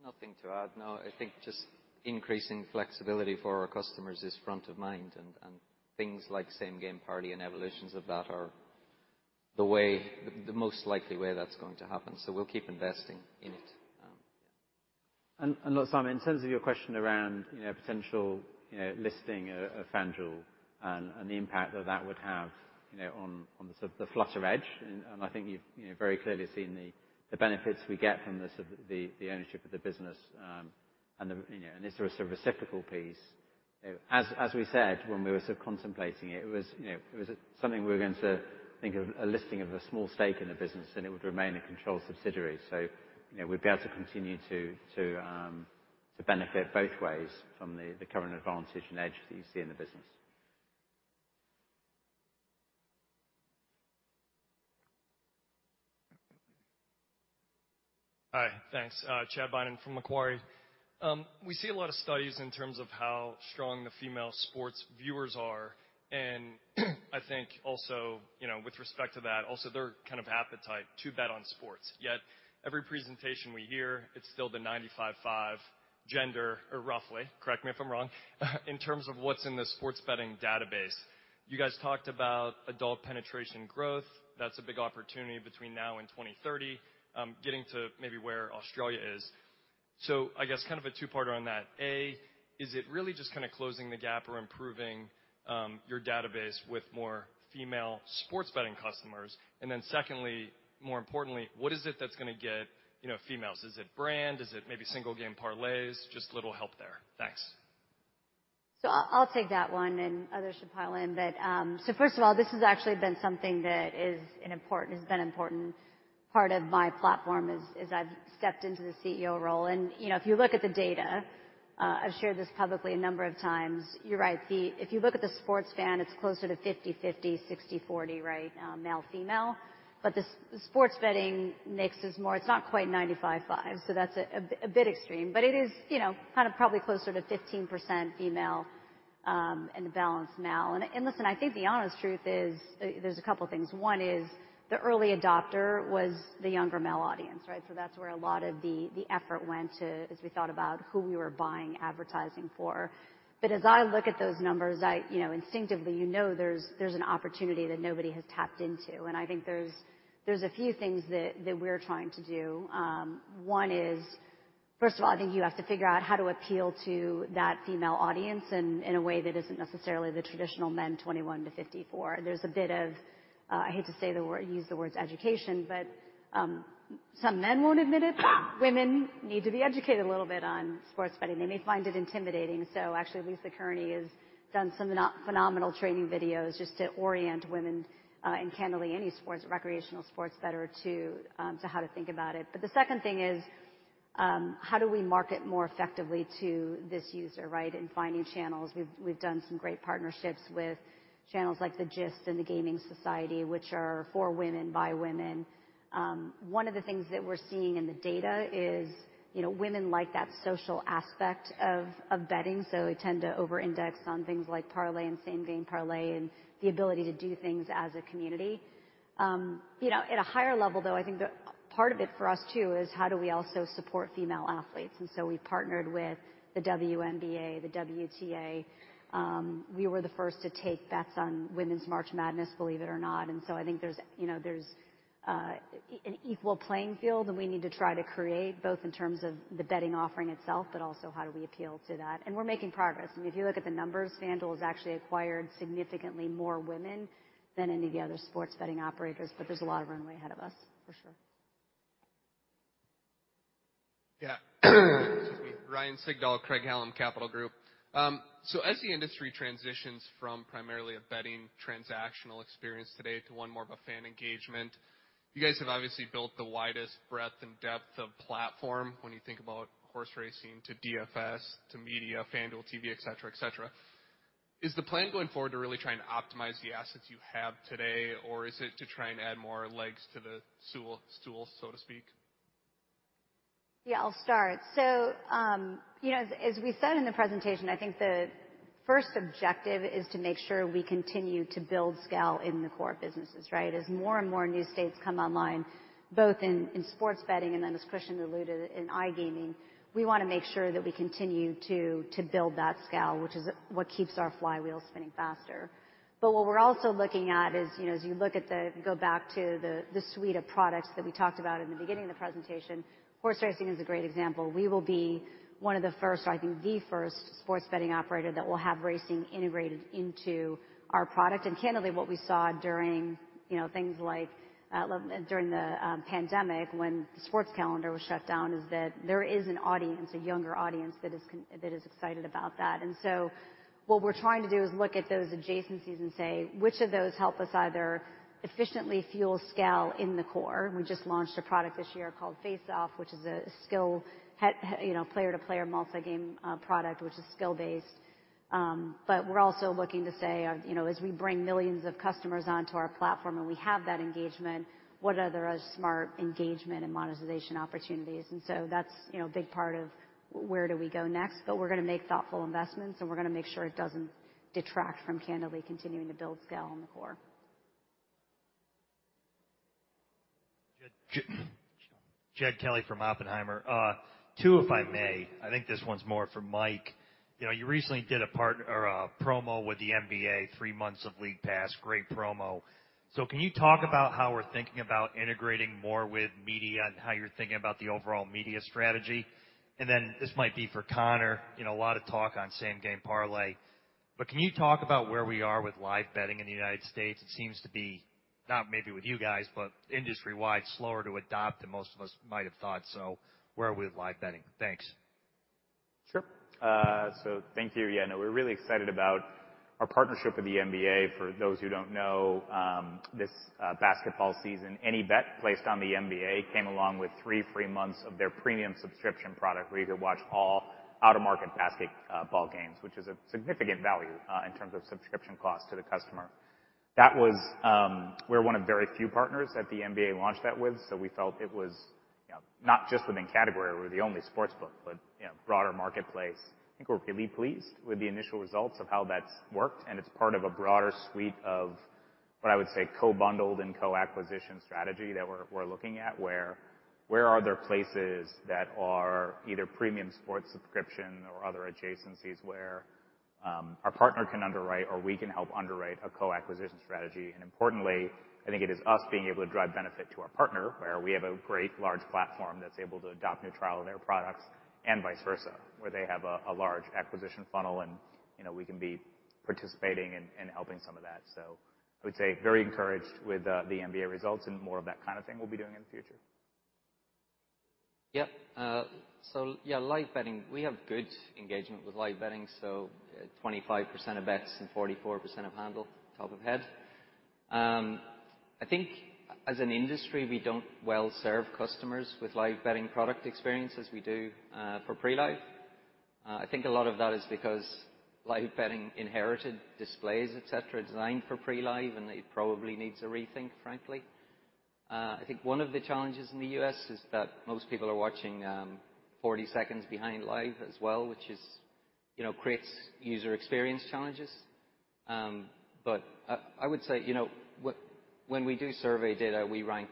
Nothing to add. No. I think just increasing flexibility for our customers is front of mind and things like Same Game Parlay and evolutions of that are the way, the most likely way that's going to happen. We'll keep investing in it. Look, Simon, in terms of your question around, you know, potential, you know, listing of FanDuel and the impact that that would have, you know, on the sort of the Flutter Edge, and I think you've, you know, very clearly seen the benefits we get from the sort of the ownership of the business, and the, you know, and is there a sort of reciprocal piece? You know, as we said when we were sort of contemplating it was, you know, it was something we were going to think of a listing of a small stake in the business, and it would remain a controlled subsidiary. You know, we'd be able to continue to benefit both ways from the current advantage and edge that you see in the business. Hi. Thanks. Chad Beynon from Macquarie. We see a lot of studies in terms of how strong the female sports viewers are, and I think also, you know, with respect to that, also their kind of appetite to bet on sports. Yet, every presentation we hear, it's still the 95/5 gender or roughly, correct me if I'm wrong, in terms of what's in the sports betting database. You guys talked about adult penetration growth. That's a big opportunity between now and 2030, getting to maybe where Australia is. I guess kind of a two-parter on that. A, is it really just kinda closing the gap or improving, your database with more female sports betting customers? And then secondly, more importantly, what is it that's gonna get, you know, females? Is it brand? Is it maybe single game parlays? Just a little help there. Thanks. I'll take that one and others should pile in. First of all, this has actually been something that has been an important part of my platform as I've stepped into the CEO role. You know, if you look at the data, I've shared this publicly a number of times, you're right. If you look at the sports fan, it's closer to 50/50, 60/40, right, male/female. The sports betting mix is more. It's not quite 95/5, so that's a bit extreme, but it is, you know, kind of probably closer to 15% female, and balance male. Listen, I think the honest truth is there's a couple things. One is the early adopter was the younger male audience, right? That's where a lot of the effort went to as we thought about who we were buying advertising for. As I look at those numbers, you know, instinctively, you know, there's an opportunity that nobody has tapped into. I think there's a few things that we're trying to do. One is, first of all, I think you have to figure out how to appeal to that female audience in a way that isn't necessarily the traditional men 21/54. There's a bit of, I hate to say the word, use the words education, but, some men won't admit it, women need to be educated a little bit on sports betting. They may find it intimidating. Actually, Lisa Kerney has done some phenomenal training videos just to orient women and candidly any sports recreational sports bettor to how to think about it. The second thing is how do we market more effectively to this user, right? In finding channels. We've done some great partnerships with channels like The GIST and The Gaming Society, which are for women, by women. One of the things that we're seeing in the data is, you know, women like that social aspect of betting, so they tend to over-index on things like parlay and Same Game Parlay and the ability to do things as a community. You know, at a higher level, though, I think part of it for us too is how do we also support female athletes? We partnered with the WNBA, the WTA. We were the first to take bets on Women's March Madness, believe it or not. I think there's, you know, an equal playing field that we need to try to create, both in terms of the betting offering itself, but also how do we appeal to that. We're making progress. I mean, if you look at the numbers, FanDuel has actually acquired significantly more women than any of the other sports betting operators, but there's a lot of runway ahead of us, for sure. Yeah. Excuse me. Ryan Sigdahl, Craig-Hallum Capital Group. As the industry transitions from primarily a betting transactional experience today to one more of a fan engagement, you guys have obviously built the widest breadth and depth of platform when you think about horse racing to DFS, to media, FanDuel TV, et cetera, et cetera. Is the plan going forward to really trying to optimize the assets you have today, or is it to try and add more legs to the stool, so to speak? Yeah, I'll start. You know, as we said in the presentation, I think the first objective is to make sure we continue to build scale in the core businesses, right? As more and more new states come online, both in sports betting, and then as Christian alluded in iGaming, we wanna make sure that we continue to build that scale, which is what keeps our flywheel spinning faster. What we're also looking at is, you know, go back to the suite of products that we talked about in the beginning of the presentation, horse racing is a great example. We will be one of the first, or I think the first sports betting operator that will have racing integrated into our product. Candidly, what we saw during, you know, things like, during the pandemic when the sports calendar was shut down, is that there is an audience, a younger audience that is excited about that. What we're trying to do is look at those adjacencies and say which of those help us either efficiently fuel scale in the core. We just launched a product this year called Face Off, which is a skill-based player to player multi-game product which is skill based. But we're also looking to say, you know, as we bring millions of customers onto our platform and we have that engagement, what other smart engagement and monetization opportunities? That's, you know, a big part of where do we go next. We're gonna make thoughtful investments, and we're gonna make sure it doesn't detract from candidly continuing to build scale in the core. Jed Kelly from Oppenheimer. Two, if I may. I think this one's more for Mike. You know, you recently did a part or a promo with the NBA, three months of League Pass, great promo. Can you talk about how we're thinking about integrating more with media and how you're thinking about the overall media strategy? This might be for Conor. You know, a lot of talk on Same Game Parlay, but can you talk about where we are with live betting in the United States? It seems to be, not maybe with you guys, but industry-wide, slower to adopt than most of us might have thought. Where are we with live betting? Thanks. Sure. Thank you. Yeah, no, we're really excited about our partnership with the NBA. For those who don't know, this basketball season, any bet placed on the NBA came along with three free months of their premium subscription product where you could watch all out-of-market basketball games, which is a significant value in terms of subscription cost to the customer. That was. We're one of very few partners that the NBA launched that with. We felt it was, you know, not just within category, we're the only sportsbook, but you know, broader marketplace. I think we're really pleased with the initial results of how that's worked, and it's part of a broader suite of what I would say co-bundled and co-acquisition strategy that we're looking at, where are there places that are either premium sports subscription or other adjacencies where our partner can underwrite or we can help underwrite a co-acquisition strategy. Importantly, I think it is us being able to drive benefit to our partner, where we have a great large platform that's able to adopt new trial of their products and vice versa, where they have a large acquisition funnel and, you know, we can be participating in helping some of that. I would say very encouraged with the NBA results and more of that kind of thing we'll be doing in the future. Yep. So yeah, live betting, we have good engagement with live betting, so 25% of bets and 44% of handle top of head. I think as an industry, we don't well serve customers with live betting product experience as we do for pre-live. I think a lot of that is because live betting inherited displays, et cetera, designed for pre-live, and it probably needs a rethink, frankly. I think one of the challenges in the U.S. is that most people are watching 40 seconds behind live as well, which you know, creates user experience challenges. I would say, you know, when we do survey data, we rank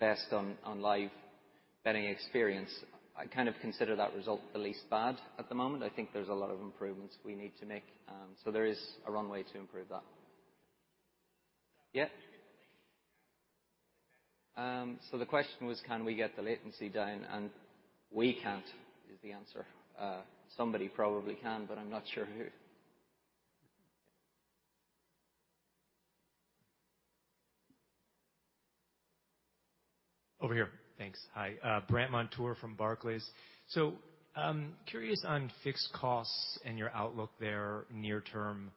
best on live betting experience. I kind of consider that result the least bad at the moment. I think there's a lot of improvements we need to make, so there is a runway to improve that. Yeah. The question was can we get the latency down, and we can't is the answer. Somebody probably can, but I'm not sure who. Over here. Thanks. Hi, Brandt Montour from Barclays. Curious on fixed costs and your outlook there near term,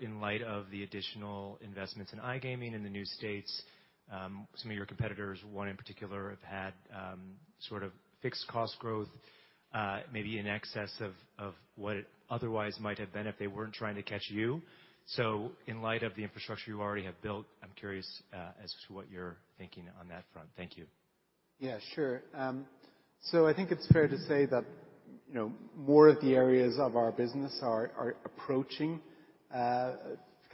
in light of the additional investments in iGaming in the new states. Some of your competitors, one in particular, have had sort of fixed cost growth, maybe in excess of what it otherwise might have been if they weren't trying to catch you. In light of the infrastructure you already have built, I'm curious as to what you're thinking on that front. Thank you. Yeah, sure. I think it's fair to say that, you know, more of the areas of our business are approaching kind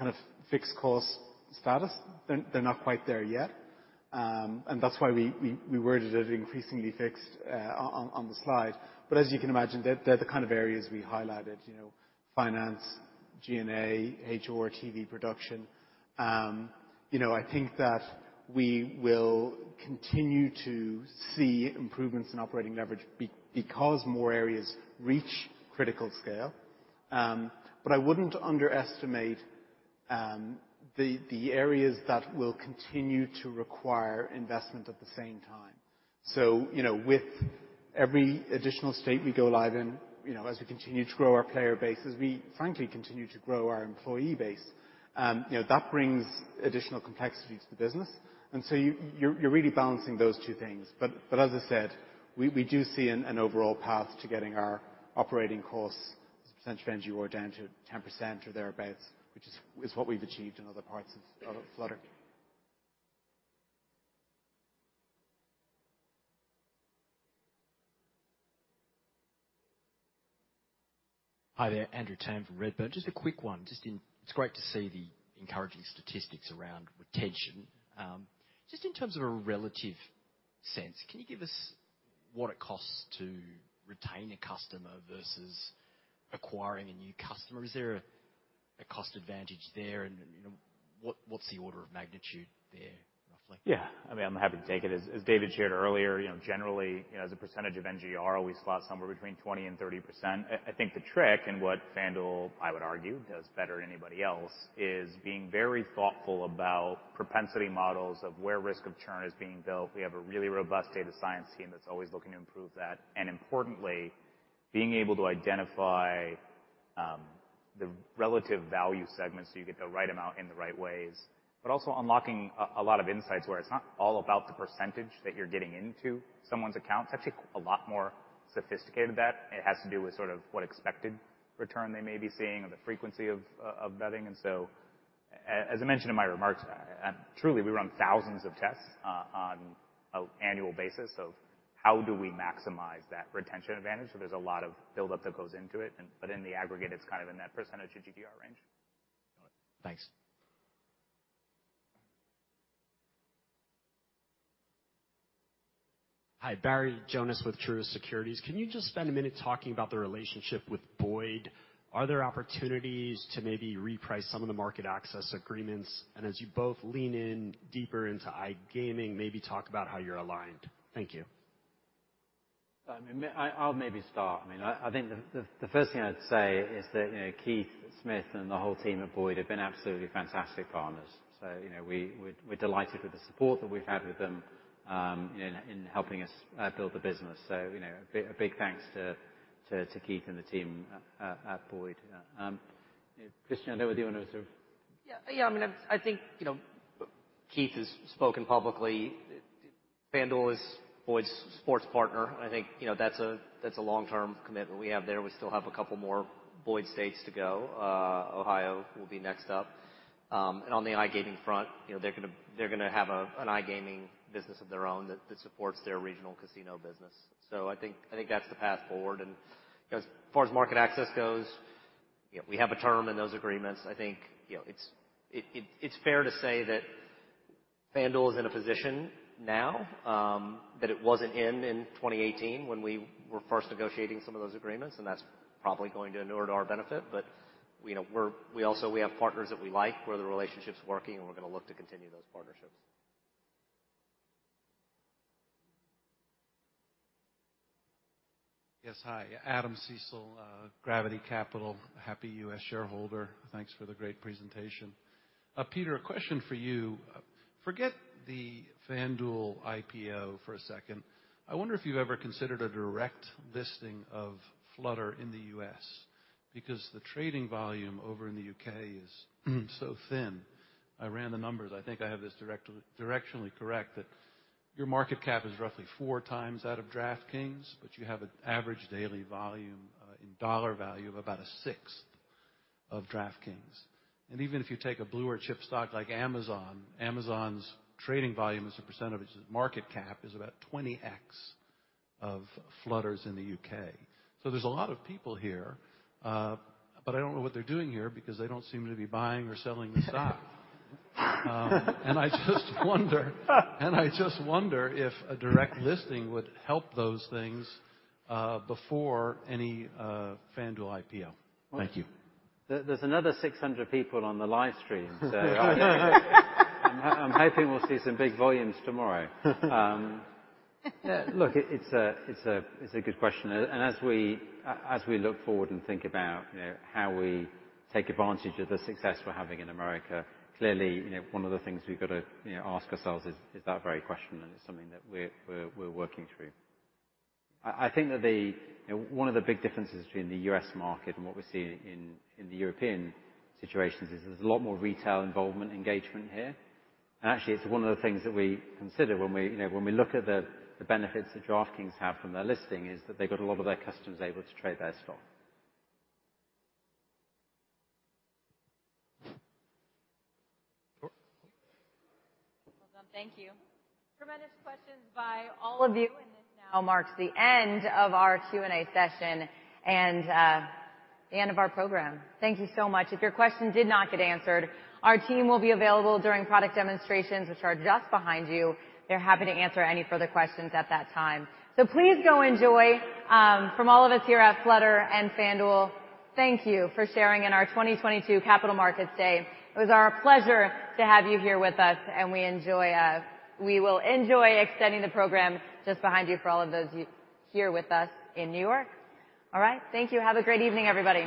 of fixed cost status. They're not quite there yet. That's why we worded it increasingly fixed on the slide. As you can imagine, they're the kind of areas we highlighted, you know, finance, G&A, HR, TV production. You know, I think that we will continue to see improvements in operating leverage because more areas reach critical scale. I wouldn't underestimate the areas that will continue to require investment at the same time. With every additional state we go live in, you know, as we continue to grow our player base, as we frankly continue to grow our employee base, you know, that brings additional complexities to the business. You're really balancing those two things. As I said, we do see an overall path to getting our operating costs as a percentage of NGR down to 10% or thereabouts, which is what we've achieved in other parts of Flutter. Hi there, Andrew Tam from Redburn. Just a quick one. It's great to see the encouraging statistics around retention. Just in terms of a relative sense, can you give us what it costs to retain a customer versus acquiring a new customer? Is there a cost advantage there? You know, what's the order of magnitude there roughly? Yeah. I mean, I'm happy to take it. As David shared earlier, you know, generally, you know, as a percentage of NGR, we slot somewhere between 20% and 30%. I think the trick and what FanDuel, I would argue, does better than anybody else, is being very thoughtful about propensity models of where risk of churn is being built. We have a really robust data science team that's always looking to improve that, and importantly, being able to identify the relative value segments, so you get the right amount in the right ways. But also unlocking a lot of insights where it's not all about the percentage that you're getting into someone's accounts. It's actually a lot more sophisticated than that. It has to do with sort of what expected return they may be seeing or the frequency of betting. As I mentioned in my remarks, truly, we run thousands of tests on an annual basis of how do we maximize that retention advantage. There's a lot of buildup that goes into it, but in the aggregate, it's kind of in that percentage of GGR range. Thanks. Hi, Barry Jonas with Truist Securities. Can you just spend a minute talking about the relationship with Boyd? Are there opportunities to maybe reprice some of the market access agreements? And as you both lean in deeper into iGaming, maybe talk about how you're aligned. Thank you. I'll maybe start. I mean, I think the first thing I'd say is that, you know, Keith Smith and the whole team at Boyd have been absolutely fantastic partners. So, you know, we're delighted with the support that we've had with them in helping us build the business. So, you know, a big thanks to Keith and the team at Boyd. Christian, I know you wanna sort of Yeah. Yeah, I mean, I think, you know, Keith has spoken publicly. FanDuel is Boyd's sports partner. I think, you know, that's a long-term commitment we have there. We still have a couple more Boyd states to go. Ohio will be next up. On the iGaming front, you know, they're gonna have an iGaming business of their own that supports their regional casino business. I think that's the path forward. As far as market access goes, you know, we have a term in those agreements. I think, you know, it's fair to say that FanDuel is in a position now that it wasn't in 2018 when we were first negotiating some of those agreements, and that's probably going to inure to our benefit. You know, we also have partners that we like, where the relationship's working, and we're gonna look to continue those partnerships. Yes. Hey, Adam Seessel, Gravity Capital, happy U.S. shareholder. Thanks for the great presentation. Peter, a question for you. Forget the FanDuel IPO for a second. I wonder if you've ever considered a direct listing of Flutter in the U.S. because the trading volume over in the U.K. is so thin. I ran the numbers. I think I have this directionally correct, that your market cap is roughly 4x that of DraftKings, but you have an average daily volume, in dollar value of about a sixth of DraftKings. Even if you take a blue chip stock like Amazon's trading volume as a percent of its market cap is about 20x of Flutter's in the U.K. There's a lot of people here, but I don't know what they're doing here because they don't seem to be buying or selling the stock. I just wonder if a direct listing would help those things before any FanDuel IPO. Thank you. There's another 600 people on the live stream. I'm hoping we'll see some big volumes tomorrow. Yeah, look, it's a good question. As we look forward and think about, you know, how we take advantage of the success we're having in America, clearly, you know, one of the things we've got to, you know, ask ourselves is that very question, and it's something that we're working through. I think that the one of the big differences between the U.S. market and what we're seeing in the European situations is there's a lot more retail involvement engagement here. Actually, it's one of the things that we consider when we, you know, look at the benefits that DraftKings have from their listing is that they've got a lot of their customers able to trade their stock. Well done. Thank you. Tremendous questions by all of you, and this now marks the end of our Q&A session and the end of our program. Thank you so much. If your question did not get answered, our team will be available during product demonstrations, which are just behind you. They're happy to answer any further questions at that time. So please go enjoy. From all of us here at Flutter and FanDuel, thank you for sharing in our 2022 Capital Markets Day. It was our pleasure to have you here with us, and we will enjoy extending the program just behind you for all of those here with us in New York. All right. Thank you. Have a great evening, everybody.